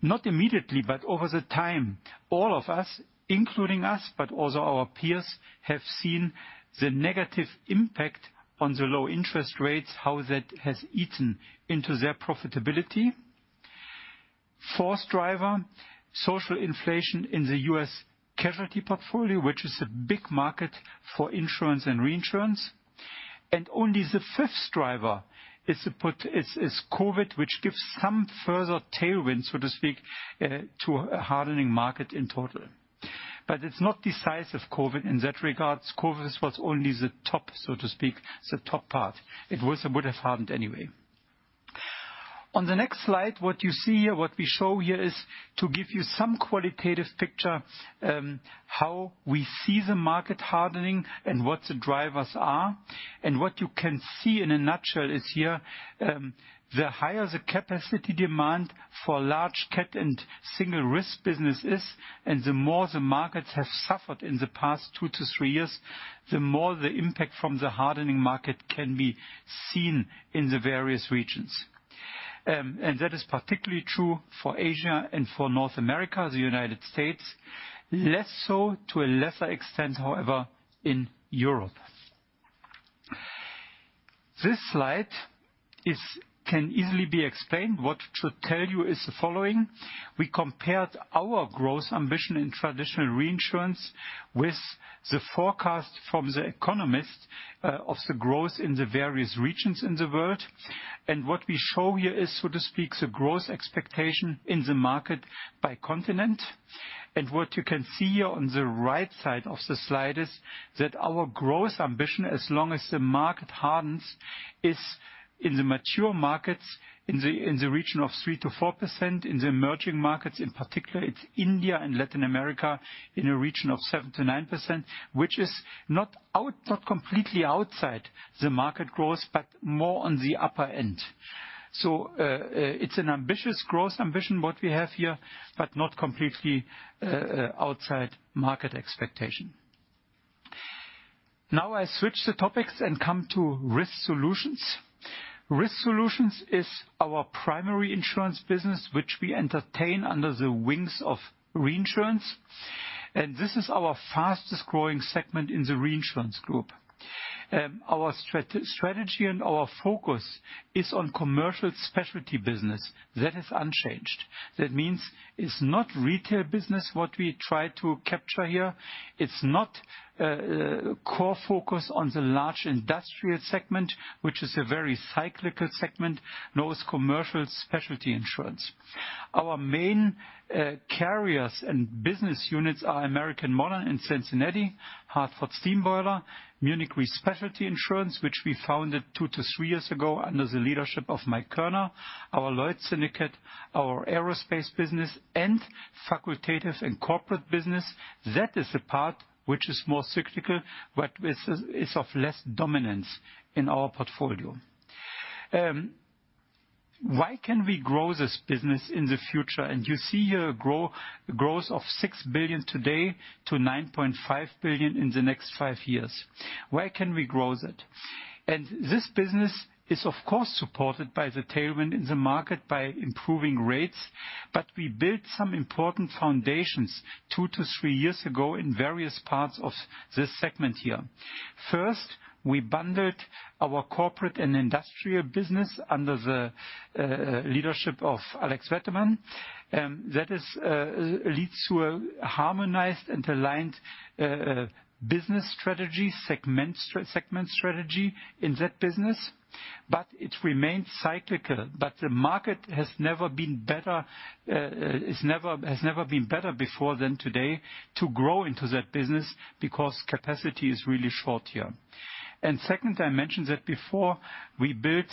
not immediately, but over the time, all of us, including us, but also our peers, have seen the negative impact on the low interest rates, how that has eaten into their profitability. Fourth driver, social inflation in the U.S. casualty portfolio, which is a big market for insurance and reinsurance. Only the fifth driver is COVID, which gives some further tailwind, so to speak, to a hardening market in total. It's not decisive, COVID, in that regard. COVID was only the top, so to speak, the top part. It would have hardened anyway. On the next slide, what you see here, what we show here is to give you some qualitative picture, how we see the market hardening and what the drivers are. What you can see in a nutshell is here, the higher the capacity demand for large cat and single risk business is, the more the markets have suffered in the past two to three years, the more the impact from the hardening market can be seen in the various regions. That is particularly true for Asia and for North America, the United States, less so to a lesser extent, however, in Europe. This slide can easily be explained. What it should tell you is the following. We compared our growth ambition in traditional reinsurance with the forecast from the Economist of the growth in the various regions in the world. What we show here is, so to speak, the growth expectation in the market by continent. What you can see here on the right side of the slide is that our growth ambition, as long as the market hardens, is in the mature markets, in the region of 3%-4%. In the emerging markets, in particular, it's India and Latin America, in a region of 7%-9%, which is not completely outside the market growth, but more on the upper end. It's an ambitious growth ambition, what we have here, but not completely outside market expectation. I switch the topics and come to Risk Solutions. Risk Solutions is our primary insurance business, which we entertain under the wings of reinsurance. This is our fastest growing segment in the reinsurance group. Our strategy and our focus is on commercial specialty business. That is unchanged. That means it's not retail business, what we try to capture here. It's not core focus on the large industrial segment, which is a very cyclical segment, nor is commercial specialty insurance. Our main carriers and business units are American Modern in Cincinnati, Hartford Steam Boiler, Munich Re Specialty Insurance, which we founded two to three years ago under the leadership of Mike Koerner, our Lloyd's Syndicate, our aerospace business, and facultative and corporate business. That is the part which is more cyclical, but is of less dominance in our portfolio. Why can we grow this business in the future? You see here growth of 6 billion today to 9.5 billion in the next five years. Where can we grow that? This business is, of course, supported by the tailwind in the market by improving rates, but we built some important foundations two to three years ago in various parts of this segment here. We bundled our corporate and industrial business under the leadership of Alex Wetterman. That leads to a harmonized and aligned business strategy, segment strategy in that business, but it remains cyclical. The market has never been better before than today to grow into that business, because capacity is really short here. Second, I mentioned that before, we built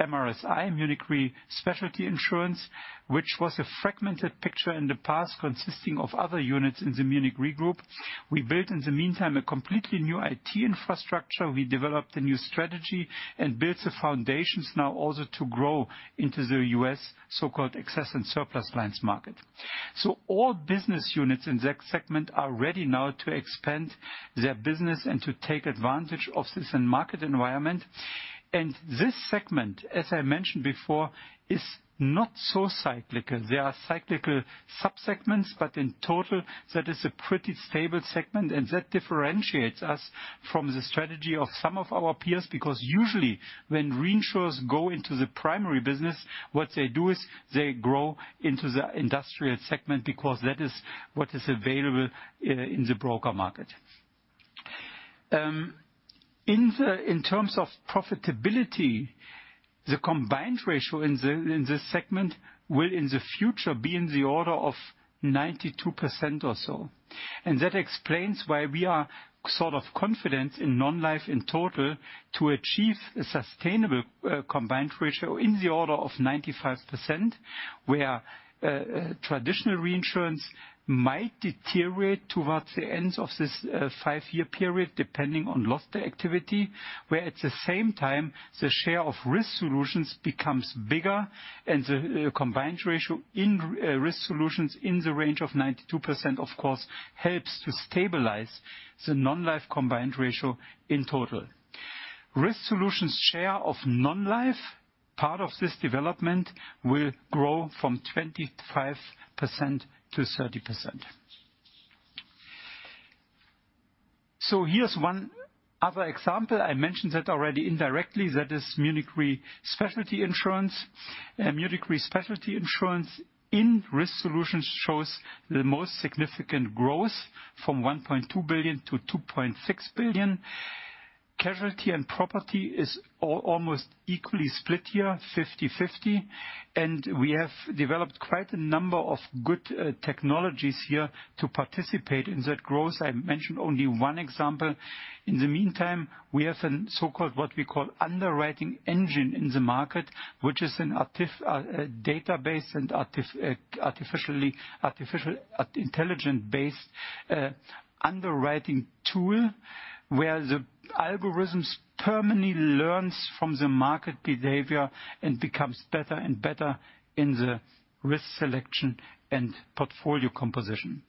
MRSI, Munich Re Specialty Insurance, which was a fragmented picture in the past consisting of other units in the Munich RE group. We built, in the meantime, a completely new IT infrastructure. We developed a new strategy and built the foundations now also to grow into the U.S. so-called excess and surplus lines market. All business units in that segment are ready now to expand their business and to take advantage of this in market environment. This segment, as I mentioned before, is not so cyclical. There are cyclical sub-segments. In total, that is a pretty stable segment. That differentiates us from the strategy of some of our peers, because usually, when reinsurers go into the primary business, what they do is they grow into the industrial segment because that is what is available in the broker market. In terms of profitability, the combined ratio in this segment will, in the future, be in the order of 92% or so. That explains why we are sort of confident in non-life in total to achieve a sustainable combined ratio in the order of 95%, where traditional reinsurance might deteriorate towards the end of this five-year period, depending on loss activity, where at the same time, the share of Risk Solutions becomes bigger and the combined ratio in Risk Solutions in the range of 92%, of course, helps to stabilize the non-life combined ratio in total. Risk Solutions share of non-life, part of this development will grow from 25%-30%. Here's one other example. I mentioned that already indirectly, that is Munich Re Specialty Insurance. Munich Re Specialty Insurance in Risk Solutions shows the most significant growth from 1.2 billion-2.6 billion. Casualty and property is almost equally split here, 50/50. We have developed quite a number of good technologies here to participate in that growth. I mentioned only one example. In the meantime, we have a so-called, what we call underwriting engine in the market, which is a database and artificial intelligence-based underwriting tool, where the algorithms permanently learns from the market behavior and becomes better and better in the risk selection and portfolio composition.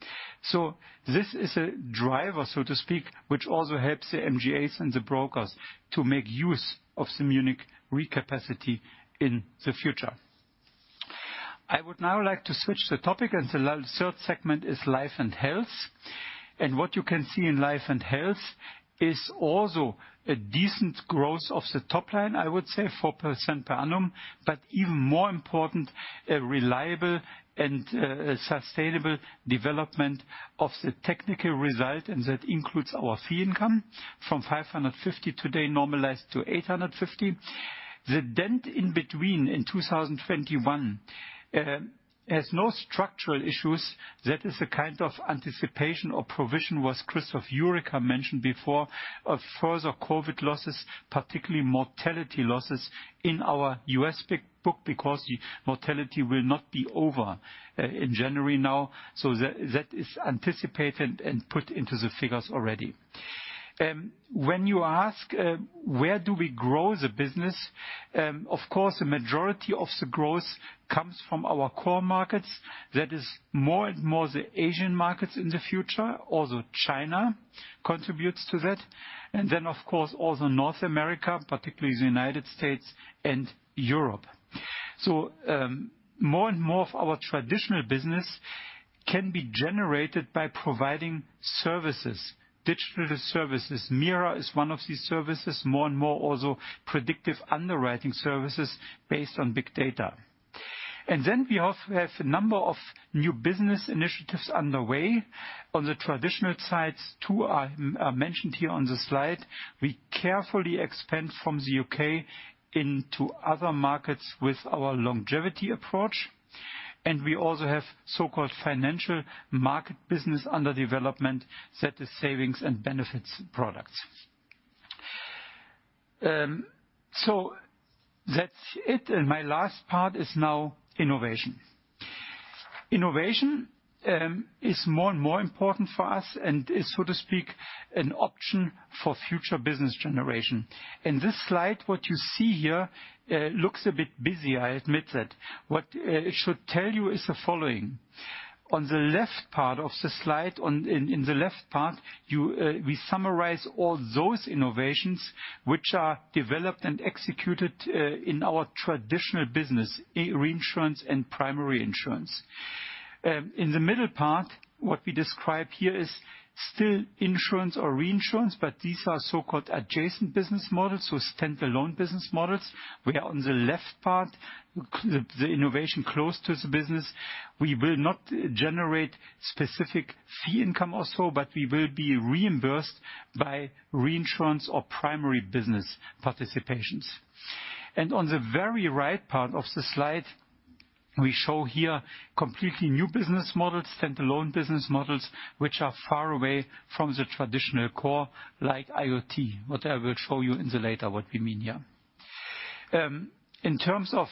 This is a driver, so to speak, which also helps the MGAs and the brokers to make use of the Munich RE capacity in the future. I would now like to switch the topic, and the third segment is life and health. What you can see in life and health is also a decent growth of the top line, I would say, 4% per annum. Even more important, a reliable and sustainable development of the technical result, and that includes our fee income from 550 today normalized to 850. The dent in between in 2021 has no structural issues. That is the kind of anticipation or provision, what Christoph Jurecka mentioned before, of further COVID losses, particularly mortality losses in our U.S. book, because the mortality will not be over in January now. That is anticipated and put into the figures already. When you ask, where do we grow the business? Of course, the majority of the growth comes from our core markets. That is more and more the Asian markets in the future. Also, China contributes to that. Of course, also North America, particularly the United States and Europe. More and more of our traditional business can be generated by providing services, digital services. MIRA is one of these services, more and more also predictive underwriting services based on big data. We also have a number of new business initiatives underway. On the traditional sides, two are mentioned here on the slide. We carefully expand from the U.K. into other markets with our longevity approach. We also have so-called financial market business under development that is savings and benefits products. That's it. My last part is now innovation. Innovation is more and more important for us and is, so to speak, an option for future business generation. In this slide, what you see here looks a bit busy, I admit that. What it should tell you is the following. On the left part of the slide, we summarize all those innovations which are developed and executed in our traditional business, reinsurance and primary insurance. In the middle part, what we describe here is still insurance or reinsurance, but these are so-called adjacent business models, so standalone business models, where on the left part, the innovation close to the business, we will not generate specific fee income also, but we will be reimbursed by reinsurance or primary business participations. On the very right part of the slide, we show here completely new business models, standalone business models, which are far away from the traditional core, like IoT. What I will show you in the later what we mean here. In terms of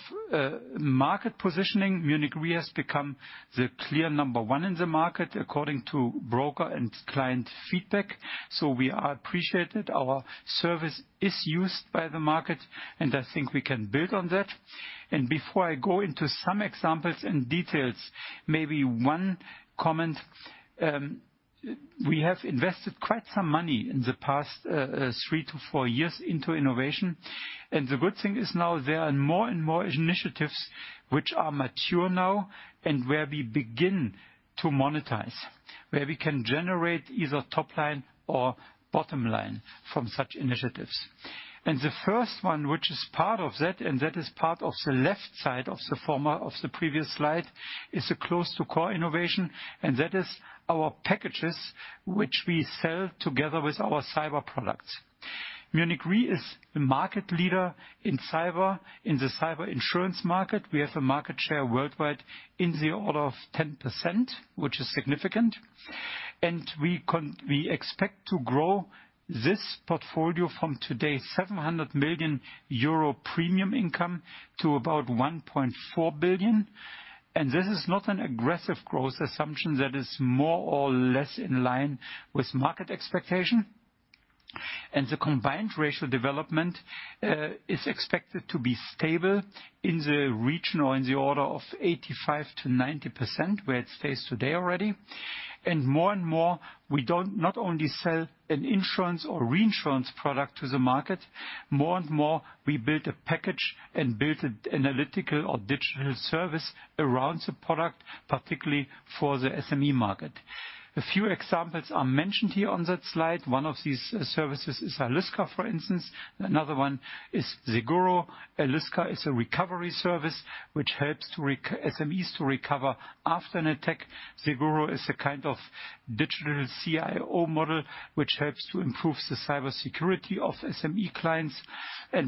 market positioning, Munich RE has become the clear number one in the market, according to broker and client feedback. We are appreciated. Our service is used by the market, and I think we can build on that. Before I go into some examples and details, maybe one comment. We have invested quite some money in the past three to four years into innovation. The good thing is now there are more and more initiatives which are mature now and where we begin to monetize, where we can generate either top line or bottom line from such initiatives. The first one, which is part of that is part of the left side of the previous slide, is a close to core innovation, that is our packages, which we sell together with our cyber products. Munich RE is the market leader in the cyber insurance market. We have a market share worldwide in the order of 10%, which is significant. We expect to grow this portfolio from today, 700 million euro premium income to about 1.4 billion. This is not an aggressive growth assumption that is more or less in line with market expectation. The combined ratio development is expected to be stable in the region or in the order of 85%-90%, where it stays today already. More and more, we don't not only sell an insurance or reinsurance product to the market, more and more, we build a package and build an analytical or digital service around the product, particularly for the SME market. A few examples are mentioned here on that slide. One of these services is Aliska, for instance. Another one is Seguro. Aliska is a recovery service which helps SMEs to recover after an attack. Seguro is a kind of digital CIO model, which helps to improve the cybersecurity of SME clients.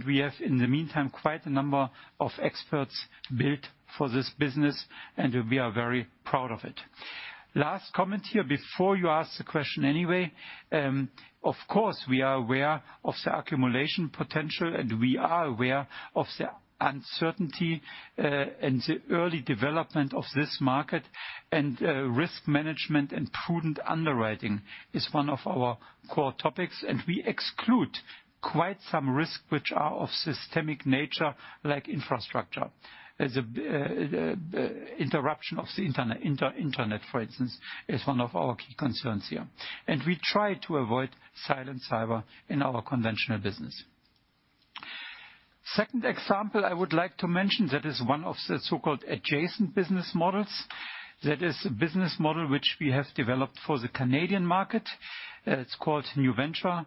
We have, in the meantime, quite a number of experts built for this business, and we are very proud of it. Last comment here before you ask the question anyway, of course, we are aware of the accumulation potential, and we are aware of the uncertainty and the early development of this market and risk management and prudent underwriting is one of our core topics, and we exclude quite some risk, which are of systemic nature, like infrastructure. The interruption of the internet, for instance, is one of our key concerns here. We try to avoid silent cyber in our conventional business. Second example I would like to mention that is one of the so-called adjacent business models. That is a business model which we have developed for the Canadian market. It's called NewVenture.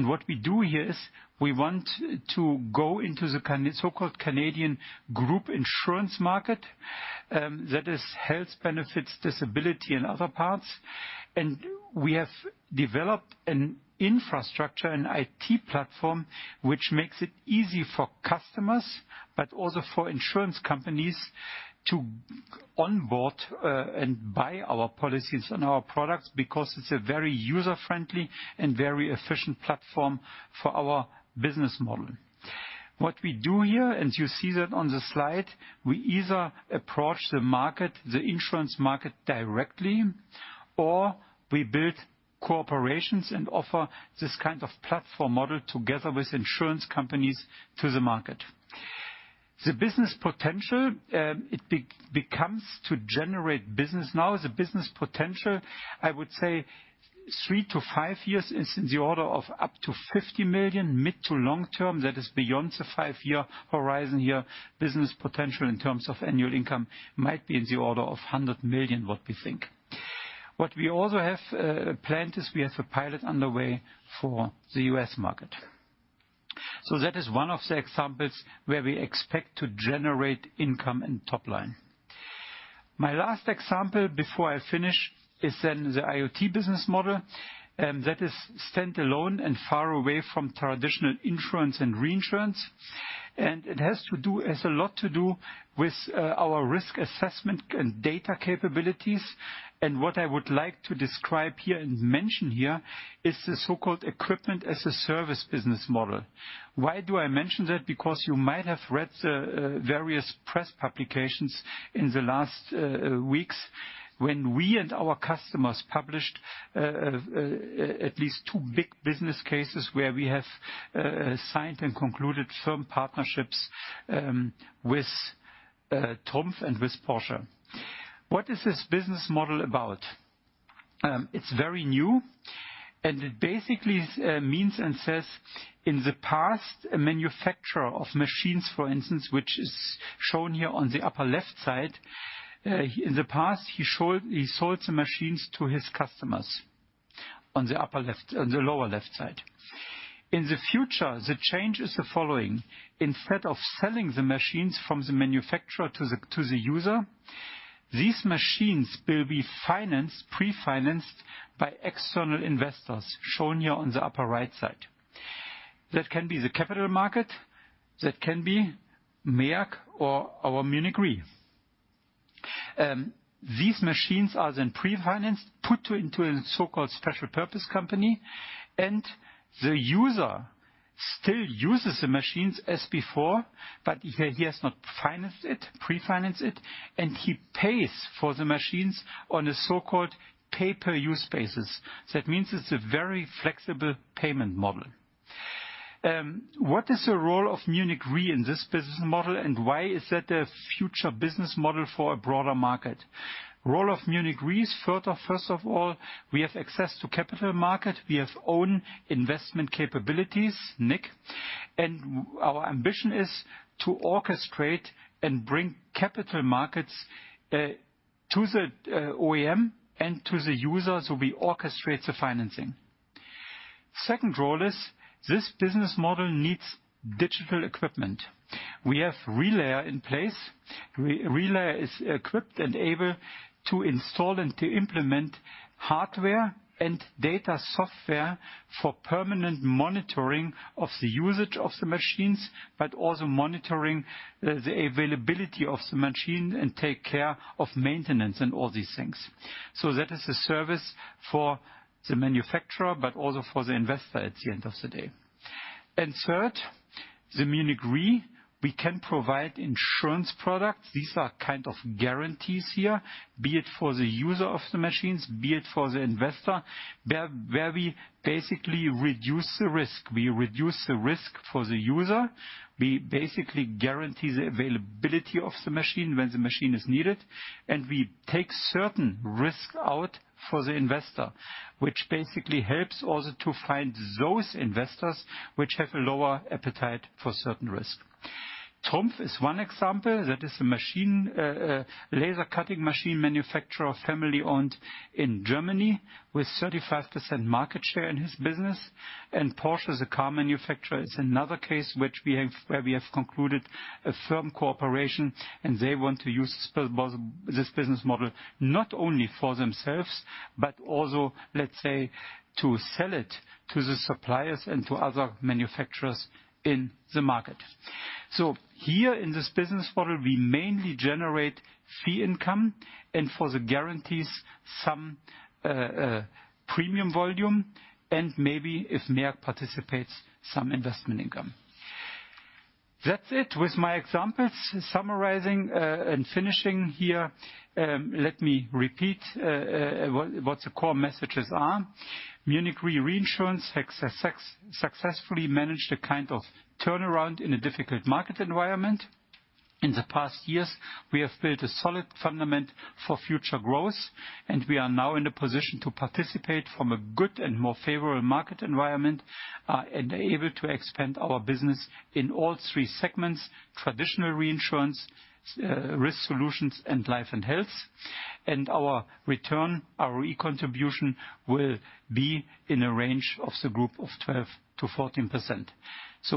What we do here is we want to go into the so-called Canadian group insurance market. That is health benefits, disability, and other parts. We have developed an infrastructure, an IT platform, which makes it easy for customers, but also for insurance companies to onboard and buy our policies and our products because it's a very user-friendly and very efficient platform for our business model. What we do here, and you see that on the slide, we either approach the insurance market directly, or we build cooperations and offer this kind of platform model together with insurance companies to the market. The business potential, it becomes to generate business. The business potential, I would say three to five years is in the order of up to 50 million mid to long term. That is beyond the five-year horizon here. Business potential in terms of annual income might be in the order of 100 million, what we think. What we also have planned is we have a pilot underway for the U.S. market. That is one of the examples where we expect to generate income and top line. My last example before I finish is the IoT business model, that is standalone and far away from traditional insurance and reinsurance. It has a lot to do with our risk assessment and data capabilities. What I would like to describe here and mention here is the so-called equipment-as-a-service business model. Why do I mention that? Because you might have read the various press publications in the last weeks when we and our customers published at least two big business cases where we have signed and concluded firm partnerships with Trumpf and with Porsche. What is this business model about? It's very new, and it basically means and says, in the past, a manufacturer of machines, for instance, which is shown here on the upper left side. In the past, he sold the machines to his customers on the lower left side. In the future, the change is the following. Instead of selling the machines from the manufacturer to the user, these machines will be pre-financed by external investors, shown here on the upper right side. That can be the capital market, that can be MEAG or our Munich Re. These machines are then pre-financed, put into a so-called special purpose company, and the user still uses the machines as before, but he has not pre-financed it, and he pays for the machines on a so-called pay-per-use basis. That means it's a very flexible payment model. What is the role of Munich Re in this business model, and why is that a future business model for a broader market? Role of Munich Re is first of all, we have access to capital market, we have own investment capabilities, CIO, and our ambition is to orchestrate and bring capital markets to the OEM and to the users who we orchestrate the financing. Second role is, this business model needs digital equipment. We have relayr in place. relayr is equipped and able to install and to implement hardware and data software for permanent monitoring of the usage of the machines, but also monitoring the availability of the machine and take care of maintenance and all these things. That is a service for the manufacturer, but also for the investor at the end of the day. Third, the Munich Re, we can provide insurance products. These are kind of guarantees here, be it for the user of the machines, be it for the investor, where we basically reduce the risk. We reduce the risk for the user. We basically guarantee the availability of the machine when the machine is needed. We take certain risk out for the investor, which basically helps also to find those investors which have a lower appetite for certain risk. Trumpf is one example. That is a laser cutting machine manufacturer, family-owned in Germany with 35% market share in his business. Porsche is a car manufacturer. It's another case where we have concluded a firm cooperation. They want to use this business model not only for themselves, but also, let's say, to sell it to the suppliers and to other manufacturers in the market. Here in this business model, we mainly generate fee income and for the guarantees, some premium volume, and maybe if MERCK participates, some investment income. That's it with my examples. Summarizing and finishing here, let me repeat what the core messages are. Munich Re Reinsurance successfully managed a kind of turnaround in a difficult market environment. In the past years, we have built a solid fundament for future growth, and we are now in a position to participate from a good and more favorable market environment, and are able to expand our business in all three segments, traditional reinsurance, Risk Solutions, and life and health. Our return, our recontribution, will be in a range of the group of 12%-14%.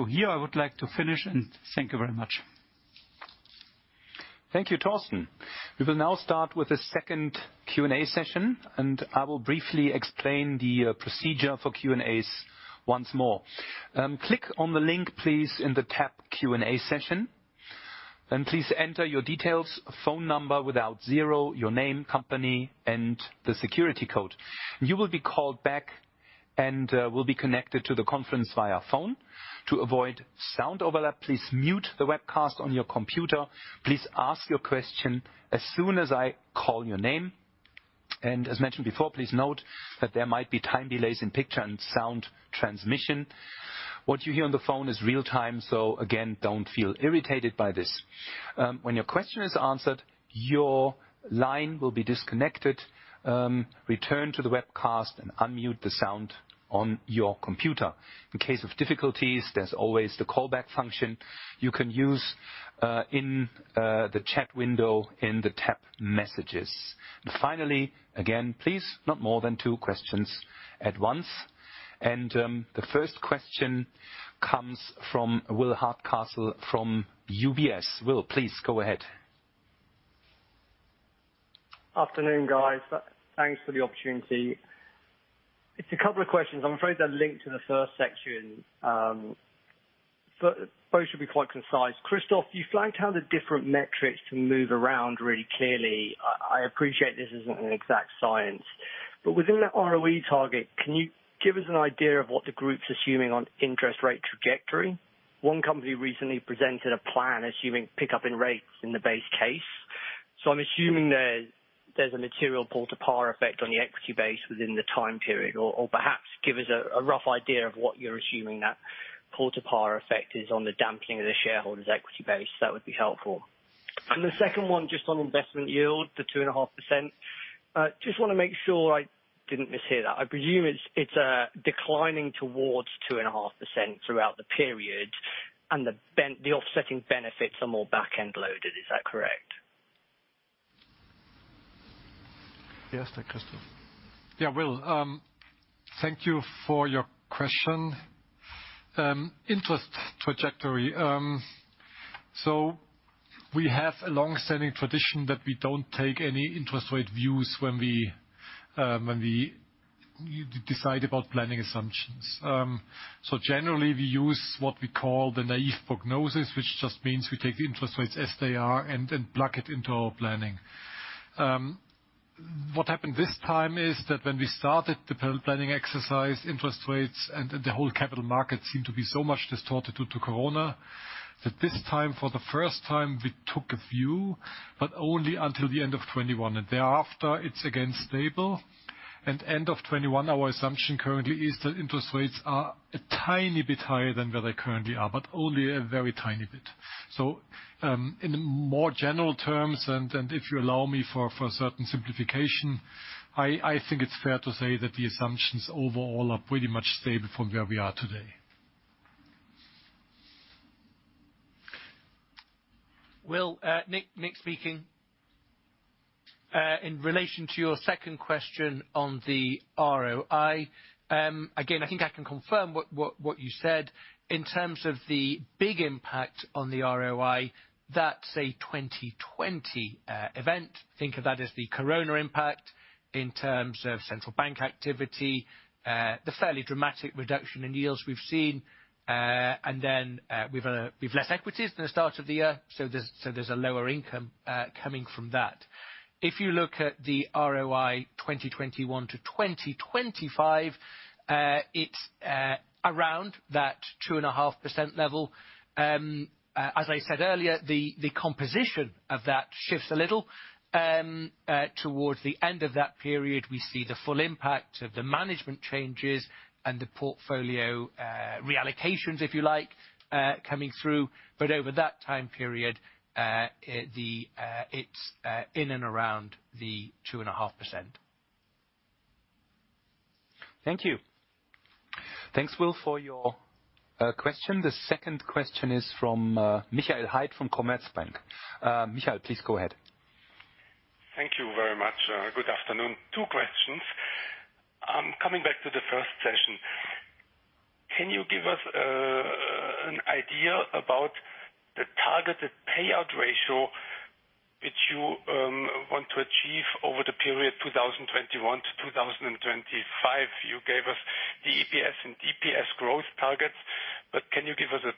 Here I would like to finish and thank you very much. Thank you, Torsten. We will now start with the second Q&A session, and I will briefly explain the procedure for Q&As once more. Click on the link, please, in the tab Q&A session, and please enter your details, phone number without zero, your name, company, and the security code. You will be called back and will be connected to the conference via phone. To avoid sound overlap, please mute the webcast on your computer. Please ask your question as soon as I call your name. As mentioned before, please note that there might be time delays in picture and sound transmission. What you hear on the phone is real-time, so again, don't feel irritated by this. When your question is answered, your line will be disconnected. Return to the webcast and unmute the sound on your computer. In case of difficulties, there's always the callback function you can use in the chat window in the tab Messages. Finally, again, please, not more than two questions at once. The first question comes from William Hardcastle from UBS. Will, please go ahead. Afternoon, guys. Thanks for the opportunity. It's a couple of questions. I'm afraid they're linked to the first section. Both should be quite concise. Christoph, you flagged how the different metrics can move around really clearly. I appreciate this isn't an exact science. Within that ROE target, can you give us an idea of what the group's assuming on interest rate trajectory? One company recently presented a plan assuming pickup in rates in the base case. I'm assuming there's a material pull-to-par effect on the equity base within the time period. Perhaps give us a rough idea of what you're assuming that pull-to-par effect is on the dampening of the shareholders' equity base. That would be helpful. The second one, just on investment yield, the 2.5%. Just want to make sure I didn't mishear that. I presume it's declining towards 2.5% throughout the period, and the offsetting benefits are more back-end loaded. Is that correct? Yes. Christoph? Will. Thank you for your question. Interest trajectory. We have a longstanding tradition that we don't take any interest rate views when we decide about planning assumptions. Generally, we use what we call the naive prognosis, which just means we take the interest rates as they are and then plug it into our planning. What happened this time is that when we started the planning exercise, interest rates and the whole capital market seemed to be so much distorted due to COVID, that this time, for the first time, we took a view, but only until the end of 2021, and thereafter, it's again stable. End of 2021, our assumption currently is that interest rates are a tiny bit higher than where they currently are, but only a very tiny bit. In more general terms, and if you allow me for a certain simplification, I think it's fair to say that the assumptions overall are pretty much stable from where we are today. Will, Nick speaking. In relation to your second question on the ROI. I think I can confirm what you said. In terms of the big impact on the ROI, that's a 2020 event. Think of that as the COVID-19 impact in terms of central bank activity. The fairly dramatic reduction in yields we've seen. We've less equities than the start of the year, there's a lower income coming from that. If you look at the ROI 2021-2025, it's around that 2.5% level. As I said earlier, the composition of that shifts a little. Towards the end of that period, we see the full impact of the management changes and the portfolio reallocations, if you like, coming through. Over that time period, it's in and around the 2.5%. Thank you. Thanks, Will, for your question. The second question is from Michael Hyd from Commerzbank. Michael, please go ahead. Thank you very much. Good afternoon. Two questions. Coming back to the first session, can you give us an idea about the targeted payout ratio which you want to achieve over the period 2021 to 2025? You gave us the EPS and DPS growth targets, but can you give us a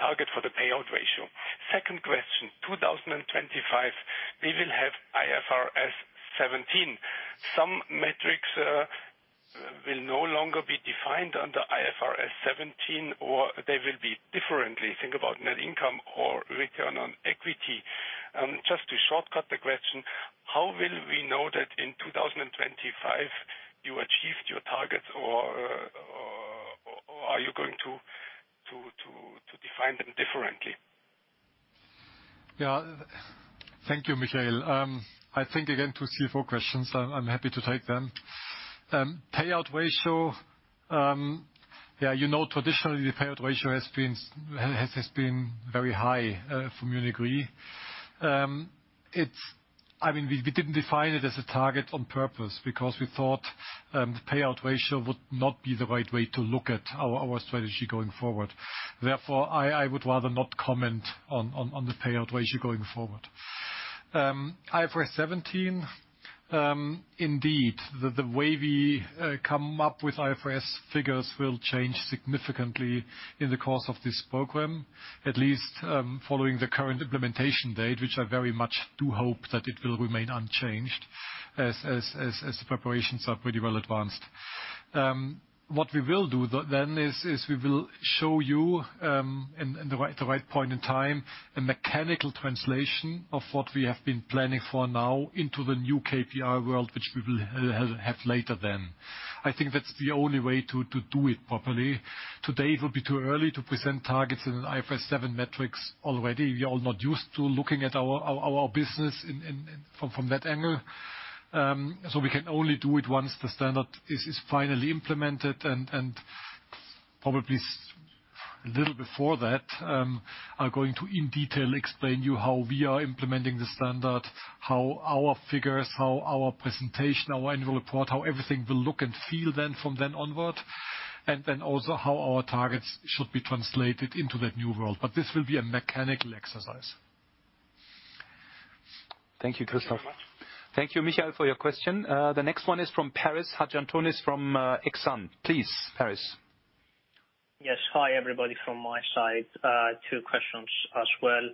target for the payout ratio? Second question. 2025, we will have IFRS 17. Some metrics will no longer be defined under IFRS 17, or they will be differently. Think about net income or return on equity. Just to shortcut the question, how will we know that in 2025 you achieved your targets, or are you going to define them differently? Thank you, Michael. I think, again, two CFO questions. I'm happy to take them. Payout ratio. You know, traditionally, the payout ratio has been very high from Munich RE. We didn't define it as a target on purpose because we thought the payout ratio would not be the right way to look at our strategy going forward. I would rather not comment on the payout ratio going forward. IFRS 17. The way we come up with IFRS figures will change significantly in the course of this program, at least following the current implementation date, which I very much do hope that it will remain unchanged, as the preparations are pretty well advanced. What we will do then is we will show you, in the right point in time, a mechanical translation of what we have been planning for now into the new KPI world, which we will have later then. I think that's the only way to do it properly. Today will be too early to present targets in an IFRS 17 metrics already. We are not used to looking at our business from that angle. We can only do it once the standard is finally implemented. Probably a little before that, I'm going to, in detail, explain to you how we are implementing the standard, how our figures, how our presentation, our annual report, how everything will look and feel then from then onward. Then also how our targets should be translated into that new world. This will be a mechanical exercise. Thank you, Christoph. Thank you, Michael, for your question. The next one is from Paris Hadjiantonis from Exane. Please, Paris. Yes. Hi, everybody from my side. Two questions as well.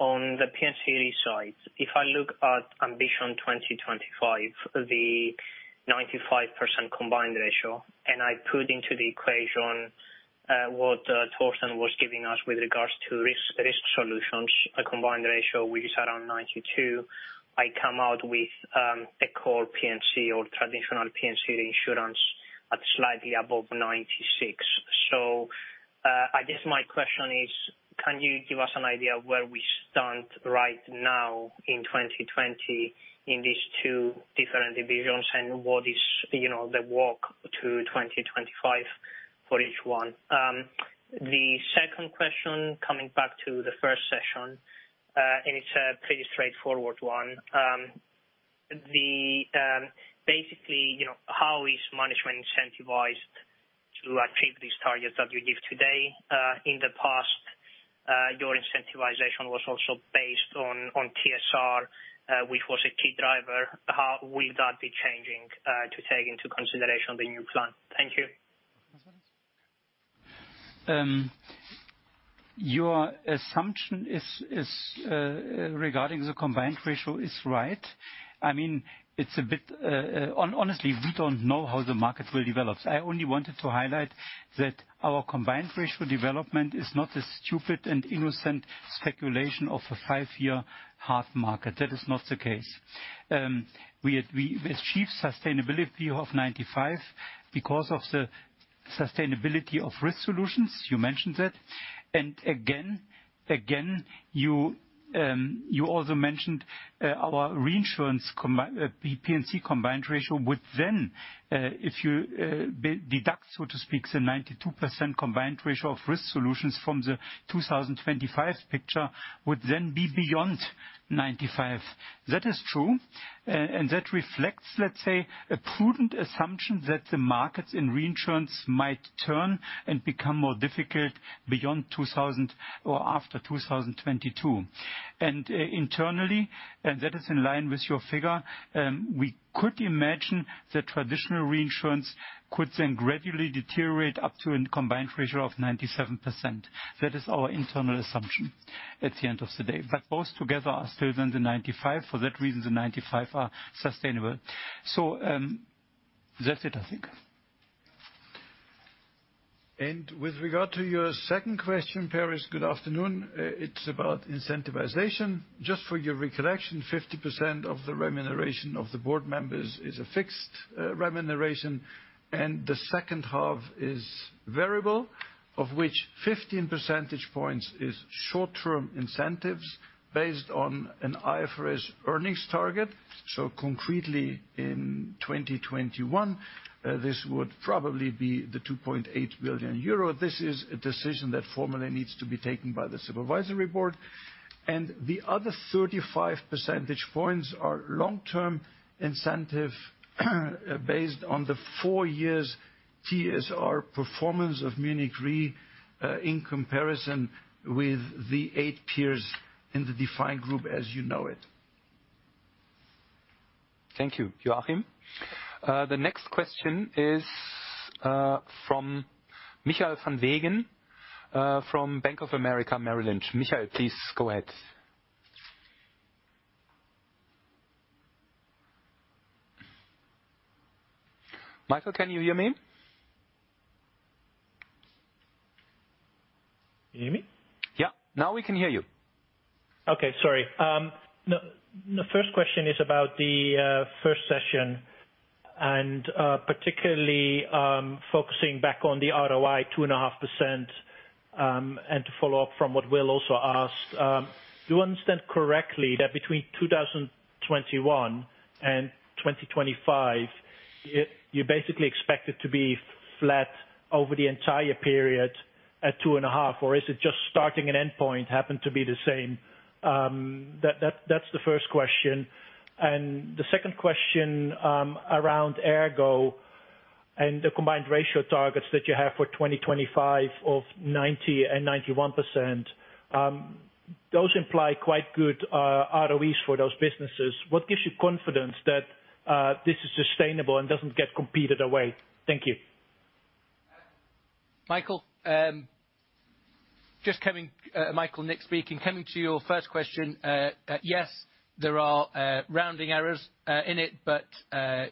On the P&C RE side, if I look at Ambition 2025, the 95% combined ratio, and I put into the equation what Torsten was giving us with regards to Risk Solutions, a combined ratio which is around 92%. I come out with a core P&C or traditional P&C reinsurance at slightly above 96%. I guess my question is, can you give us an idea where we stand right now in 2020 in these two different divisions? What is the walk to 2025 for each one? The second question, coming back to the first session, and it's a pretty straightforward one. Basically, how is management incentivized to achieve these targets that you give today? In the past, your incentivization was also based on TSR, which was a key driver. How will that be changing, to take into consideration the new plan? Thank you. Markus? Your assumption regarding the combined ratio is right. Honestly, we don't know how the market will develop. I only wanted to highlight that our combined ratio development is not a stupid and innocent speculation of a five-year hard market. That is not the case. We achieve sustainability of 95 because of the sustainability of Risk Solutions. You mentioned that. Again, you also mentioned our reinsurance, the P&C combined ratio would then, if you deduct, so to speak, the 92% combined ratio of Risk Solutions from the 2025 picture, would then be beyond 95. That is true. That reflects, let's say, a prudent assumption that the markets in reinsurance might turn and become more difficult after 2022. Internally, and that is in line with your figure, we could imagine that traditional reinsurance could then gradually deteriorate up to a combined ratio of 97%. That is our internal assumption at the end of the day. Both together are still then the 95. For that reason, the 95 are sustainable. That's it, I think. With regard to your second question, Paris. Good afternoon. It's about incentivization. Just for your recollection, 50% of the remuneration of the board members is a fixed remuneration, and the second half is variable, of which 15 percentage points is short-term incentives based on an IFRS earnings target. Concretely, in 2021, this would probably be the 2.8 billion euro. This is a decision that formally needs to be taken by the supervisory board. The other 35 percentage points are long-term incentive based on the four years TSR performance of Munich RE in comparison with the eight peers in the defined group as you know it. Thank you, Joachim. The next question is from Michael van Wegen from Bank of America. Michael, please go ahead. Michael, can you hear me? Can you hear me? Yeah. Now we can hear you. Okay. Sorry. The first question is about the first session, particularly focusing back on the ROI 2.5%. To follow up from what Will also asked, do you understand correctly that between 2021 and 2025, you basically expect it to be flat over the entire period at 2.5%? Is it just starting and end point happen to be the same? That's the first question. The second question, around ERGO and the combined ratio targets that you have for 2025 of 90% and 91%. Those imply quite good ROEs for those businesses. What gives you confidence that this is sustainable and doesn't get competed away? Thank you. Michael. Michael, Nick speaking. Coming to your first question. Yes, there are rounding errors in it, but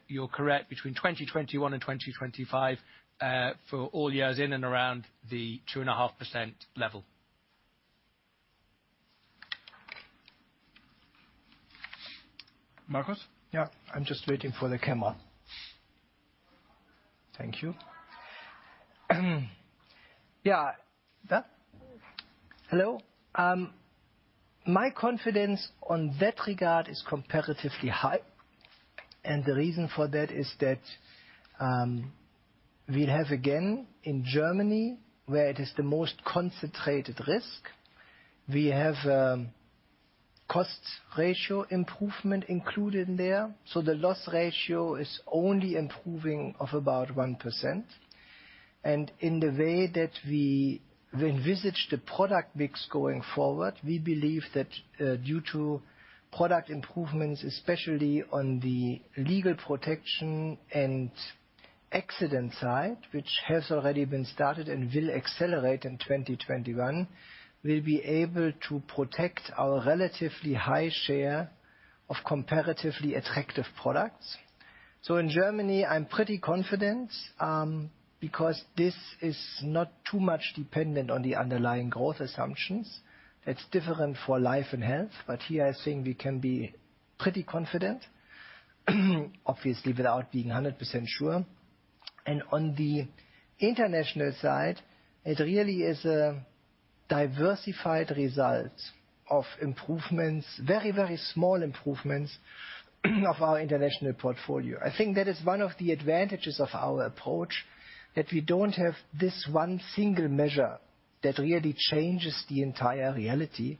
you're correct. Between 2021 and 2025, for all years in and around the 2.5% level. Markus? Yeah. I'm just waiting for the camera. Thank you. Yeah. Hello. My confidence on that regard is comparatively high. The reason for that is that, we have again, in Germany, where it is the most concentrated risk. We have cost ratio improvement included in there. The loss ratio is only improving of about 1%. In the way that we envisage the product mix going forward, we believe that due to product improvements, especially on the legal protection and accident side, which has already been started and will accelerate in 2021, we'll be able to protect our relatively high share of comparatively attractive products. In Germany, I'm pretty confident, because this is not too much dependent on the underlying growth assumptions. It's different for life and health. Here, I think we can be pretty confident, obviously, without being 100% sure. On the international side, it really is a diversified result of improvements, very small improvements, of our international portfolio. I think that is one of the advantages of our approach, that we don't have this one single measure that really changes the entire reality.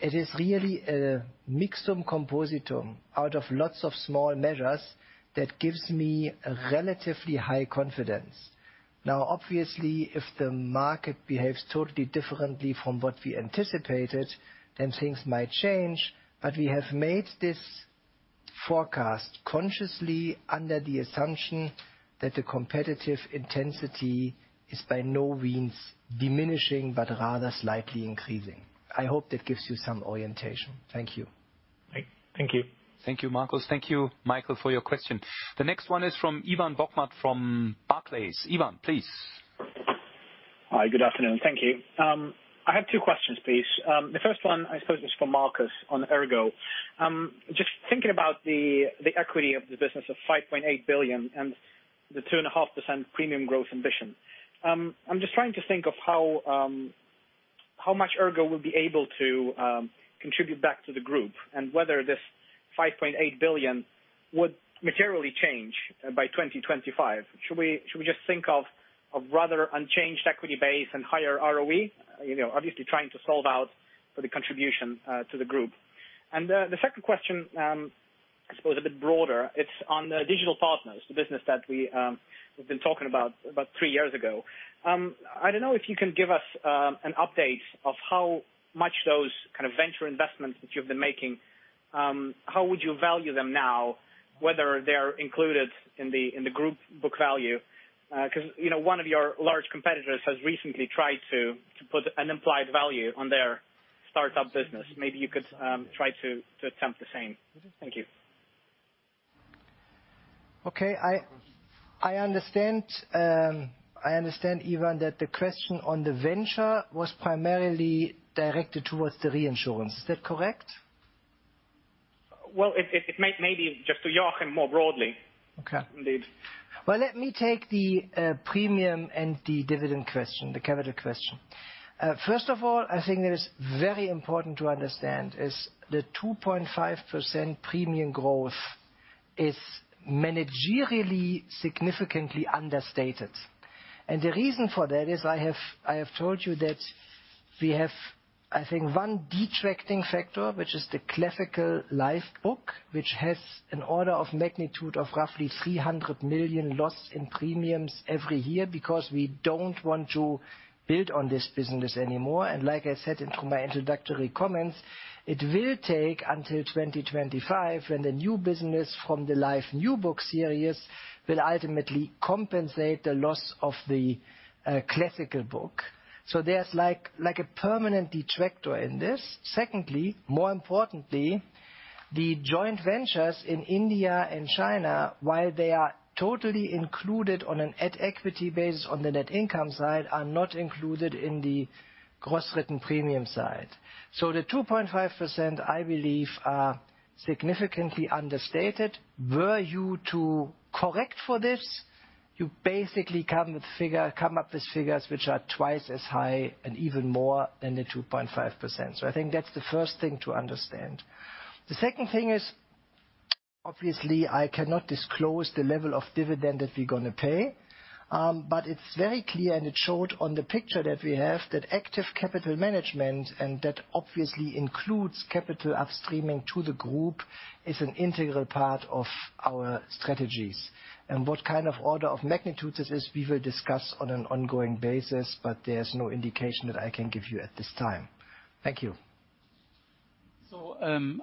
It is really a mixum compositum out of lots of small measures that gives me relatively high confidence. Obviously, if the market behaves totally differently from what we anticipated, then things might change. We have made this forecast consciously under the assumption that the competitive intensity is by no means diminishing, but rather slightly increasing. I hope that gives you some orientation. Thank you. Thank you. Thank you, Markus. Thank you, Michael, for your question. The next one is from Ivan Bokhmat from Barclays. Ivan, please. Hi, good afternoon. Thank you. I have two questions, please. The first one, I suppose, is for Markus on ERGO. Just thinking about the equity of the business of 5.8 billion and the 2.5% premium growth ambition. I'm just trying to think of how much ERGO will be able to contribute back to the group, and whether this 5.8 billion would materially change by 2025. Should we just think of a rather unchanged equity base and higher ROE? Obviously trying to solve out for the contribution to the group. The second question, I suppose, a bit broader. It's on the Digital Partners, the business that we've been talking about three years ago. I don't know if you can give us an update of how much those venture investments that you've been making. How would you value them now, whether they are included in the group book value? One of your large competitors has recently tried to put an implied value on their startup business. Maybe you could try to attempt the same. Thank you. Okay. I understand, Ivan, that the question on the venture was primarily directed towards the reinsurance. Is that correct? Well, it may maybe just to Joachim more broadly. Okay. Well, let me take the premium and the dividend question, the capital question. First of all, I think that is very important to understand is the 2.5% premium growth is managerially significantly understated. The reason for that is I have told you that we have, I think, one detracting factor, which is the classical life book, which has an order of magnitude of roughly 300 million loss in premiums every year because we don't want to build on this business anymore. Like I said in my introductory comments, it will take until 2025 when the new business from the life new book series will ultimately compensate the loss of the classical book. There's like a permanent detractor in this. Secondly, more importantly, the joint ventures in India and China, while they are totally included on an at-equity basis on the net income side, are not included in the gross written premium side. The 2.5%, I believe, are significantly understated. Were you to correct for this, you basically come up with figures which are twice as high and even more than the 2.5%. I think that's the first thing to understand. The second thing is, obviously, I cannot disclose the level of dividend that we're going to pay. It's very clear, and it showed on the picture that we have, that active capital management, and that obviously includes capital upstreaming to the group, is an integral part of our strategies. What order of magnitude this is, we will discuss on an ongoing basis, but there's no indication that I can give you at this time. Thank you.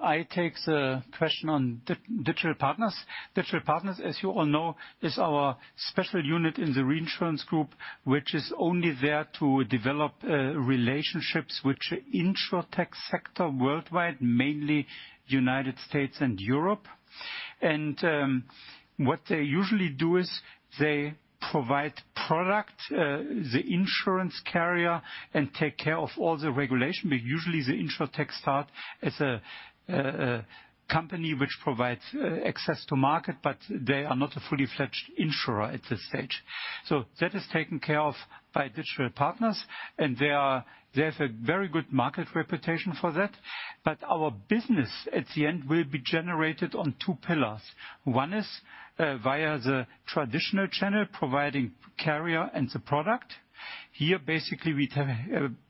I take the question on Digital Partners. Digital Partners, as you all know, is our special unit in the reinsurance group, which is only there to develop relationships with the insurtech sector worldwide, mainly U.S. and Europe. What they usually do is they provide product, the insurance carrier, and take care of all the regulation, but usually the insurtech start as a company which provides access to market, but they are not a fully-fledged insurer at this stage. That is taken care of by Digital Partners, and they have a very good market reputation for that. Our business at the end will be generated on two pillars. One is via the traditional channel, providing carrier and the product. Here, basically, we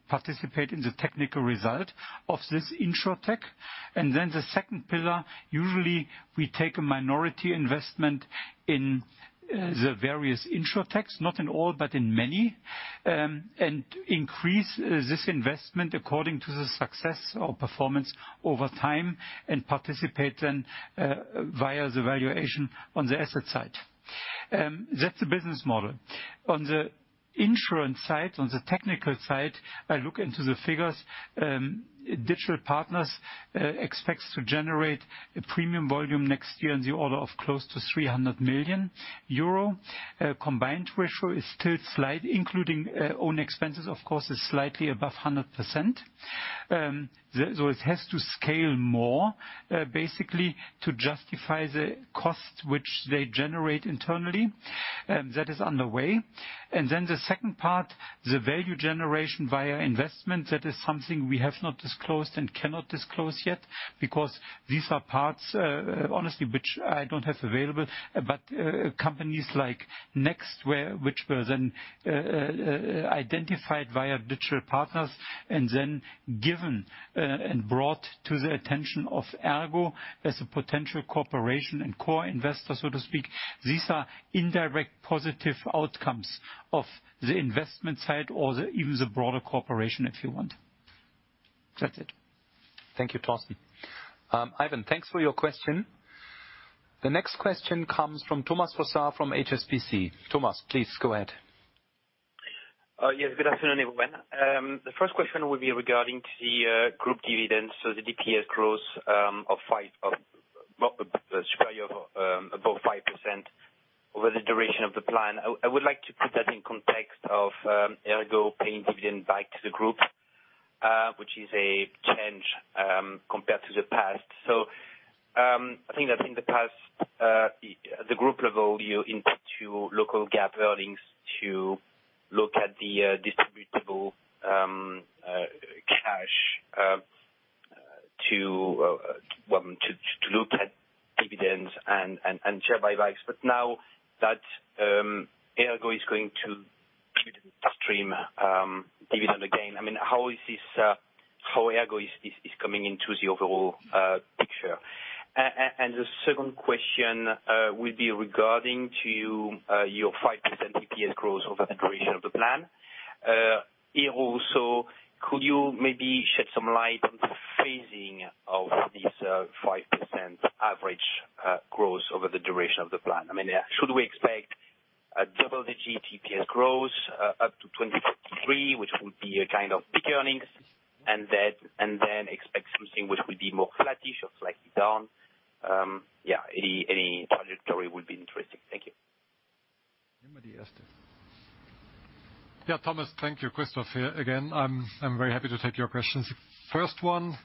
participate in the technical result of this insurtech. The second pillar, usually we take a minority investment in the various insurtechs, not in all, but in many, and increase this investment according to the success or performance over time, and participate then via the valuation on the asset side. That's the business model. On the insurance side, on the technical side, I look into the figures. Digital Partners expects to generate a premium volume next year in the order of close to 300 million euro. Combined ratio including own expenses, of course, is slightly above 100%. It has to scale more, basically, to justify the cost which they generate internally. That is underway. The second part, the value generation via investment. That is something we have not disclosed and cannot disclose yet because these are parts, honestly, which I don't have available. Companies like nexible, which were then identified via Digital Partners and then given and brought to the attention of ERGO as a potential cooperation and core investor, so to speak. These are indirect positive outcomes of the investment side or even the broader cooperation if you want. That is it. Thank you, Torsten. Ivan, thanks for your question. The next question comes from Thomas Fossard from HSBC. Thomas, please go ahead. Yes. Good afternoon, everyone. The first question will be regarding to the group dividends. The DPS growth of above 5% over the duration of the plan. I would like to put that in context of ERGO paying dividend back to the group, which is a change compared to the past. I think that in the past, the group level, you input to local GAAP earnings to look at the distributable cash, to look at dividends and share buybacks. Now that ERGO is going to treat the upstream dividend again, how ERGO is coming into the overall picture? The second question will be regarding to your 5% DPS growth over the duration of the plan. Here also, could you maybe shed some light on the phasing of this 5% average growth over the duration of the plan? Should we expect a double-digit DPS growth up to 2043, which would be a kind of peak earnings, and then expect something which will be more flattish or slightly down? Any trajectory would be interesting. Thank you. Anybody? Esther? Yeah, Thomas. Thank you. Christoph here again. I am very happy to take your questions. First one,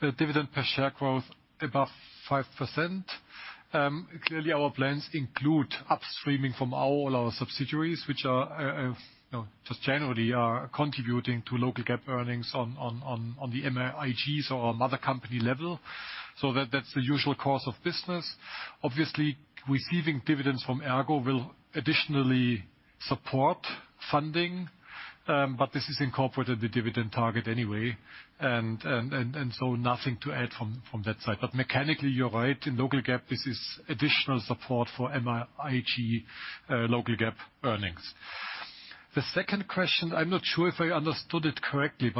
the dividend per share growth above 5%. Clearly, our plans include upstreaming from all our subsidiaries, which are contributing to local GAAP earnings on the Münchener Rück or mother company level. That's the usual course of business. Obviously, receiving dividends from ERGO will additionally support funding. This is incorporated the dividend target anyway. Nothing to add from that side. Mechanically, you're right. In local GAAP, this is additional support for Münchener Rück local GAAP earnings. The second question, I am not sure if I understood it correctly,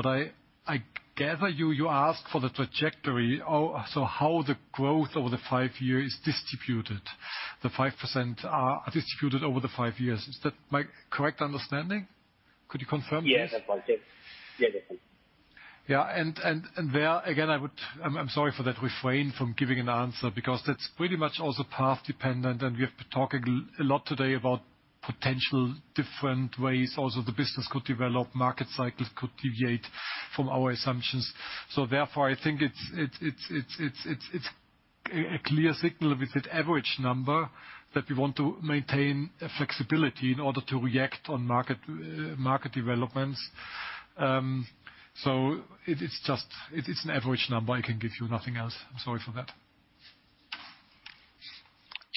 I gather you asked for the trajectory. How the growth over the five years is distributed. The 5% are distributed over the five years. Is that my correct understanding? Could you confirm please? Yes, that's Yeah, definitely. Yeah. There, again, I'm sorry for that, refrain from giving an answer because that's pretty much also path dependent and we have been talking a lot today about potential different ways also the business could develop, market cycles could deviate from our assumptions. Therefore, I think it's a clear signal with that average number that we want to maintain flexibility in order to react on market developments. It's an average number. I can give you nothing else. I'm sorry for that.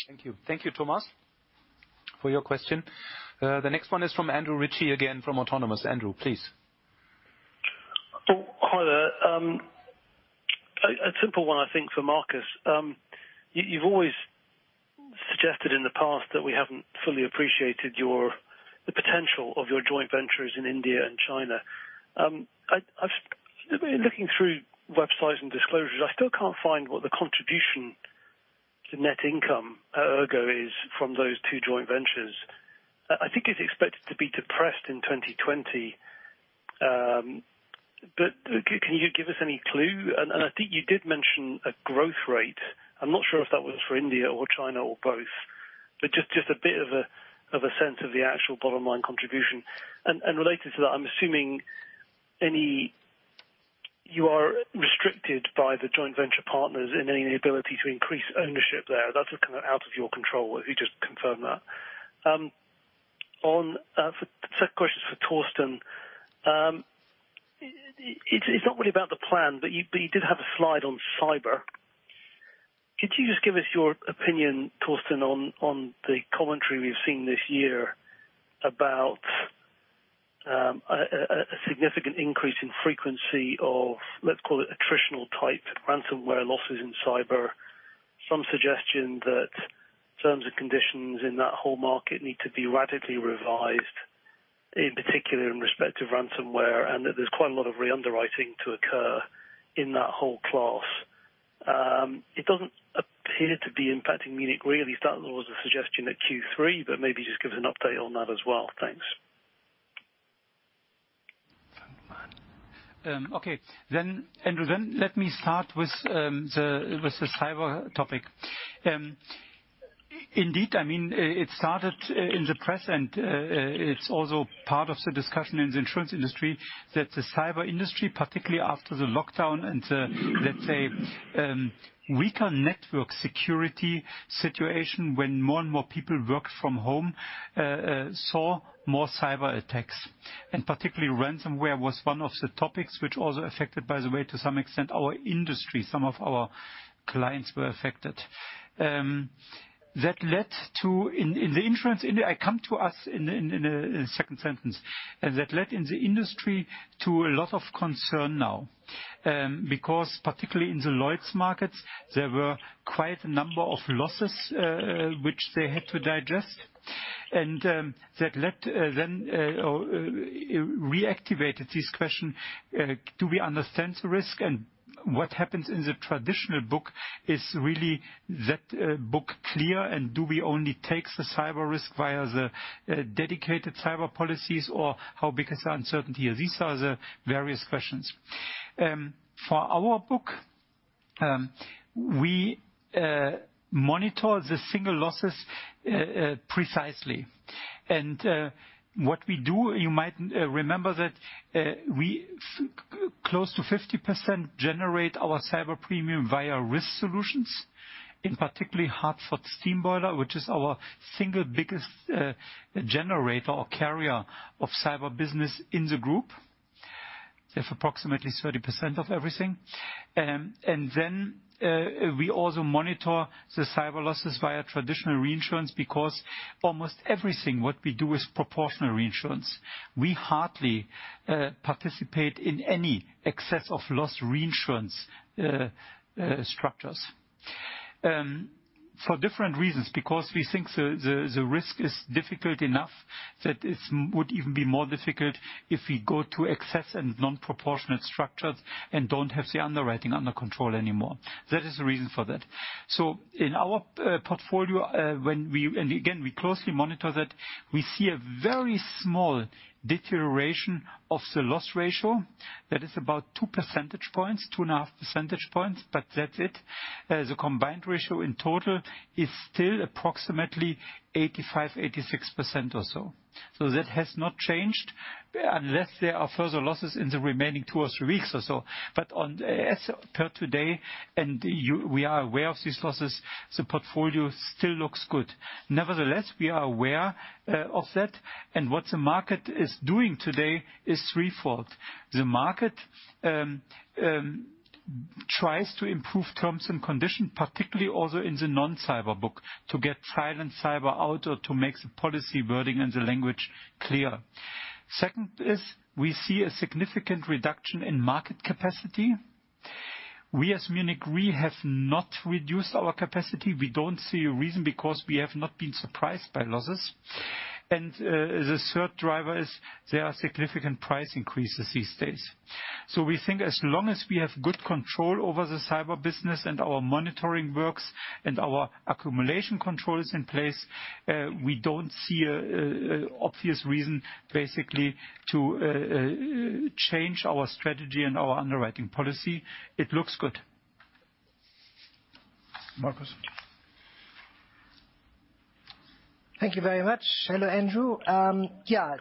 Thank you. Thank you, Thomas, for your question. The next one is from Andrew Ritchie again from Autonomous. Andrew, please. Hi there. A simple one I think for Markus. You've always suggested in the past that we haven't fully appreciated the potential of your joint ventures in India and China. I've been looking through websites and disclosures. I still can't find what the contribution to net income at ERGO is from those two joint ventures. I think it's expected to be depressed in 2020. Can you give us any clue? I think you did mention a growth rate. I'm not sure if that was for India or China or both. Just a bit of a sense of the actual bottom line contribution. Related to that, I'm assuming you are restricted by the joint venture partners in any ability to increase ownership there. That's out of your control. If you just confirm that. The second question is for Torsten. It's not really about the plan. You did have a slide on cyber. Could you just give us your opinion, Torsten, on the commentary we've seen this year about a significant increase in frequency of, let's call it attritional type ransomware losses in cyber. Some suggestion that terms and conditions in that whole market need to be radically revised, in particular in respect of ransomware, and that there's quite a lot of re-underwriting to occur in that whole class. It doesn't appear to be impacting Munich Re. At least that was a suggestion at Q3. Maybe just give us an update on that as well. Thanks. Andrew, let me start with the cyber topic. Indeed, it started in the press and it's also part of the discussion in the insurance industry that the cyber industry, particularly after the lockdown and the, let's say, weaker network security situation when more and more people worked from home, saw more cyber attacks. Particularly ransomware was one of the topics which also affected, by the way, to some extent, our industry. Some of our clients were affected. I come to us in a second sentence. That led in the industry to a lot of concern now. Because particularly in the Lloyd's markets, there were quite a number of losses, which they had to digest. That reactivated this question, do we understand the risk and what happens in the traditional book? Is really that book clear and do we only take the cyber risk via the dedicated cyber policies or how big is the uncertainty? These are the various questions. For our book, we monitor the single losses precisely. What we do, you might remember that we, close to 50%, generate our cyber premium via Risk Solutions, in particularly Hartford Steam Boiler, which is our single biggest generator or carrier of cyber business in the group. That's approximately 30% of everything. We also monitor the cyber losses via traditional reinsurance because almost everything what we do is proportional reinsurance. We hardly participate in any excess of loss reinsurance structures. For different reasons, because we think the risk is difficult enough that it would even be more difficult if we go to excess and non-proportionate structures and don't have the underwriting under control anymore. That is the reason for that. In our portfolio, and again, we closely monitor that, we see a very small deterioration of the loss ratio that is about two percentage points, two and a half percentage points, but that's it. The combined ratio in total is still approximately 85%, 86% or so. That has not changed unless there are further losses in the remaining two or three weeks or so. As per today, and we are aware of these losses, the portfolio still looks good. Nevertheless, we are aware of that and what the market is doing today is threefold. The market tries to improve terms and conditions, particularly also in the non-cyber book to get silent cyber out or to make the policy wording and the language clear. Second is, we see a significant reduction in market capacity. We, as Munich Re, have not reduced our capacity. We don't see a reason because we have not been surprised by losses. The third driver is there are significant price increases these days. We think as long as we have good control over the cyber business and our monitoring works and our accumulation control is in place, we don't see an obvious reason, basically, to change our strategy and our underwriting policy. It looks good. Markus? Thank you very much. Hello, Andrew. I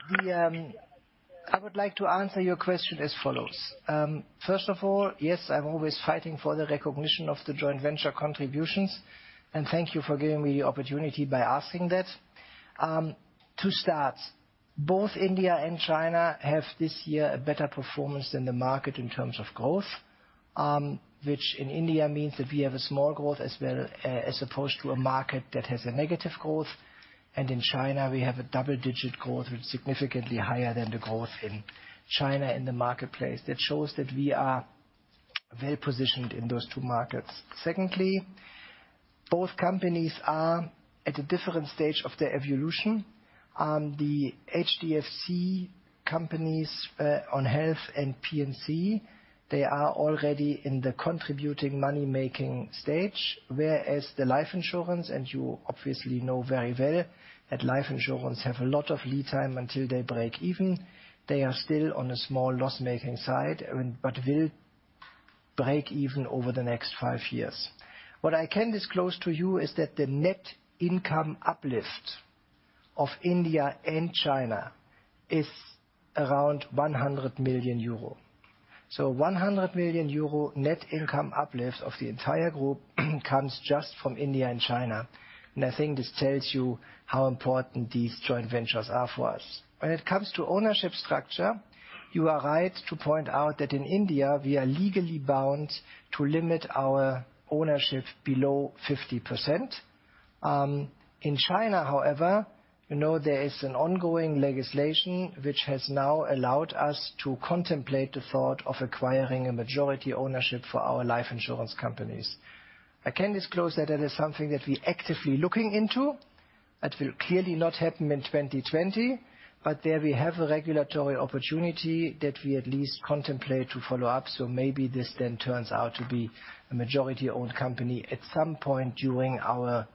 would like to answer your question as follows. First of all, yes, I am always fighting for the recognition of the joint venture contributions, and thank you for giving me the opportunity by asking that. To start, both India and China have this year a better performance than the market in terms of growth. In India means that we have a small growth as opposed to a market that has a negative growth. In China, we have a double-digit growth, which is significantly higher than the growth in China in the marketplace. That shows that we are well-positioned in those two markets. Both companies are at a different stage of their evolution. The HDFC companies on health and P&C, they are already in the contributing money-making stage, whereas the life insurance, and you obviously know very well that life insurance have a lot of lead time until they break even. They are still on a small loss-making side, but will break even over the next five years. What I can disclose to you is that the net income uplift of India and China is around 100 million euro. 100 million euro net income uplift of the entire group comes just from India and China. I think this tells you how important these joint ventures are for us. When it comes to ownership structure, you are right to point out that in India, we are legally bound to limit our ownership below 50%. In China, however, there is an ongoing legislation which has now allowed us to contemplate the thought of acquiring a majority ownership for our life insurance companies. I can disclose that it is something that we're actively looking into. That will clearly not happen in 2020. There we have a regulatory opportunity that we at least contemplate to follow up. Maybe this then turns out to be a majority-owned company at some point during our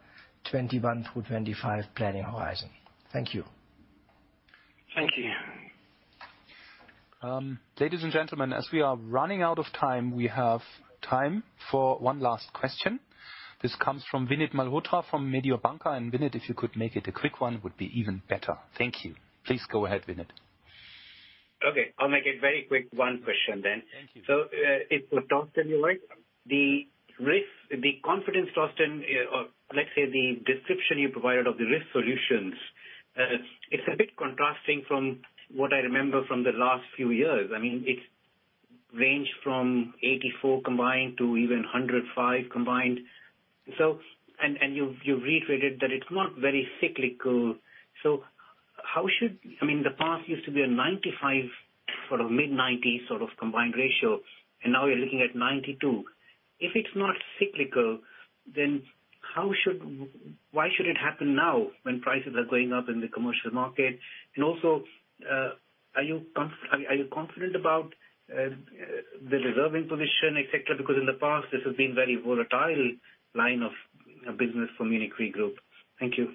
2021 through 2025 planning horizon. Thank you. Thank you. Ladies and gentlemen, as we are running out of time, we have time for one last question. This comes from Vinit Malhotra from Mediobanca. Vinit, if you could make it a quick one, would be even better. Thank you. Please go ahead, Vinit. Okay, I'll make it very quick. One question then. Thank you. It's for Torsten Jeworrek. The confidence, Torsten, or let's say the description you provided of the Risk Solutions, it's a bit contrasting from what I remember from the last few years. It range from 84 combined to even 105 combined. You've reiterated that it's not very cyclical. The past used to be a 95, sort of mid 90s sort of combined ratio, and now we're looking at 92. If it's not cyclical, why should it happen now when prices are going up in the commercial market? Are you confident about the reserving position, et cetera? Because in the past this has been very volatile line of business for Munich RE Group. Thank you.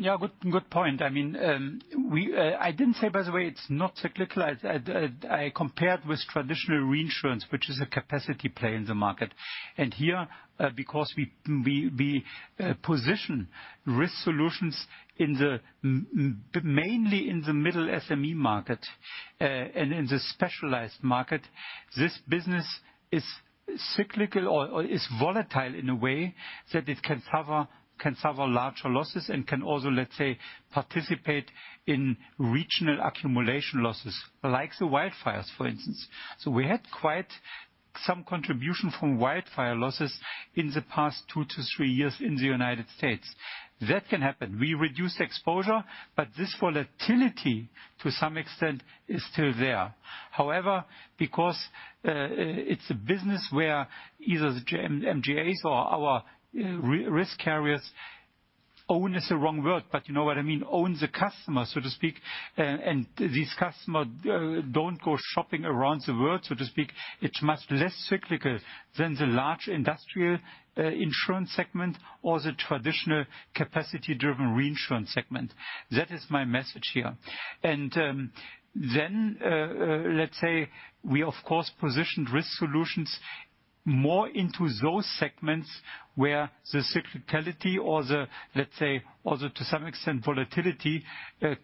Yeah, good point. I didn't say, by the way, it's not cyclical. I compared with traditional reinsurance, which is a capacity play in the market. Here, because we position Risk Solutions mainly in the middle SME market and in the specialized market. This business is cyclical or is volatile in a way that it can suffer larger losses and can also, let's say, participate in regional accumulation losses, like the wildfires, for instance. We had quite some contribution from wildfire losses in the past two to three years in the United States. That can happen. We reduce exposure, but this volatility, to some extent, is still there. However, because it's a business where either the MGAs or our risk carriers own is the wrong word, but you know what I mean, own the customer, so to speak. These customer don't go shopping around the world, so to speak. It's much less cyclical than the large industrial insurance segment or the traditional capacity-driven reinsurance segment. That is my message here. Then, let's say we, of course, positioned Risk Solutions more into those segments where the cyclicality or the, let's say, or the to some extent volatility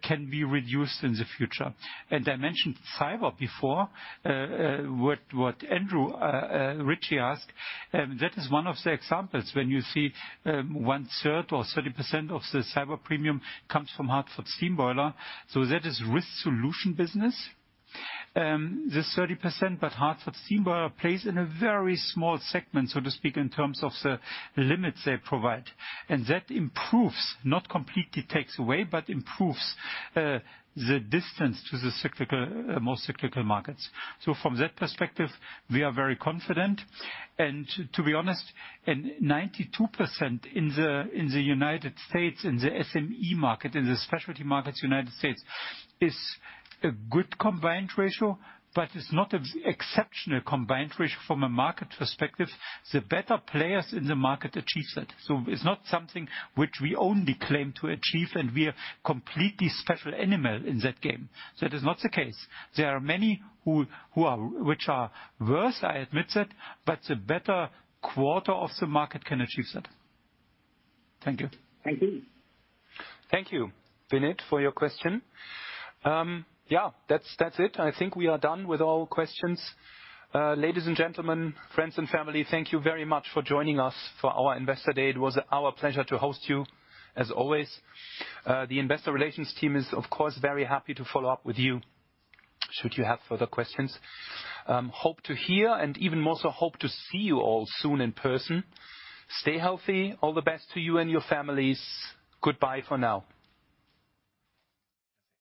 can be reduced in the future. I mentioned cyber before, what Andrew Ritchie asked. That is one of the examples when you see one third or 30% of the cyber premium comes from Hartford Steam Boiler. That is Risk Solution business. This 30%, Hartford Steam Boiler plays in a very small segment, so to speak, in terms of the limits they provide. That improves, not completely takes away, but improves the distance to the most cyclical markets. From that perspective, we are very confident. To be honest, and 92% in the United States, in the SME market, in the specialty markets United States, is a good combined ratio, but it's not an exceptional combined ratio from a market perspective. The better players in the market achieve that. It's not something which we only claim to achieve and we are completely special animal in that game. That is not the case. There are many which are worse, I admit that, but the better quarter of the market can achieve that. Thank you. Thank you. Thank you, Vinit, for your question. Yeah, that's it. I think we are done with all questions. Ladies and gentlemen, friends and family, thank you very much for joining us for our Investor Day. It was our pleasure to host you, as always. The investor relations team is, of course, very happy to follow up with you should you have further questions. Hope to hear and even more so hope to see you all soon in person. Stay healthy. All the best to you and your families. Goodbye for now.